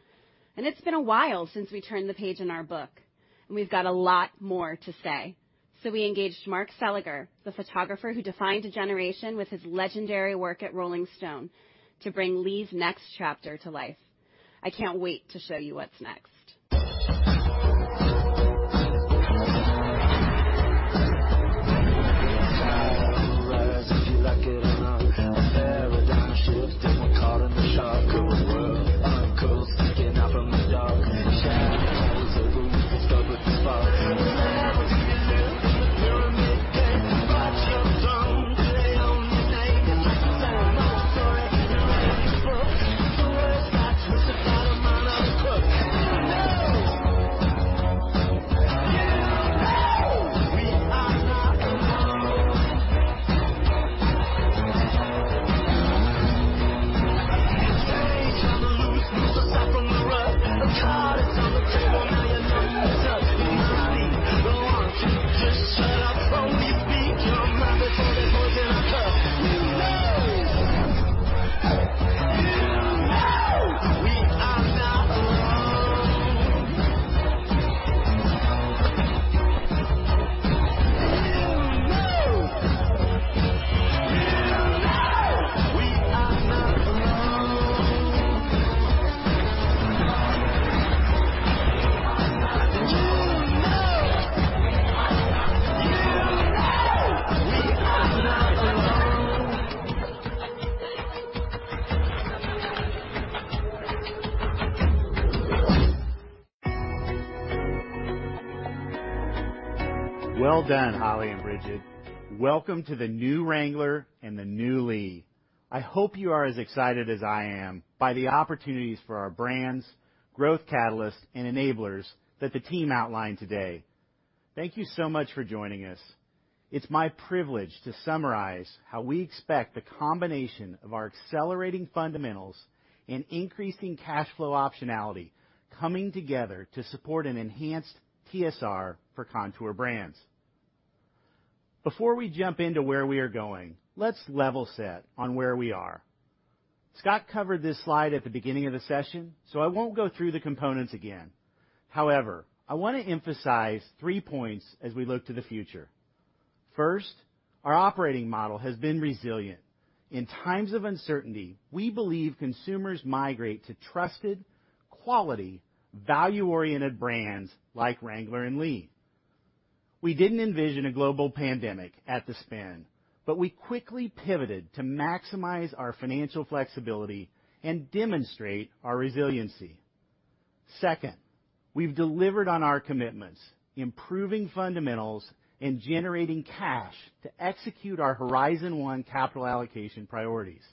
and it's been a while since we turned the page in our book, and we've got a lot more to say. We engaged Mark Seliger, the photographer who defined a generation with his legendary work at Rolling Stone, to bring Lee's next chapter to life. I can't wait to show you what's next. We beat drum rabbits and there's more than a ton. You know. You know. We are not alone. You know. You know. We are not alone. You know. You know. We are not alone. Well done, Holly and Brigid. Welcome to the new Wrangler and the new Lee. I hope you are as excited as I am by the opportunities for our brands, growth catalysts, and enablers that the team outlined today. Thank you so much for joining us. It's my privilege to summarize how we expect the combination of our accelerating fundamentals and increasing cash flow optionality coming together to support an enhanced TSR for Kontoor Brands. Before we jump into where we are going, let's level set on where we are. Scott covered this slide at the beginning of the session, so I won't go through the components again. However, I want to emphasize three points as we look to the future. First, our operating model has been resilient. In times of uncertainty, we believe consumers migrate to trusted, quality, value-oriented brands like Wrangler and Lee. We didn't envision a global pandemic at the spin, but we quickly pivoted to maximize our financial flexibility and demonstrate our resiliency. Second, we've delivered on our commitments, improving fundamentals and generating cash to execute our Horizon One capital allocation priorities.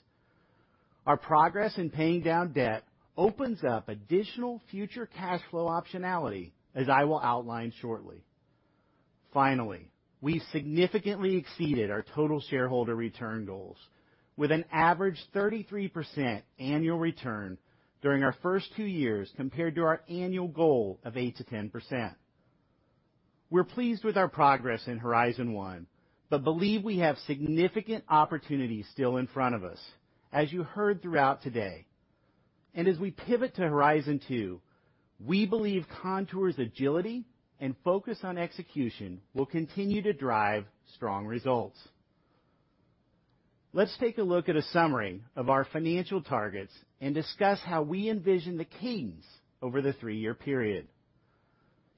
Our progress in paying down debt opens up additional future cash flow optionality, as I will outline shortly. Finally, we've significantly exceeded our total shareholder return goals with an average 33% annual return during our first two years compared to our annual goal of 8%-10%. We're pleased with our progress in Horizon One, believe we have significant opportunities still in front of us, as you heard throughout today. As we pivot to Horizon Two, we believe Kontoor's agility and focus on execution will continue to drive strong results. Let's take a look at a summary of our financial targets and discuss how we envision the keys over the three-year period.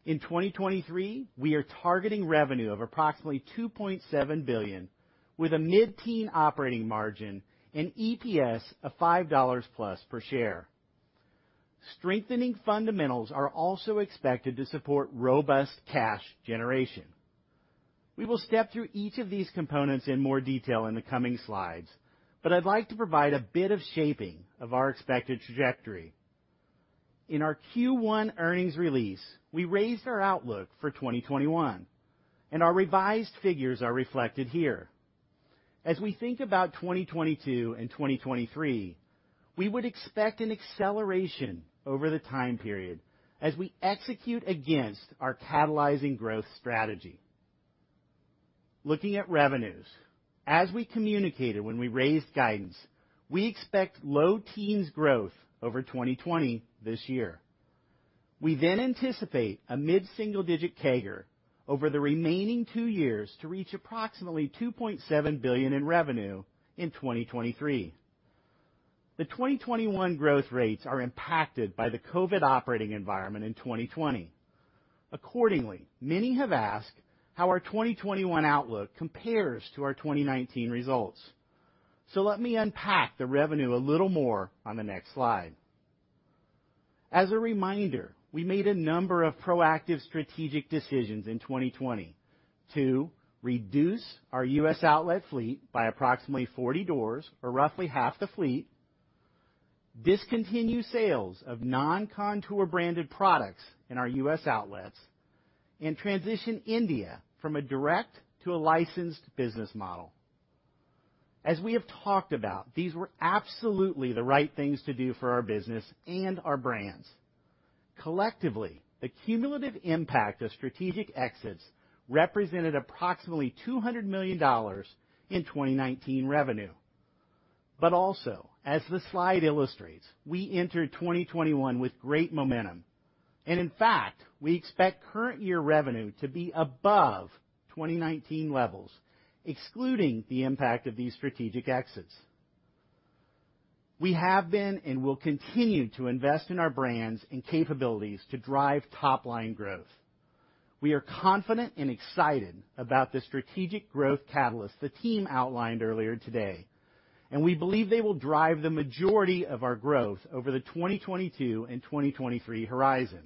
In 2023, we are targeting revenue of approximately $2.7 billion, with a mid-teen operating margin and EPS of $5 plus per share. Strengthening fundamentals are also expected to support robust cash generation. We will step through each of these components in more detail in the coming slides, but I'd like to provide a bit of shaping of our expected trajectory. In our Q1 earnings release, we raised our outlook for 2021, and our revised figures are reflected here. As we think about 2022 and 2023, we would expect an acceleration over the time period as we execute against our Catalyzing Growth Strategy. Looking at revenues, as we communicated when we raised guidance, we expect low teens growth over 2020 this year. We anticipate a mid-single-digit CAGR over the remaining two years to reach approximately $2.7 billion in revenue in 2023. The 2021 growth rates are impacted by the COVID operating environment in 2020. Many have asked how our 2021 outlook compares to our 2019 results. Let me unpack the revenue a little more on the next slide. As a reminder, we made a number of proactive strategic decisions in 2020 to reduce our U.S. outlet fleet by approximately 40 doors or roughly half the fleet, discontinue sales of non-Kontoor branded products in our U.S. outlets, and transition India from a direct to a licensed business model. As we have talked about, these were absolutely the right things to do for our business and our brands. Collectively, the cumulative impact of strategic exits represented approximately $200 million in 2019 revenue. Also, as the slide illustrates, we entered 2021 with great momentum, and in fact, we expect current year revenue to be above 2019 levels, excluding the impact of these strategic exits. We have been and will continue to invest in our brands and capabilities to drive top-line growth. We are confident and excited about the strategic growth catalyst the team outlined earlier today. We believe they will drive the majority of our growth over the 2022 and 2023 horizon.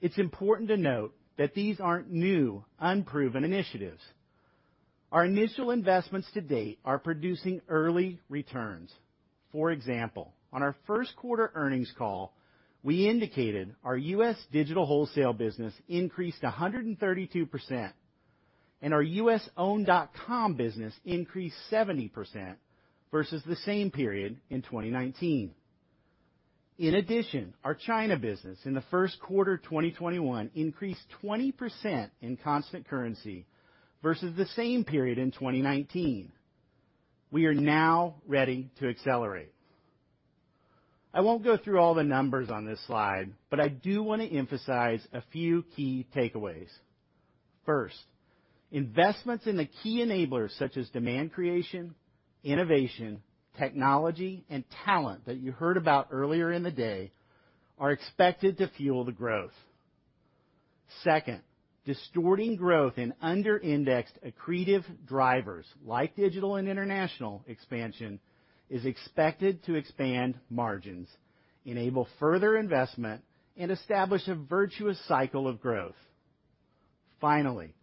It's important to note that these aren't new, unproven initiatives. Our initial investments to date are producing early returns. For example, on our first quarter earnings call, we indicated our U.S. digital wholesale business increased 132% and our U.S. own.com business increased 70% versus the same period in 2019. In addition, our China business in the first quarter of 2021 increased 20% in constant currency versus the same period in 2019. We are now ready to accelerate. I won't go through all the numbers on this slide. I do want to emphasize a few key takeaways. First, investments in the key enablers such as demand creation, innovation, technology, and talent that you heard about earlier in the day are expected to fuel the growth. Second, distorting growth in under-indexed accretive drivers like digital and international expansion is expected to expand margins, enable further investment, and establish a virtuous cycle of growth. Finally,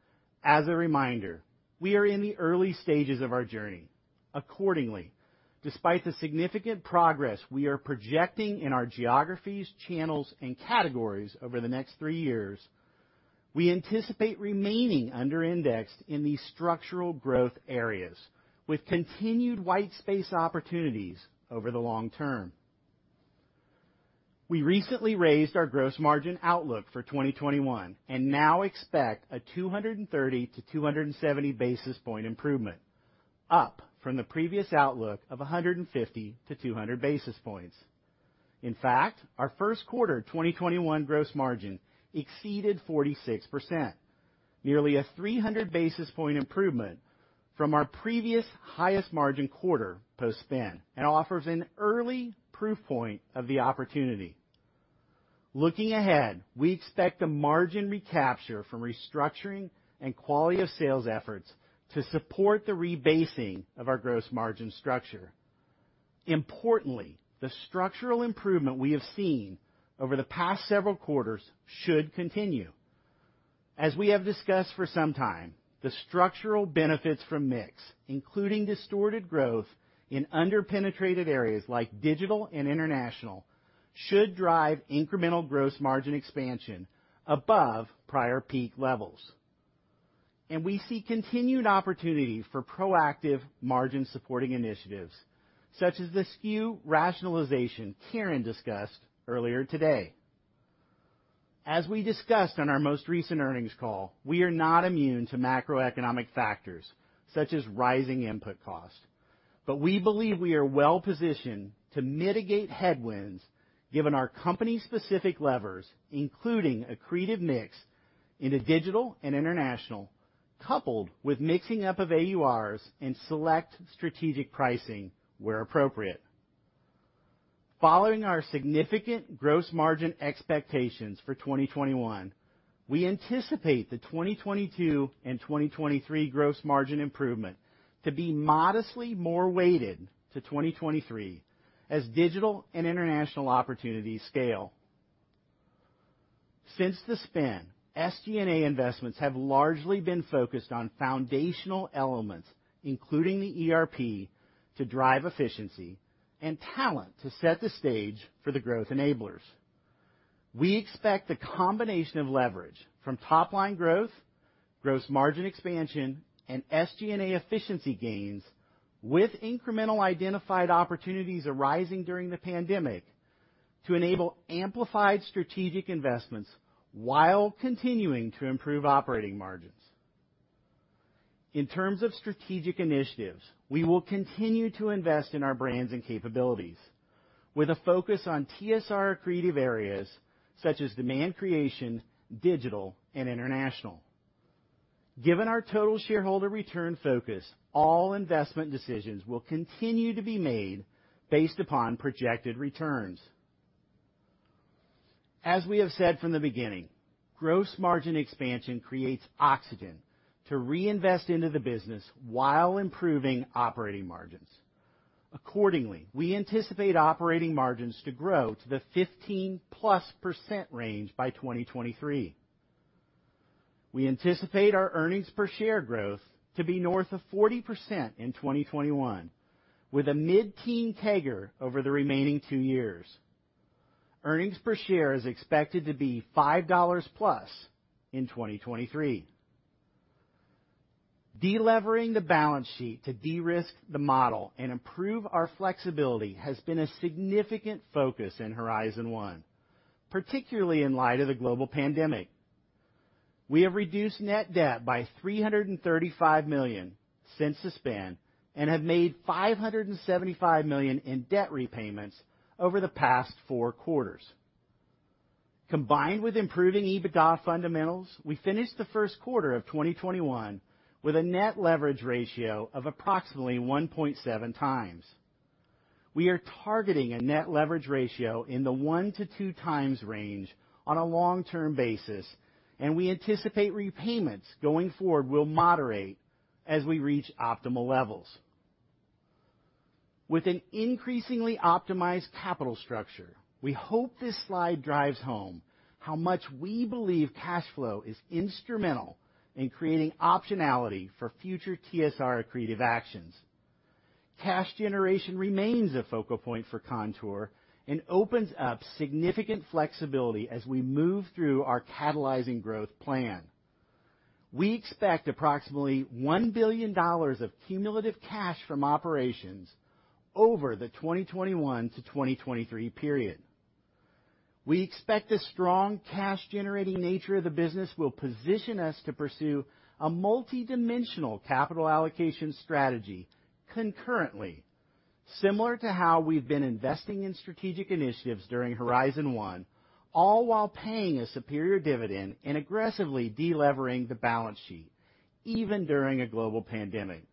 as a reminder, we are in the early stages of our journey. Accordingly, despite the significant progress we are projecting in our geographies, channels, and categories over the next three years, we anticipate remaining under-indexed in these structural growth areas with continued white space opportunities over the long term. We recently raised our gross margin outlook for 2021 and now expect a 230-270 basis point improvement, up from the previous outlook of 150-200 basis points. In fact, our first quarter 2021 gross margin exceeded 46%, nearly a 300 basis point improvement from our previous highest margin quarter post-spin, and offers an early proof point of the opportunity. Looking ahead, we expect the margin recapture from restructuring and quality of sales efforts to support the rebasing of our gross margin structure. Importantly, the structural improvement we have seen over the past several quarters should continue. As we have discussed for some time, the structural benefits from mix, including distorted growth in under-penetrated areas like digital and international, should drive incremental gross margin expansion above prior peak levels. We see continued opportunity for proactive margin supporting initiatives, such as the SKU rationalization Karen discussed earlier today. As we discussed on our most recent earnings call, we are not immune to macroeconomic factors such as rising input cost. We believe we are well positioned to mitigate headwinds given our company's specific levers, including accretive mix into digital and international, coupled with mixing up of AURs and select strategic pricing where appropriate. Following our significant gross margin expectations for 2021, we anticipate the 2022 and 2023 gross margin improvement to be modestly more weighted to 2023 as digital and international opportunities scale. Since the spin, SG&A investments have largely been focused on foundational elements, including the ERP to drive efficiency and talent to set the stage for the growth enablers. We expect the combination of leverage from top-line growth, gross margin expansion, and SG&A efficiency gains with incremental identified opportunities arising during the pandemic to enable amplified strategic investments while continuing to improve operating margins. In terms of strategic initiatives, we will continue to invest in our brands and capabilities with a focus on TSR accretive areas such as demand creation, digital, and international. Given our total shareholder return focus, all investment decisions will continue to be made based upon projected returns. As we have said from the beginning, gross margin expansion creates oxygen to reinvest into the business while improving operating margins. Accordingly, we anticipate operating margins to grow to the 15-plus% range by 2023. We anticipate our earnings per share growth to be north of 40% in 2021, with a mid-teen CAGR over the remaining two years. Earnings per share is expected to be $5-plus in 2023. Delevering the balance sheet to de-risk the model and improve our flexibility has been a significant focus in Horizon One, particularly in light of the global pandemic. We have reduced net debt by $335 million since the spin and have made $575 million in debt repayments over the past four quarters. Combined with improving EBITDA fundamentals, we finished the first quarter of 2021 with a net leverage ratio of approximately 1.7 times. We are targeting a net leverage ratio in the one to two times range on a long-term basis, and we anticipate repayments going forward will moderate as we reach optimal levels. With an increasingly optimized capital structure, we hope this slide drives home how much we believe cash flow is instrumental in creating optionality for future TSR accretive actions. Cash generation remains a focal point for Kontoor and opens up significant flexibility as we move through our catalyzing growth plan. We expect approximately $1 billion of cumulative cash from operations over the 2021 to 2023 period. We expect the strong cash generating nature of the business will position us to pursue a multi-dimensional capital allocation strategy concurrently, similar to how we've been investing in strategic initiatives during Horizon One, all while paying a superior dividend and aggressively de-levering the balance sheet even during a global pandemic.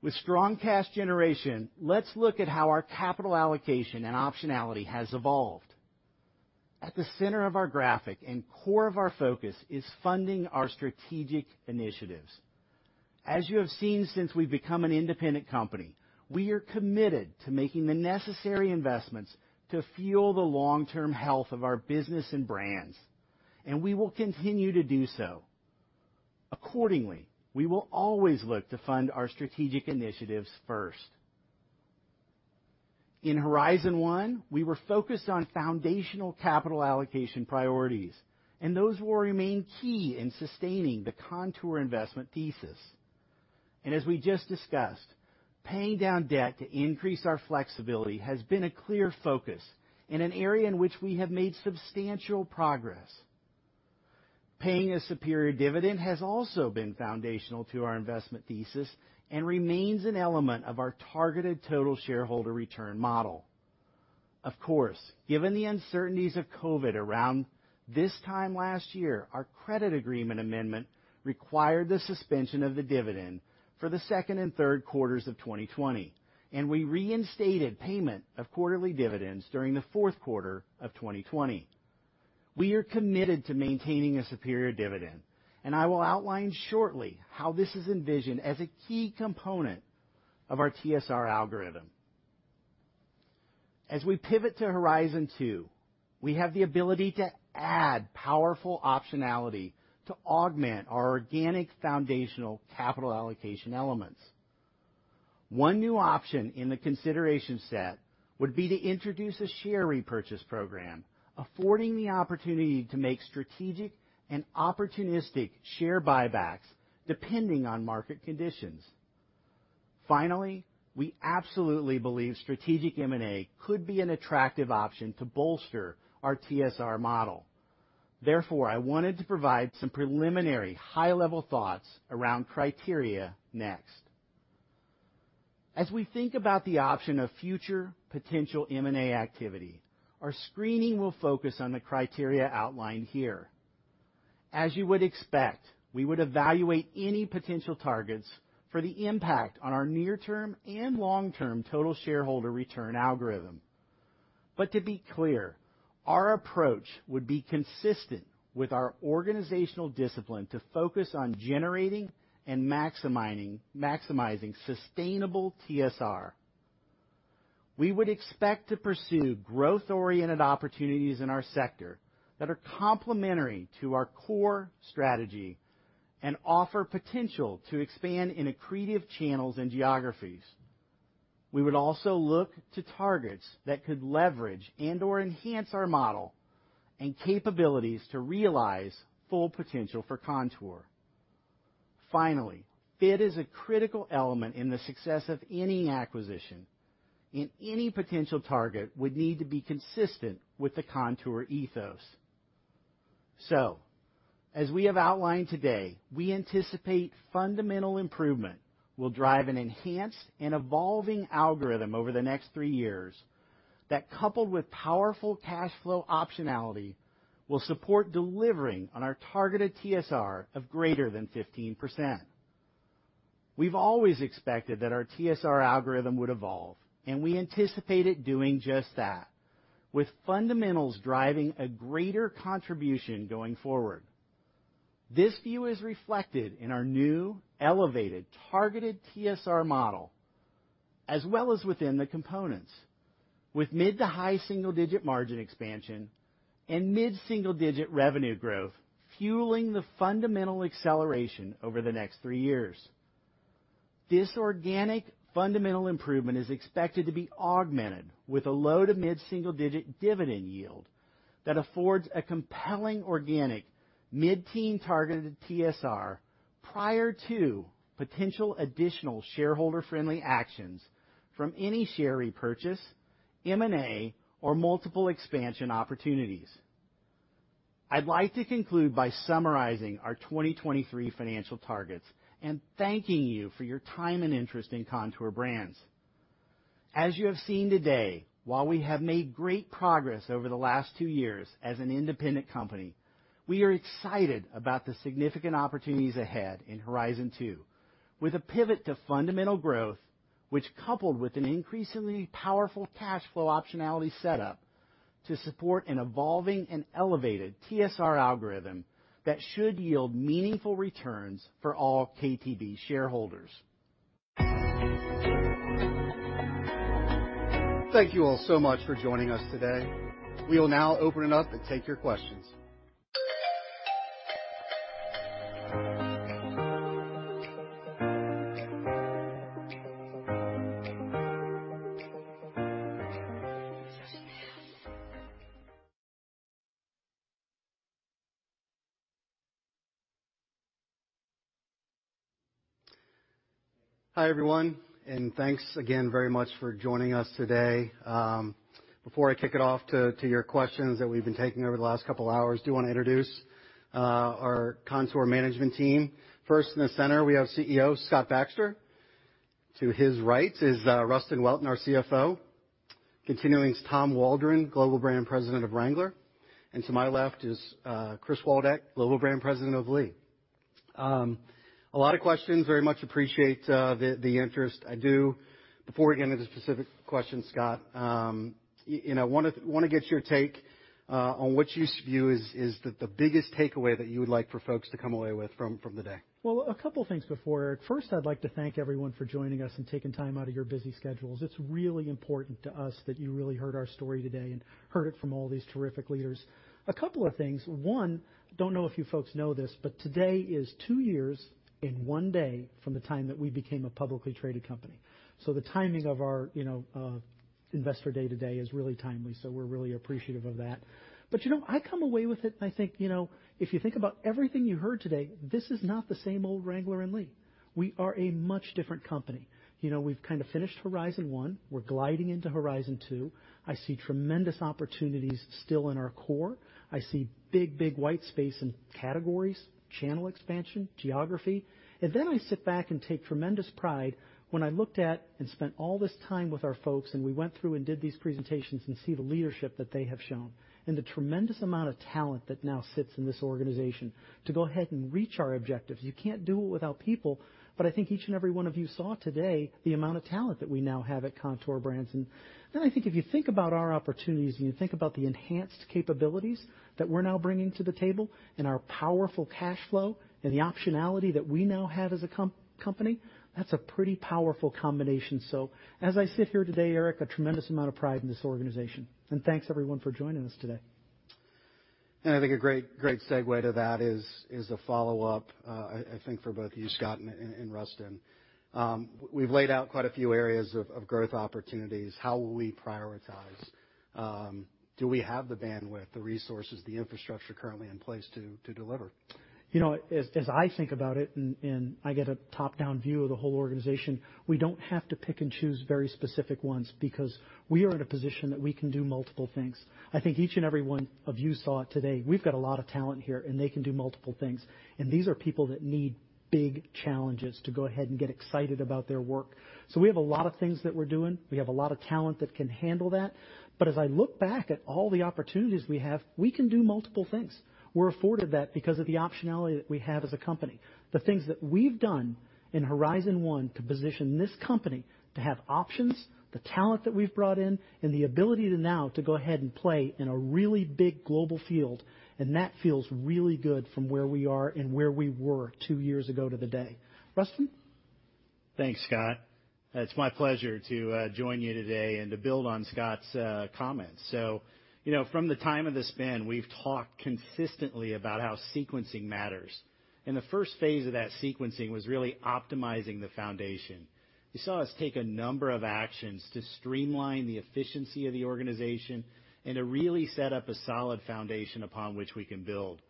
With strong cash generation, let's look at how our capital allocation and optionality has evolved. At the center of our graphic and core of our focus is funding our strategic initiatives. As you have seen since we've become an independent company, we are committed to making the necessary investments to fuel the long-term health of our business and brands, and we will continue to do so. Accordingly, we will always look to fund our strategic initiatives first. In Horizon One, we were focused on foundational capital allocation priorities. Those will remain key in sustaining the Kontoor investment thesis. As we just discussed, paying down debt to increase our flexibility has been a clear focus in an area in which we have made substantial progress. Paying a superior dividend has also been foundational to our investment thesis and remains an element of our targeted total shareholder return model. Of course, given the uncertainties of COVID around this time last year, our credit agreement amendment required the suspension of the dividend for the second and third quarters of 2020, and we reinstated payment of quarterly dividends during the fourth quarter of 2020. We are committed to maintaining a superior dividend, and I will outline shortly how this is envisioned as a key component of our TSR algorithm. As we pivot to Horizon Two, we have the ability to add powerful optionality to augment our organic foundational capital allocation elements. One new option in the consideration set would be to introduce a share repurchase program, affording the opportunity to make strategic and opportunistic share buybacks depending on market conditions. Finally, we absolutely believe strategic M&A could be an attractive option to bolster our TSR model. Therefore, I wanted to provide some preliminary high-level thoughts around criteria next. As we think about the option of future potential M&A activity, our screening will focus on the criteria outlined here. As you would expect, we would evaluate any potential targets for the impact on our near-term and long-term total shareholder return algorithm. To be clear, our approach would be consistent with our organizational discipline to focus on generating and maximizing sustainable TSR. We would expect to pursue growth-oriented opportunities in our sector that are complementary to our core strategy and offer potential to expand in accretive channels and geographies. We would also look to targets that could leverage and/or enhance our model and capabilities to realize full potential for Kontoor. Finally, fit is a critical element in the success of any acquisition, and any potential target would need to be consistent with the Kontoor ethos. As we have outlined today, we anticipate fundamental improvement will drive an enhanced and evolving algorithm over the next three years that, coupled with powerful cash flow optionality, will support delivering on our targeted TSR of greater than 15%. We've always expected that our TSR algorithm would evolve, and we anticipate it doing just that, with fundamentals driving a greater contribution going forward. This view is reflected in our new elevated targeted TSR model, as well as within the components. With mid to high single-digit margin expansion and mid-single digit revenue growth fueling the fundamental acceleration over the next three years. This organic fundamental improvement is expected to be augmented with a low to mid-single digit dividend yield that affords a compelling organic mid-teen targeted TSR prior to potential additional shareholder-friendly actions from any share repurchase, M&A or multiple expansion opportunities. I'd like to conclude by summarizing our 2023 financial targets and thanking you for your time and interest in Kontoor Brands. As you have seen today, while we have made great progress over the last two years as an independent company, we are excited about the significant opportunities ahead in Horizon Two with a pivot to fundamental growth, which coupled with an increasingly powerful cash flow optionality setup to support an evolving and elevated TSR algorithm that should yield meaningful returns for all KTB shareholders. Thank you all so much for joining us today. We will now open it up and take your questions. Hi, everyone, thanks again very much for joining us today. Before I kick it off to your questions that we've been taking over the last couple of hours, I do want to introduce our Kontoor management team. First, in the center, we have CEO Scott Baxter. To his right is Rustin Welton, our CFO. Continuing is Tom Waldron, Global Brand President of Wrangler, and to my left is Chris Waldeck, Global Brand President of Lee. A lot of questions, very much appreciate the interest. Before we get into specific questions, Scott, I want to get your take on what you see is the biggest takeaway that you would like for folks to come away with from the day? Well, a couple of things before. First, I'd like to thank everyone for joining us and taking time out of your busy schedules. It's really important to us that you really heard our story today and heard it from all these terrific leaders. A couple of things. One, don't know if you folks know this, but today is two years and one day from the time that we became a publicly traded company. The timing of our investor day today is really timely, so we're really appreciative of that. I come away with it and I think, if you think about everything you heard today, this is not the same old Wrangler and Lee. We are a much different company. We've kind of finished Horizon One. We're gliding into Horizon Two. I see tremendous opportunities still in our core. I see big white space in categories, channel expansion, geography. I sit back and take tremendous pride when I looked at and spent all this time with our folks, and we went through and did these presentations and see the leadership that they have shown, and the tremendous amount of talent that now sits in this organization to go ahead and reach our objectives. You can't do it without people. I think each and every one of you saw today the amount of talent that we now have at Kontoor Brands. I think if you think about our opportunities, and you think about the enhanced capabilities that we're now bringing to the table and our powerful cash flow and the optionality that we now have as a company, that's a pretty powerful combination. As I sit here today, Eric, a tremendous amount of pride in this organization. Thanks, everyone, for joining us today. I think a great segue to that is a follow-up, I think for both you, Scott, and Rustin. We've laid out quite a few areas of growth opportunities. How will we prioritize? Do we have the bandwidth, the resources, the infrastructure currently in place to deliver? As I think about it, and I get a top-down view of the whole organization, we don't have to pick and choose very specific ones because we are in a position that we can do multiple things. I think each and every one of you saw it today. We've got a lot of talent here, and they can do multiple things. These are people that need big challenges to go ahead and get excited about their work. We have a lot of things that we're doing. We have a lot of talent that can handle that. As I look back at all the opportunities we have, we can do multiple things. We're afforded that because of the optionality that we have as a company. The things that we've done in Horizon One to position this company to have options, the talent that we've brought in, and the ability to now to go ahead and play in a really big global field. That feels really good from where we are and where we were two years ago to the day. Rustin? Thanks, Scott. It's my pleasure to join you today and to build on Scott's comments. From the time of the spin, we've talked consistently about how sequencing matters, and the first phase of that sequencing was really optimizing the foundation. You saw us take a number of actions to streamline the efficiency of the organization and to really set up a solid foundation upon which we can build.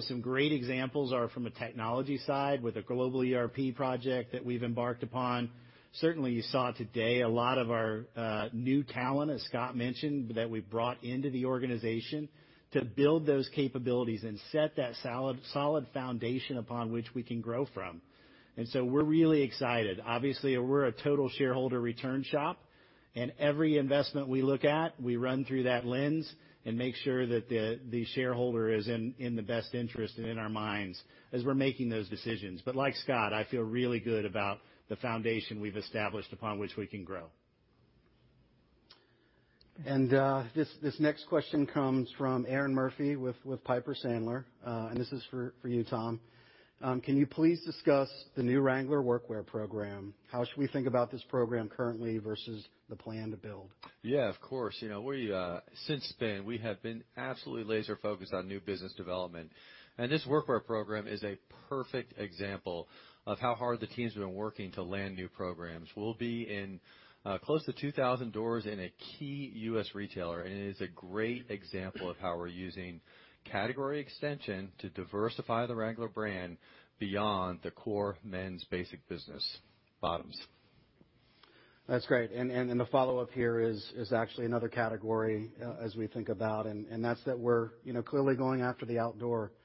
Some great examples are from a technology side with a global ERP project that we've embarked upon. Certainly, you saw today a lot of our new talent, as Scott mentioned, that we brought into the organization to build those capabilities and set that solid foundation upon which we can grow from. We're really excited. We're a total shareholder return shop. Every investment we look at, we run through that lens and make sure that the shareholder is in the best interest and in our minds as we're making those decisions. Like Scott, I feel really good about the foundation we've established upon which we can grow. This next question comes from Erinn Murphy with Piper Sandler. This is for you, Tom. Can you please discuss the new Wrangler workwear program? How should we think about this program currently versus the plan to build? Yeah, of course. Since spin, we have been absolutely laser focused on new business development. This workwear program is a perfect example of how hard the team's been working to land new programs. We'll be in close to 2,000 doors in a key U.S. retailer, and it is a great example of how we're using category extension to diversify the Wrangler brand beyond the core men's basic business bottoms. That's great. The follow-up here is actually another category as we think about, and that's that we're clearly going after the outdoor space,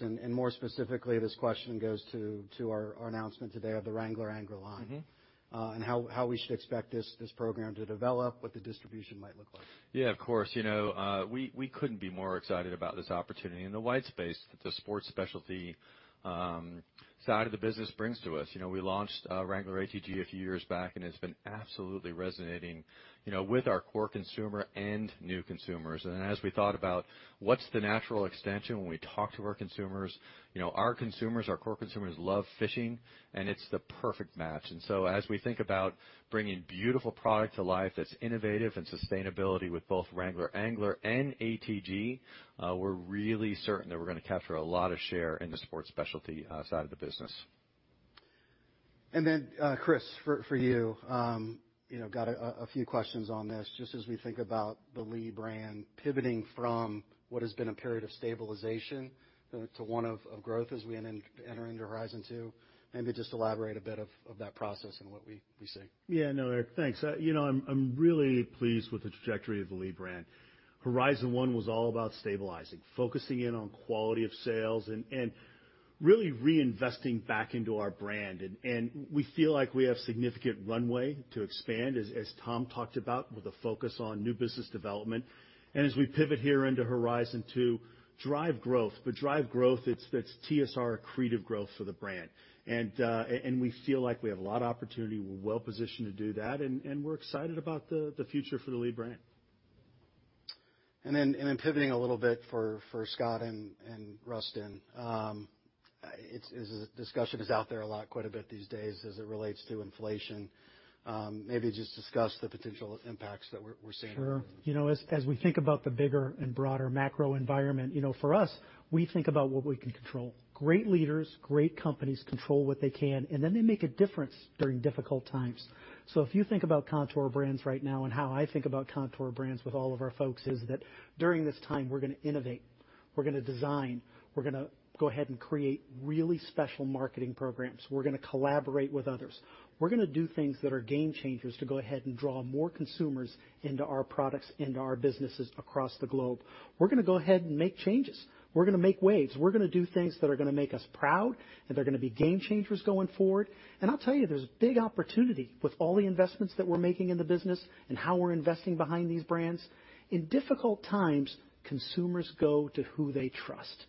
and more specifically, this question goes to our announcement today of the Wrangler Angler line. How we should expect this program to develop, what the distribution might look like. Yeah, of course. We couldn't be more excited about this opportunity in the white space that the sports specialty side of the business brings to us. We launched Wrangler ATG a few years back, and it's been absolutely resonating with our core consumer and new consumers. As we thought about what's the natural extension when we talk to our consumers, our core consumers love fishing, and it's the perfect match. As we think about bringing beautiful product to life that's innovative and sustainability with both Wrangler Angler and ATG, we're really certain that we're going to capture a lot of share in the sports specialty side of the business. Chris, for you. I got a few questions on this, just as we think about the Lee brand pivoting from what has been a period of stabilization to one of growth as we enter into Horizon Two. Maybe just elaborate a bit of that process and what we see? Yeah. No, Eric, thanks. I'm really pleased with the trajectory of the Lee brand. Horizon One was all about stabilizing, focusing in on quality of sales and really reinvesting back into our brand. We feel like we have significant runway to expand, as Tom talked about, with a focus on new business development. Drive growth that's TSR accretive growth for the brand. We feel like we have a lot of opportunity. We're well positioned to do that, and we're excited about the future for the Lee brand. Pivoting a little bit for Scott and Rustin. Discussion is out there a lot, quite a bit these days as it relates to inflation. Maybe just discuss the potential impacts that we're seeing. Sure. As we think about the bigger and broader macro environment, for us, we think about what we can control. Great leaders, great companies control what they can, and then they make a difference during difficult times. If you think about Kontoor Brands right now and how I think about Kontoor Brands with all of our folks, is that during this time, we're going to innovate, we're going to design, we're going to go ahead and create really special marketing programs. We're going to collaborate with others. We're going to do things that are game changers to go ahead and draw more consumers into our products, into our businesses across the globe. We're going to go ahead and make changes. We're going to make waves. We're going to do things that are going to make us proud, and they're going to be game changers going forward. I'll tell you, there's big opportunity with all the investments that we're making in the business and how we're investing behind these brands. In difficult times, consumers go to who they trust.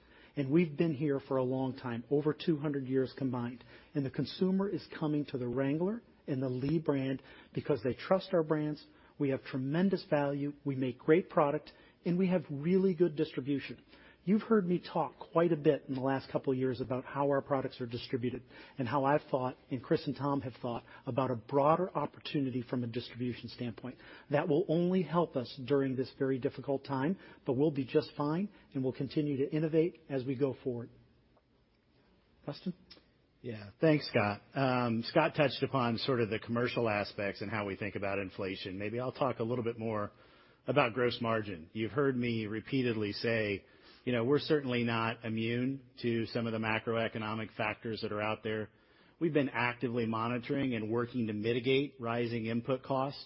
We've been here for a long time, over 200 years combined. The consumer is coming to the Wrangler and the Lee brand because they trust our brands. We have tremendous value. We make great product, and we have really good distribution. You've heard me talk quite a bit in the last couple of years about how our products are distributed and how I've thought, and Chris and Tom have thought, about a broader opportunity from a distribution standpoint. That will only help us during this very difficult time, but we'll be just fine, and we'll continue to innovate as we go forward. Rustin? Yeah. Thanks, Scott. Scott touched upon sort of the commercial aspects and how we think about inflation. Maybe I'll talk a little bit more about gross margin. You've heard me repeatedly say we're certainly not immune to some of the macroeconomic factors that are out there. We've been actively monitoring and working to mitigate rising input costs,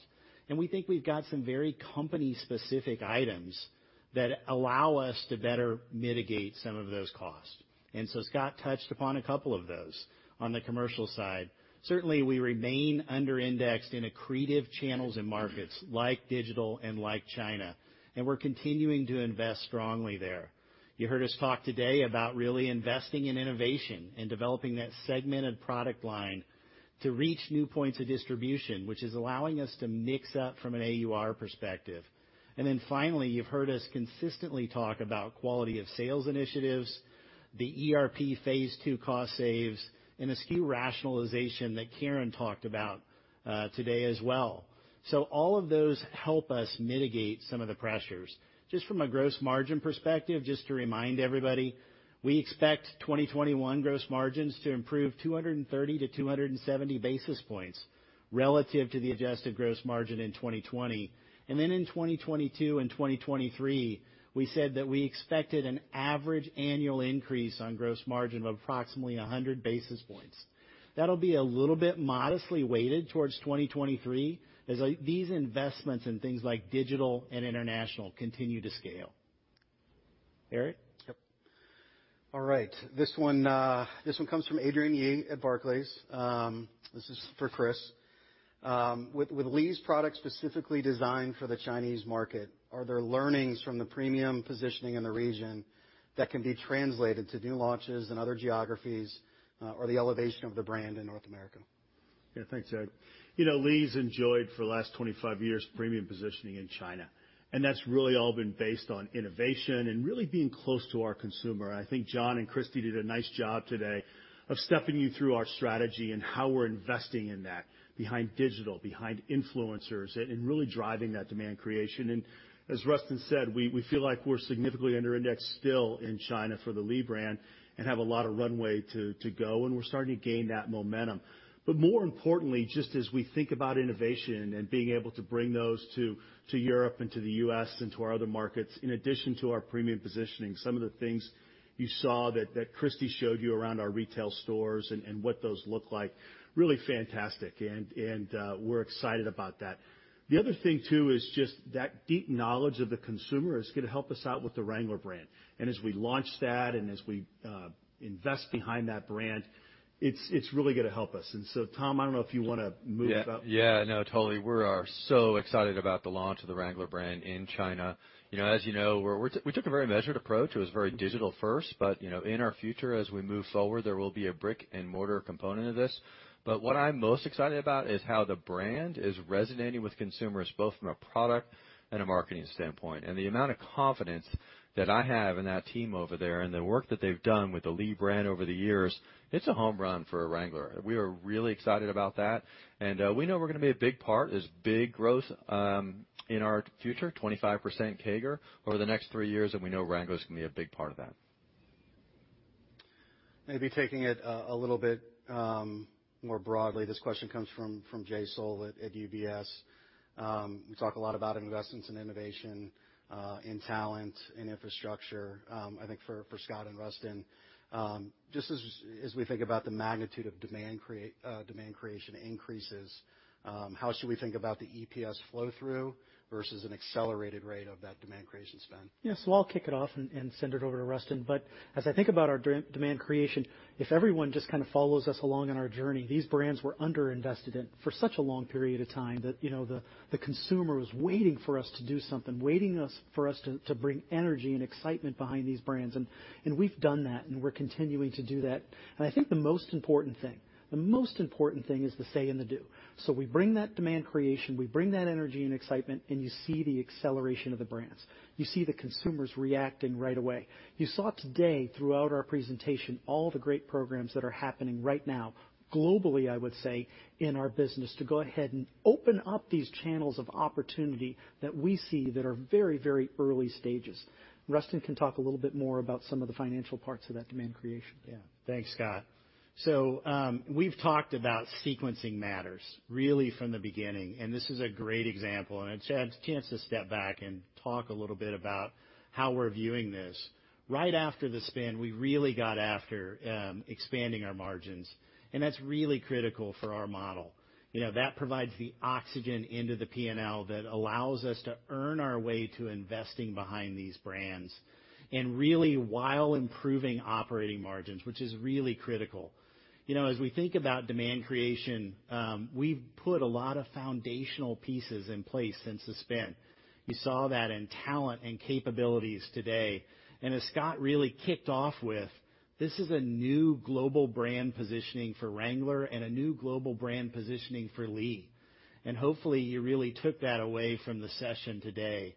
and we think we've got some very company-specific items that allow us to better mitigate some of those costs. Scott touched upon a couple of those on the commercial side. Certainly, we remain under-indexed in accretive channels and markets like digital and like China, and we're continuing to invest strongly there. You heard us talk today about really investing in innovation and developing that segmented product line to reach new points of distribution, which is allowing us to mix up from an AUR perspective. Finally, you've heard us consistently talk about quality of sales initiatives, the ERP phase two cost saves, and SKU rationalization that Karen talked about today as well. All of those help us mitigate some of the pressures. Just from a gross margin perspective, just to remind everybody, we expect 2021 gross margins to improve 230-270 basis points relative to the adjusted gross margin in 2020. In 2022 and 2023, we said that we expected an average annual increase on gross margin of approximately 100 basis points. That'll be a little bit modestly weighted towards 2023 as these investments in things like digital and international continue to scale. Eric? Yep. All right. This one comes from Adrienne Yih at Barclays. This is for Chris. With Lee's product specifically designed for the Chinese market, are there learnings from the premium positioning in the region that can be translated to new launches in other geographies or the elevation of the brand in North America? Yeah. Thanks, Eric. Lee's enjoyed, for the last 25 years, premium positioning in China, and that's really all been based on innovation and really being close to our consumer. I think John and Christy did a nice job today of stepping you through our strategy and how we're investing in that behind digital, behind influencers, and really driving that demand creation. As Rustin said, we feel like we're significantly under indexed still in China for the Lee brand and have a lot of runway to go, and we're starting to gain that momentum. More importantly, just as we think about innovation and being able to bring those to Europe and to the U.S. and to our other markets, in addition to our premium positioning, some of the things you saw that Christy showed you around our retail stores and what those look like, really fantastic, and we're excited about that. The other thing, too, is just that deep knowledge of the consumer is going to help us out with the Wrangler brand. As we launch that and as we invest behind that brand, it's really going to help us. Tom, I don't know if you want to move about? Yeah. No, totally. We are so excited about the launch of the Wrangler brand in China. As you know, we took a very measured approach. It was very digital first. In our future, as we move forward, there will be a brick and mortar component of this. What I'm most excited about is how the brand is resonating with consumers, both from a product and a marketing standpoint. The amount of confidence that I have in that team over there and the work that they've done with the Lee brand over the years, it's a home run for Wrangler. We are really excited about that, and we know we're going to be a big part. There's big growth in our future, 25% CAGR over the next three years, and we know Wrangler is going to be a big part of that. Maybe taking it a little bit more broadly. This question comes from Jay Sole at UBS. You talk a lot about investments in innovation, in talent, in infrastructure. I think for Scott and Rustin, just as we think about the magnitude of demand creation increases, how should we think about the EPS flow through versus an accelerated rate of that demand creation spend? Yes. I'll kick it off and send it over to Rustin. As I think about our demand creation, if everyone just kind of follows us along on our journey, these brands were under-invested in for such a long period of time that the consumer was waiting for us to do something, waiting for us to bring energy and excitement behind these brands. We've done that, and we're continuing to do that. I think the most important thing is the say and the do. We bring that demand creation, we bring that energy and excitement, and you see the acceleration of the brands. You see the consumers reacting right away. You saw it today throughout our presentation, all the great programs that are happening right now, globally, I would say, in our business to go ahead and open up these channels of opportunity that we see that are very early stages. Rustin can talk a little bit more about some of the financial parts of that demand creation. Yeah. Thanks, Scott. We've talked about sequencing matters really from the beginning, and this is a great example, and a chance to step back and talk a little bit about how we're viewing this. Right after the spin, we really got after expanding our margins, and that's really critical for our model. That provides the oxygen into the P&L that allows us to earn our way to investing behind these brands, and really while improving operating margins, which is really critical. As we think about demand creation, we've put a lot of foundational pieces in place since the spin. You saw that in talent and capabilities today. As Scott really kicked off with, this is a new global brand positioning for Wrangler and a new global brand positioning for Lee. Hopefully, you really took that away from the session today.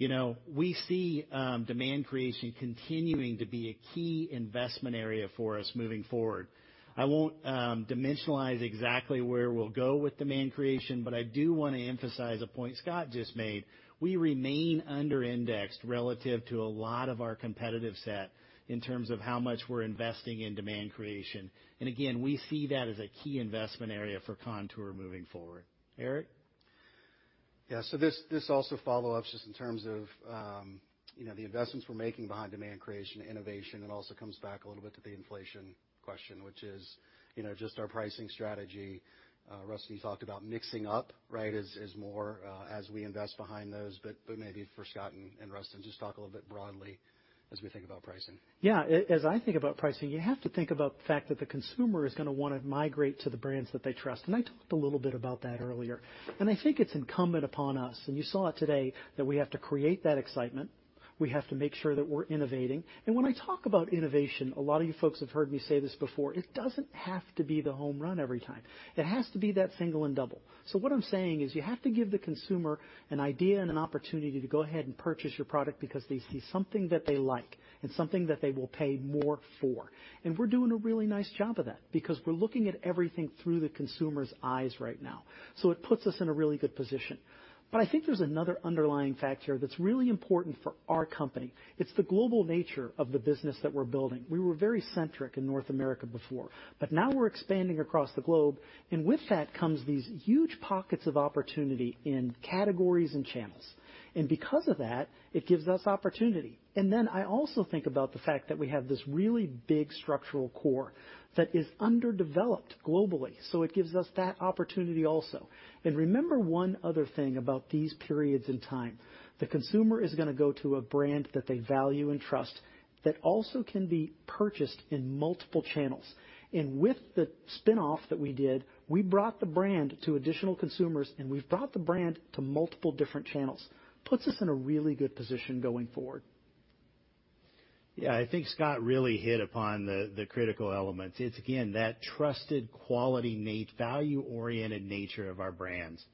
We see demand creation continuing to be a key investment area for us moving forward. I won't dimensionalize exactly where we'll go with demand creation, but I do want to emphasize a point Scott just made. We remain under-indexed relative to a lot of our competitive set in terms of how much we're investing in demand creation. Again, we see that as a key investment area for Kontoor moving forward. Eric? Yeah. This also follows up just in terms of the investments we're making behind demand creation, innovation, and also comes back a little bit to the inflation question, which is just our pricing strategy. Rustin, you talked about mixing up, right, as more as we invest behind those. Maybe for Scott and Rustin, just talk a little bit broadly as we think about pricing. Yeah. As I think about pricing, you have to think about the fact that the consumer is going to want to migrate to the brands that they trust. I talked a little bit about that earlier. I think it's incumbent upon us, and you saw it today, that we have to create that excitement. We have to make sure that we're innovating. When I talk about innovation, a lot of you folks have heard me say this before, it doesn't have to be the home run every time. It has to be that single and double. What I'm saying is you have to give the consumer an idea and an opportunity to go ahead and purchase your product because they see something that they like and something that they will pay more for. We're doing a really nice job of that because we're looking at everything through the consumer's eyes right now. It puts us in a really good position. I think there's another underlying factor that's really important for our company. It's the global nature of the business that we're building. We were very centric in North America before, but now we're expanding across the globe, and with that comes these huge pockets of opportunity in categories and channels. Because of that, it gives us opportunity. Then I also think about the fact that we have this really big structural core that is underdeveloped globally, so it gives us that opportunity also. Remember one other thing about these periods in time. The consumer is going to go to a brand that they value and trust that also can be purchased in multiple channels. With the spin-off that we did, we brought the brand to additional consumers, and we've brought the brand to multiple different channels. Puts us in a really good position going forward. Yeah. I think Scott really hit upon the critical elements. It's again, that trusted quality, value-oriented nature of our brands.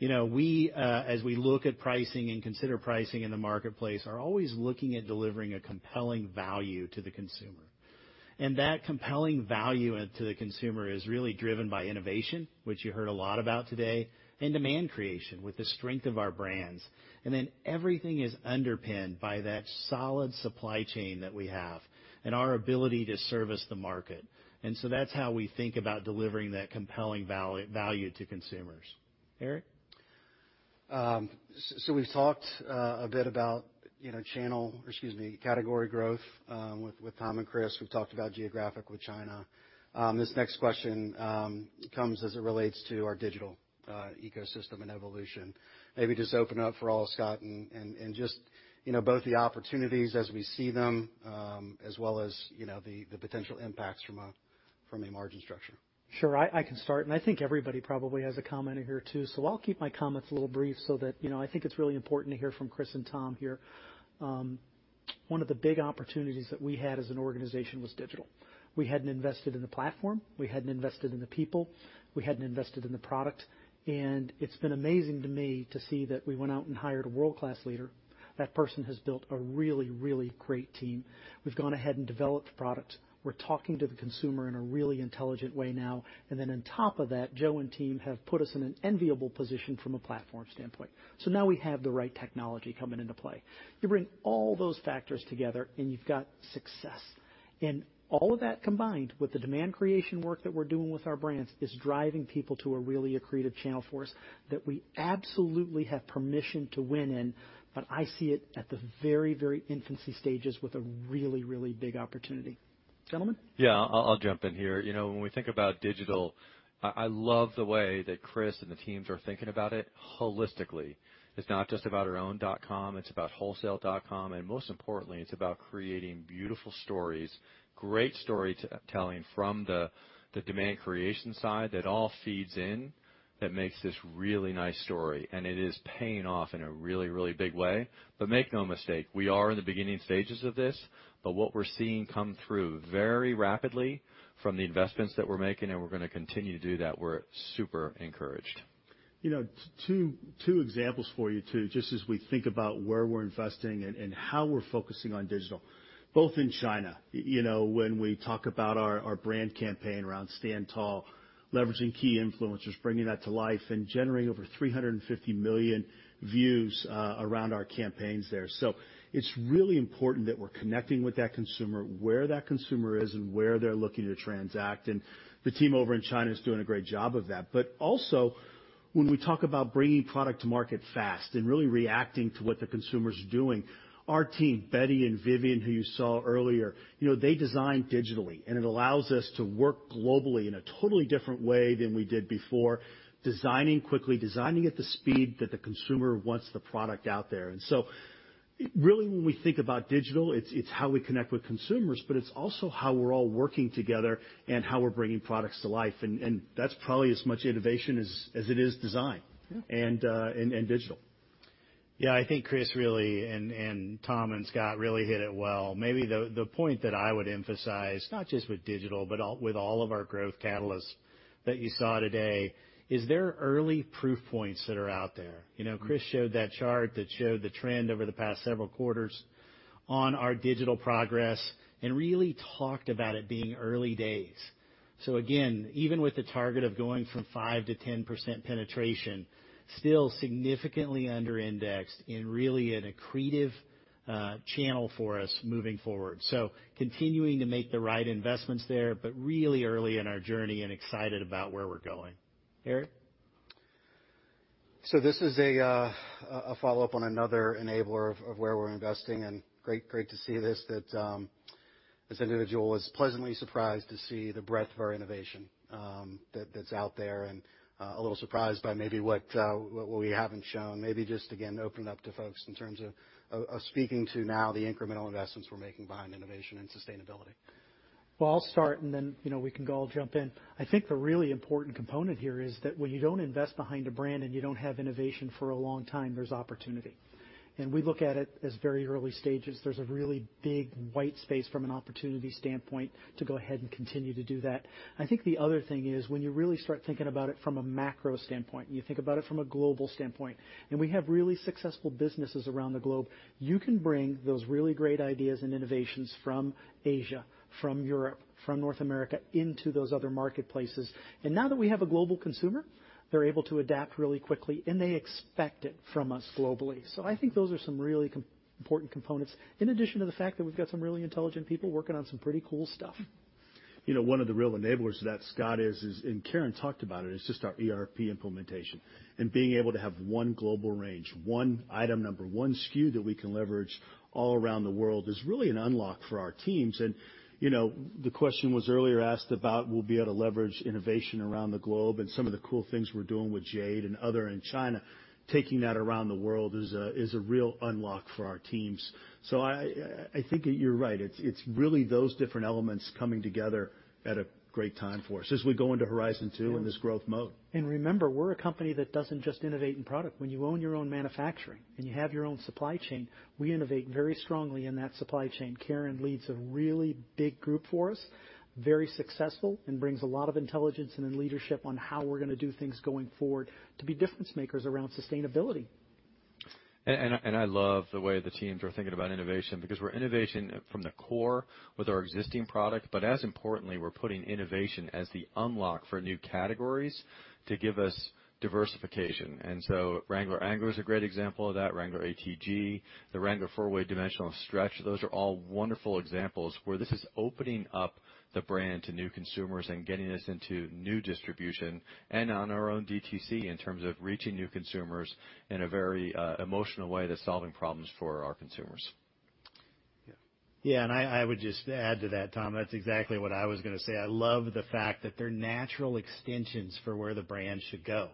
As we look at pricing and consider pricing in the marketplace, are always looking at delivering a compelling value to the consumer. That compelling value to the consumer is really driven by innovation, which you heard a lot about today, and demand creation with the strength of our brands. Everything is underpinned by that solid supply chain that we have and our ability to service the market. That's how we think about delivering that compelling value to consumers. Eric? We've talked a bit about category growth, with Tom and Chris. We've talked about geographic with China. This next question comes as it relates to our digital ecosystem and evolution. Maybe just open up for all, Scott, and just both the opportunities as we see them, as well as the potential impacts from a margin structure. Sure. I can start, and I think everybody probably has a comment in here too. I'll keep my comments a little brief. I think it's really important to hear from Chris and Tom here. One of the big opportunities that we had as an organization was digital. We hadn't invested in the platform, we hadn't invested in the people, we hadn't invested in the product. It's been amazing to me to see that we went out and hired a world-class leader. That person has built a really great team. We've gone ahead and developed the product. We're talking to the consumer in a really intelligent way now. On top of that, Joe and team have put us in an enviable position from a platform standpoint. Now we have the right technology coming into play. You bring all those factors together, and you've got success. All of that combined with the demand creation work that we're doing with our brands is driving people to a really accretive channel for us that we absolutely have permission to win in. I see it at the very infancy stages with a really big opportunity. Gentlemen? Yeah, I'll jump in here. When we think about digital, I love the way that Chris and the teams are thinking about it holistically. It's not just about our own dot com, it's about wholesale dot com. Most importantly, it's about creating beautiful stories, great storytelling from the demand creation side that all feeds in that makes this really nice story. It is paying off in a really big way. Make no mistake, we are in the beginning stages of this. What we're seeing come through very rapidly from the investments that we're making, and we're going to continue to do that, we're super encouraged. Two examples for you, too, just as we think about where we're investing and how we're focusing on digital, both in China. We talk about our brand campaign around Stand Tall, leveraging key influencers, bringing that to life, and generating over 350 million views around our campaigns there. It's really important that we're connecting with that consumer where that consumer is and where they're looking to transact, and the team over in China is doing a great job of that. Also when we talk about bringing product to market fast and really reacting to what the consumer is doing, our team, Betty and Vivian, who you saw earlier, they design digitally, and it allows us to work globally in a totally different way than we did before, designing quickly, designing at the speed that the consumer wants the product out there. Really when we think about digital, it's how we connect with consumers, but it's also how we're all working together and how we're bringing products to life, and that's probably as much innovation as it is design and digital. Yeah, I think Chris really, and Tom and Scott really hit it well. Maybe the point that I would emphasize, not just with digital, but with all of our growth catalysts that you saw today, is there are early proof points that are out there. Chris showed that chart that showed the trend over the past several quarters on our digital progress and really talked about it being early days. Again, even with the target of going from 5%-10% penetration, still significantly under indexed and really an accretive channel for us moving forward. Continuing to make the right investments there, but really early in our journey and excited about where we're going. Eric? This is a follow-up on another enabler of where we're investing and great to see this, that this individual was pleasantly surprised to see the breadth of our innovation that's out there and a little surprised by maybe what we haven't shown. Maybe just again, open up to folks in terms of speaking to now the incremental investments we're making behind innovation and sustainability. Well, I'll start, and then we can all jump in. I think the really important component here is that when you don't invest behind a brand and you don't have innovation for a long time, there's opportunity. We look at it as very early stages. There's a really big white space from an opportunity standpoint to go ahead and continue to do that. I think the other thing is when you really start thinking about it from a macro standpoint, you think about it from a global standpoint, and we have really successful businesses around the globe. You can bring those really great ideas and innovations from Asia, from Europe, from North America into those other marketplaces. Now that we have a global consumer, they're able to adapt really quickly, and they expect it from us globally. I think those are some really important components in addition to the fact that we've got some really intelligent people working on some pretty cool stuff. One of the real enablers of that, Scott, is, and Karen talked about it, is just our ERP implementation and being able to have one global range, one item number, one SKU that we can leverage all around the world is really an unlock for our teams. The question was earlier asked about will we able to leverage innovation around the globe and some of the cool things we're doing with Jade and other in China. Taking that around the world is a real unlock for our teams. I think that you're right. It's really those different elements coming together at a great time for us as we go into Horizon Two in this growth mode. Remember, we're a company that doesn't just innovate in product. When you own your own manufacturing and you have your own supply chain, we innovate very strongly in that supply chain. Karen leads a really big group for us, very successful, and brings a lot of intelligence and leadership on how we're going to do things going forward to be difference makers around sustainability. I love the way the teams are thinking about innovation because we're innovation from the core with our existing product. As importantly, we're putting innovation as the unlock for new categories to give us diversification. Wrangler Angler is a great example of that. Wrangler ATG, the Wrangler 4-Way Dimensional Stretch, those are all wonderful examples where this is opening up the brand to new consumers and getting us into new distribution and on our own DTC in terms of reaching new consumers in a very emotional way to solving problems for our consumers. I would just add to that, Tom, that's exactly what I was going to say. I love the fact that they're natural extensions for where the brand should go.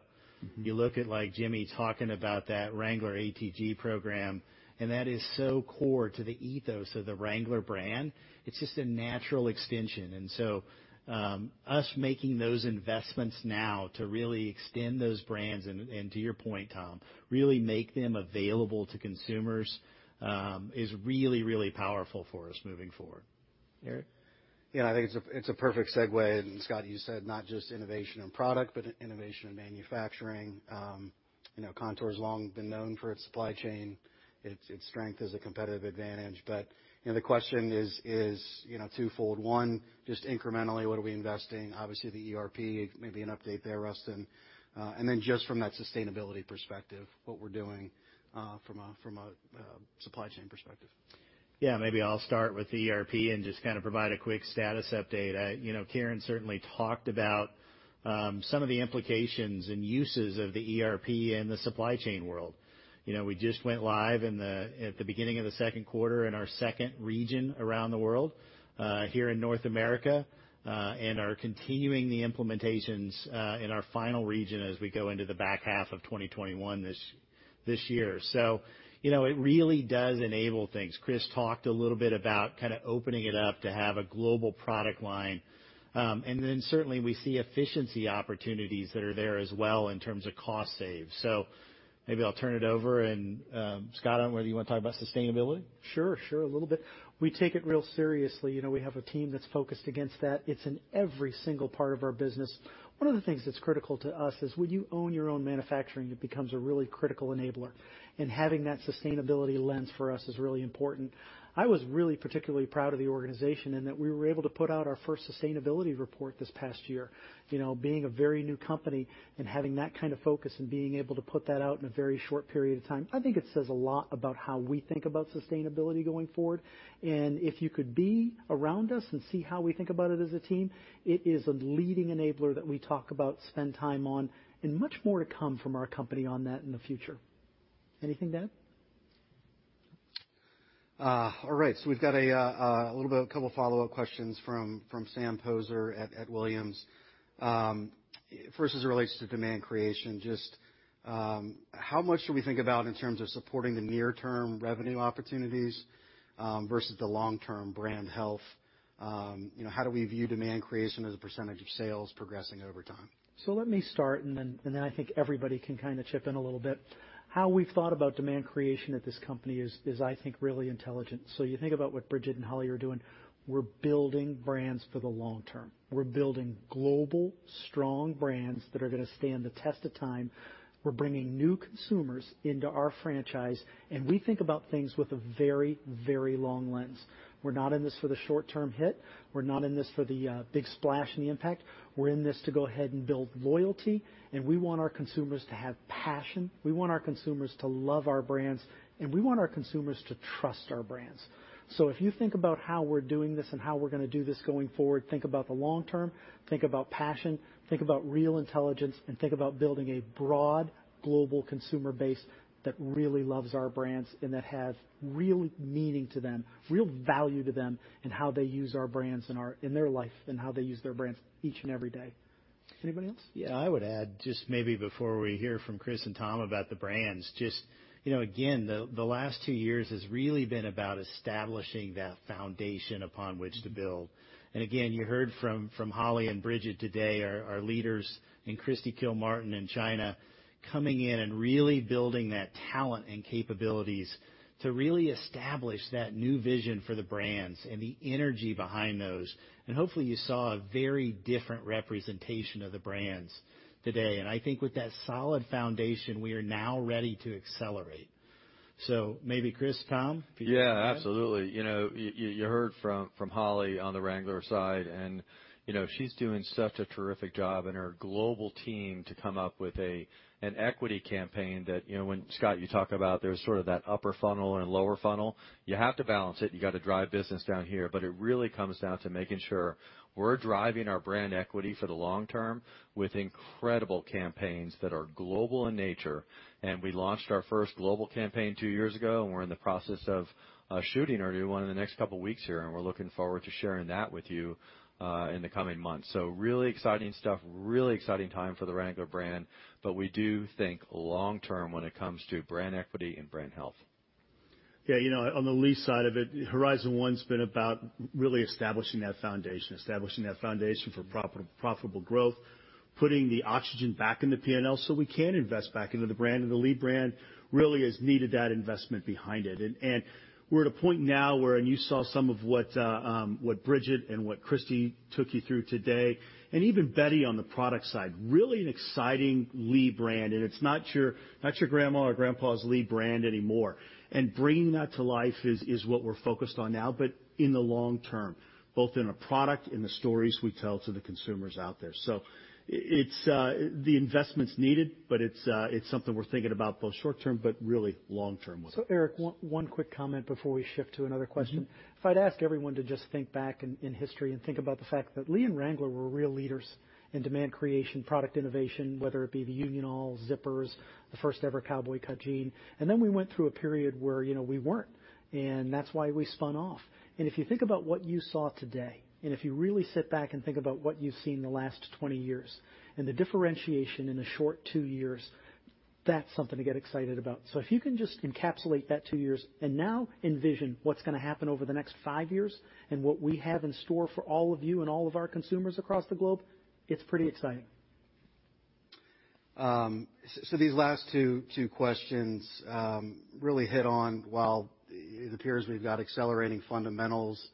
You look at Jimmy talking about that Wrangler ATG program, and that is so core to the ethos of the Wrangler brand. It's just a natural extension. Us making those investments now to really extend those brands and to your point, Tom, really make them available to consumers, is really powerful for us moving forward. Yeah. I think it's a perfect segue. Scott, you said not just innovation in product, but innovation in manufacturing. Kontoor's long been known for its supply chain, its strength as a competitive advantage. The question is twofold. One, just incrementally, what are we investing? Obviously, the ERP, maybe an update there, Rustin. Then just from that sustainability perspective, what we're doing from a supply chain perspective. Maybe I'll start with ERP and just kind of provide a quick status update. Karen certainly talked about some of the implications and uses of the ERP in the supply chain world. We just went live at the beginning of the second quarter in our second region around the world, here in North America, and are continuing the implementations in our final region as we go into the back half of 2021 this year. It really does enable things. Chris talked a little bit about kind of opening it up to have a global product line. Certainly we see efficiency opportunities that are there as well in terms of cost saves. Maybe I'll turn it over, and Scott, I don't know whether you want to talk about sustainability? Sure. A little bit. We take it real seriously. We have a team that's focused against that. It's in every single part of our business. One of the things that's critical to us is when you own your own manufacturing, it becomes a really critical enabler, and having that sustainability lens for us is really important. I was really particularly proud of the organization and that we were able to put out our first sustainability report this past year. Being a very new company and having that kind of focus and being able to put that out in a very short period of time, I think it says a lot about how we think about sustainability going forward. If you could be around us and see how we think about it as a team, it is a leading enabler that we talk about, spend time on, and much more to come from our company on that in the future. Anything to add? All right. We've got a couple of follow-up questions from Sam Poser at Williams. First, as it relates to demand creation, just how much should we think about in terms of supporting the near-term revenue opportunities versus the long-term brand health? How do we view demand creation as a percentage of sales progressing over time? Let me start, and then I think everybody can kind of chip in a little bit. How we've thought about demand creation at this company is, I think, really intelligent. You think about what Bridget and Holly are doing. We're building brands for the long term. We're building global, strong brands that are gonna stand the test of time. We're bringing new consumers into our franchise, and we think about things with a very long lens. We're not in this for the short-term hit. We're not in this for the big splash and impact. We're in this to go ahead and build loyalty, and we want our consumers to have passion. We want our consumers to love our brands, and we want our consumers to trust our brands. If you think about how we're doing this and how we're going to do this going forward, think about the long term, think about passion, think about real intelligence, and think about building a broad global consumer base that really loves our brands and that has real meaning to them, real value to them in how they use our brands in their life, and how they use their brands each and every day. Anybody else? Yeah. I would add just maybe before we hear from Chris and Tom about the brands, just again, the last two years has really been about establishing that foundation upon which to build. Again, you heard from Holly and Bridget today, our leaders, and Christy Kilmartin in China, coming in and really building that talent and capabilities to really establish that new vision for the brands and the energy behind those. Hopefully, you saw a very different representation of the brands today. I think with that solid foundation, we are now ready to accelerate. Maybe Chris, Tom? Yeah, absolutely. You heard from Holly on the Wrangler side, and she's doing such a terrific job and her global team to come up with an equity campaign that, when Scott, you talk about there's sort of that upper funnel and lower funnel, you have to balance it. You got to drive business down here, but it really comes down to making sure we're driving our brand equity for the long term with incredible campaigns that are global in nature. We launched our first global campaign two years ago, and we're in the process of shooting a new one in the next couple of weeks here. We're looking forward to sharing that with you in the coming months. Really exciting stuff, really exciting time for the Wrangler brand, but we do think long term when it comes to brand equity and brand health. On the Lee side of it, Horizon One's been about really establishing that foundation. Establishing that foundation for profitable growth, putting the oxygen back in the P&L so we can invest back into the brand. The Lee brand really has needed that investment behind it. We're at a point now where, and you saw some of what Bridget and what Christy took you through today, and even Betty on the product side, really an exciting Lee brand. It's not your grandma or grandpa's Lee brand anymore. Bringing that to life is what we're focused on now, but in the long term, both in a product, in the stories we tell to the consumers out there. The investment's needed, but it's something we're thinking about both short term, but really long term with Lee. Eric, one quick comment before we shift to another question. If I'd ask everyone to just think back in history and think about the fact that Lee and Wrangler were real leaders in demand creation, product innovation, whether it be the Union-All, zippers, the first ever cowboy cut jean. Then we went through a period where we weren't, and that's why we spun off. If you think about what you saw today, and if you really sit back and think about what you've seen in the last 20 years and the differentiation in a short two years, that's something to get excited about. If you can just encapsulate that two years and now envision what's gonna happen over the next five years and what we have in store for all of you and all of our consumers across the globe, it's pretty exciting. These last two questions really hit on, while it appears we've got accelerating fundamentals,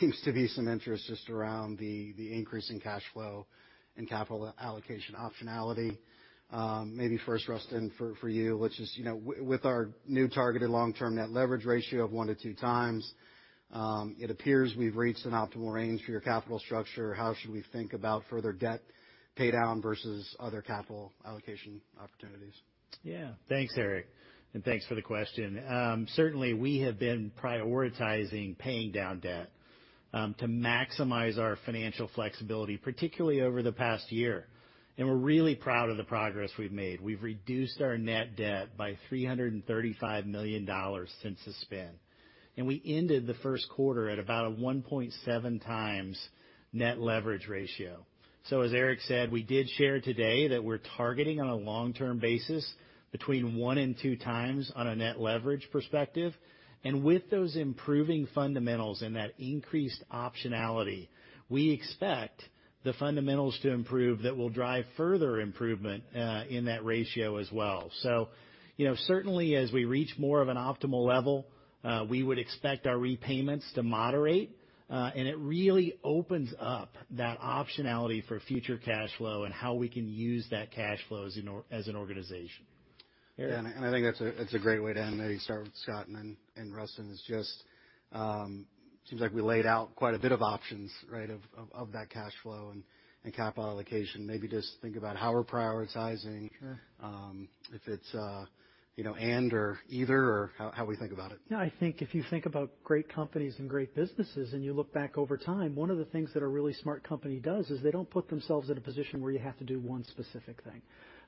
seems to be some interest just around the increase in cash flow and capital allocation optionality. Maybe first, Rustin, for you, let's just With our new targeted long-term net leverage ratio of one to two times, it appears we've reached an optimal range for your capital structure. How should we think about further debt paydown versus other capital allocation opportunities? Thanks, Eric, and thanks for the question. Certainly, we have been prioritizing paying down debt to maximize our financial flexibility, particularly over the past year, and we're really proud of the progress we've made. We've reduced our net debt by $335 million since the spin, and we ended the first quarter at about 1.7 times net leverage ratio. As Eric said, we did share today that we're targeting on a long-term basis between one and two times on a net leverage perspective. With those improving fundamentals and that increased optionality, we expect the fundamentals to improve that will drive further improvement in that ratio as well. Certainly as we reach more of an optimal level, we would expect our repayments t o moderate. It really opens up that optionality for future cash flow and how we can use that cash flow as an organization. Yeah, I think that's a great way to end. Maybe start with Scott and Rustin. It's just, seems like we laid out quite a bit of options, right, of that cash flow and capital allocation. Maybe just think about how we're prioritizing. Sure. If it's and, or either, or how we think about it. Yeah, I think if you think about great companies and great businesses, and you look back over time, one of the things that a really smart company does is they don't put themselves in a position where you have to do one specific thing.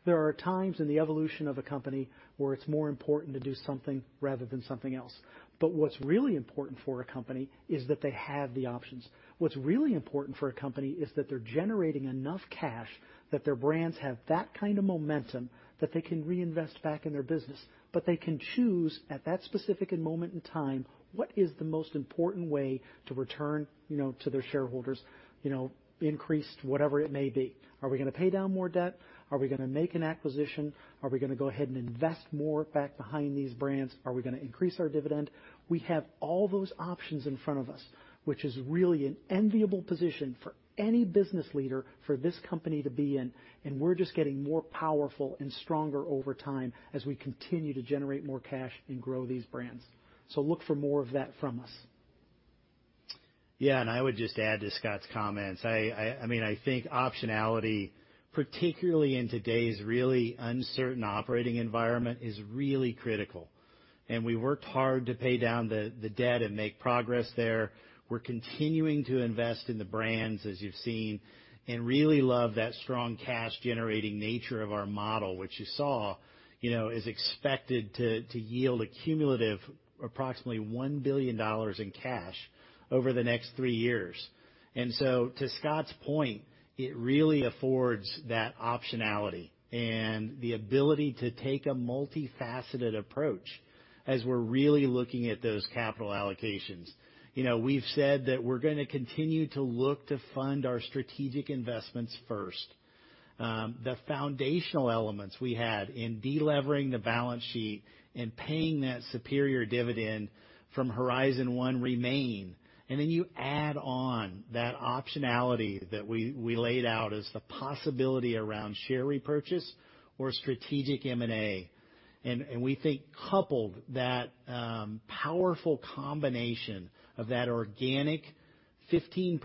There are times in the evolution of a company where it's more important to do something rather than something else. What's really important for a company is that they have the options. What's really important for a company is that they're generating enough cash, that their brands have that kind of momentum, that they can reinvest back in their business. They can choose at that specific moment in time what is the most important way to return to their shareholders, increase whatever it may be. Are we going to pay down more debt? Are we going to make an acquisition? Are we going to go ahead and invest more back behind these brands? Are we going to increase our dividend? We have all those options in front of us, which is really an enviable position for any business leader for this company to be in, and we're just getting more powerful and stronger over time as we continue to generate more cash and grow these brands. Look for more of that from us. I would just add to Scott's comments. I think optionality, particularly in today's really uncertain operating environment, is really critical. We worked hard to pay down the debt and make progress there. We're continuing to invest in the brands, as you've seen, and really love that strong cash-generating nature of our model, which you saw is expected to yield a cumulative approximately $1 billion in cash over the next three years. To Scott's point, it really affords that optionality and the ability to take a multifaceted approach as we're really looking at those capital allocations. We've said that we're going to continue to look to fund our strategic investments first. The foundational elements we had in de-levering the balance sheet and paying that superior dividend from Horizon One remain. Then you add on that optionality that we laid out as the possibility around share repurchase or strategic M&A. We think coupled that powerful combination of that organic 15%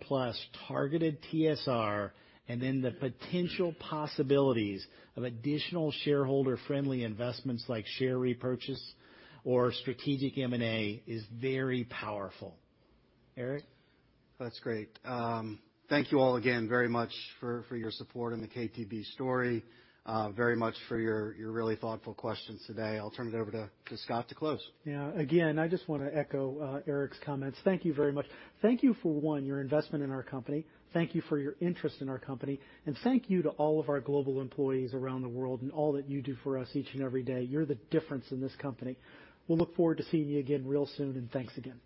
plus targeted TSR and then the potential possibilities of additional shareholder-friendly investments like share repurchase or strategic M&A is very powerful. Eric? That's great. Thank you all again very much for your support in the KTB story. Very much for your really thoughtful questions today. I'll turn it over to Scott to close. Yeah. Again, I just want to echo Eric's comments. Thank you very much. Thank you for, one, your investment in our company, thank you for your interest in our company, and thank you to all of our global employees around the world and all that you do for us each and every day. You're the difference in this company. We'll look forward to seeing you again real soon, and thanks again.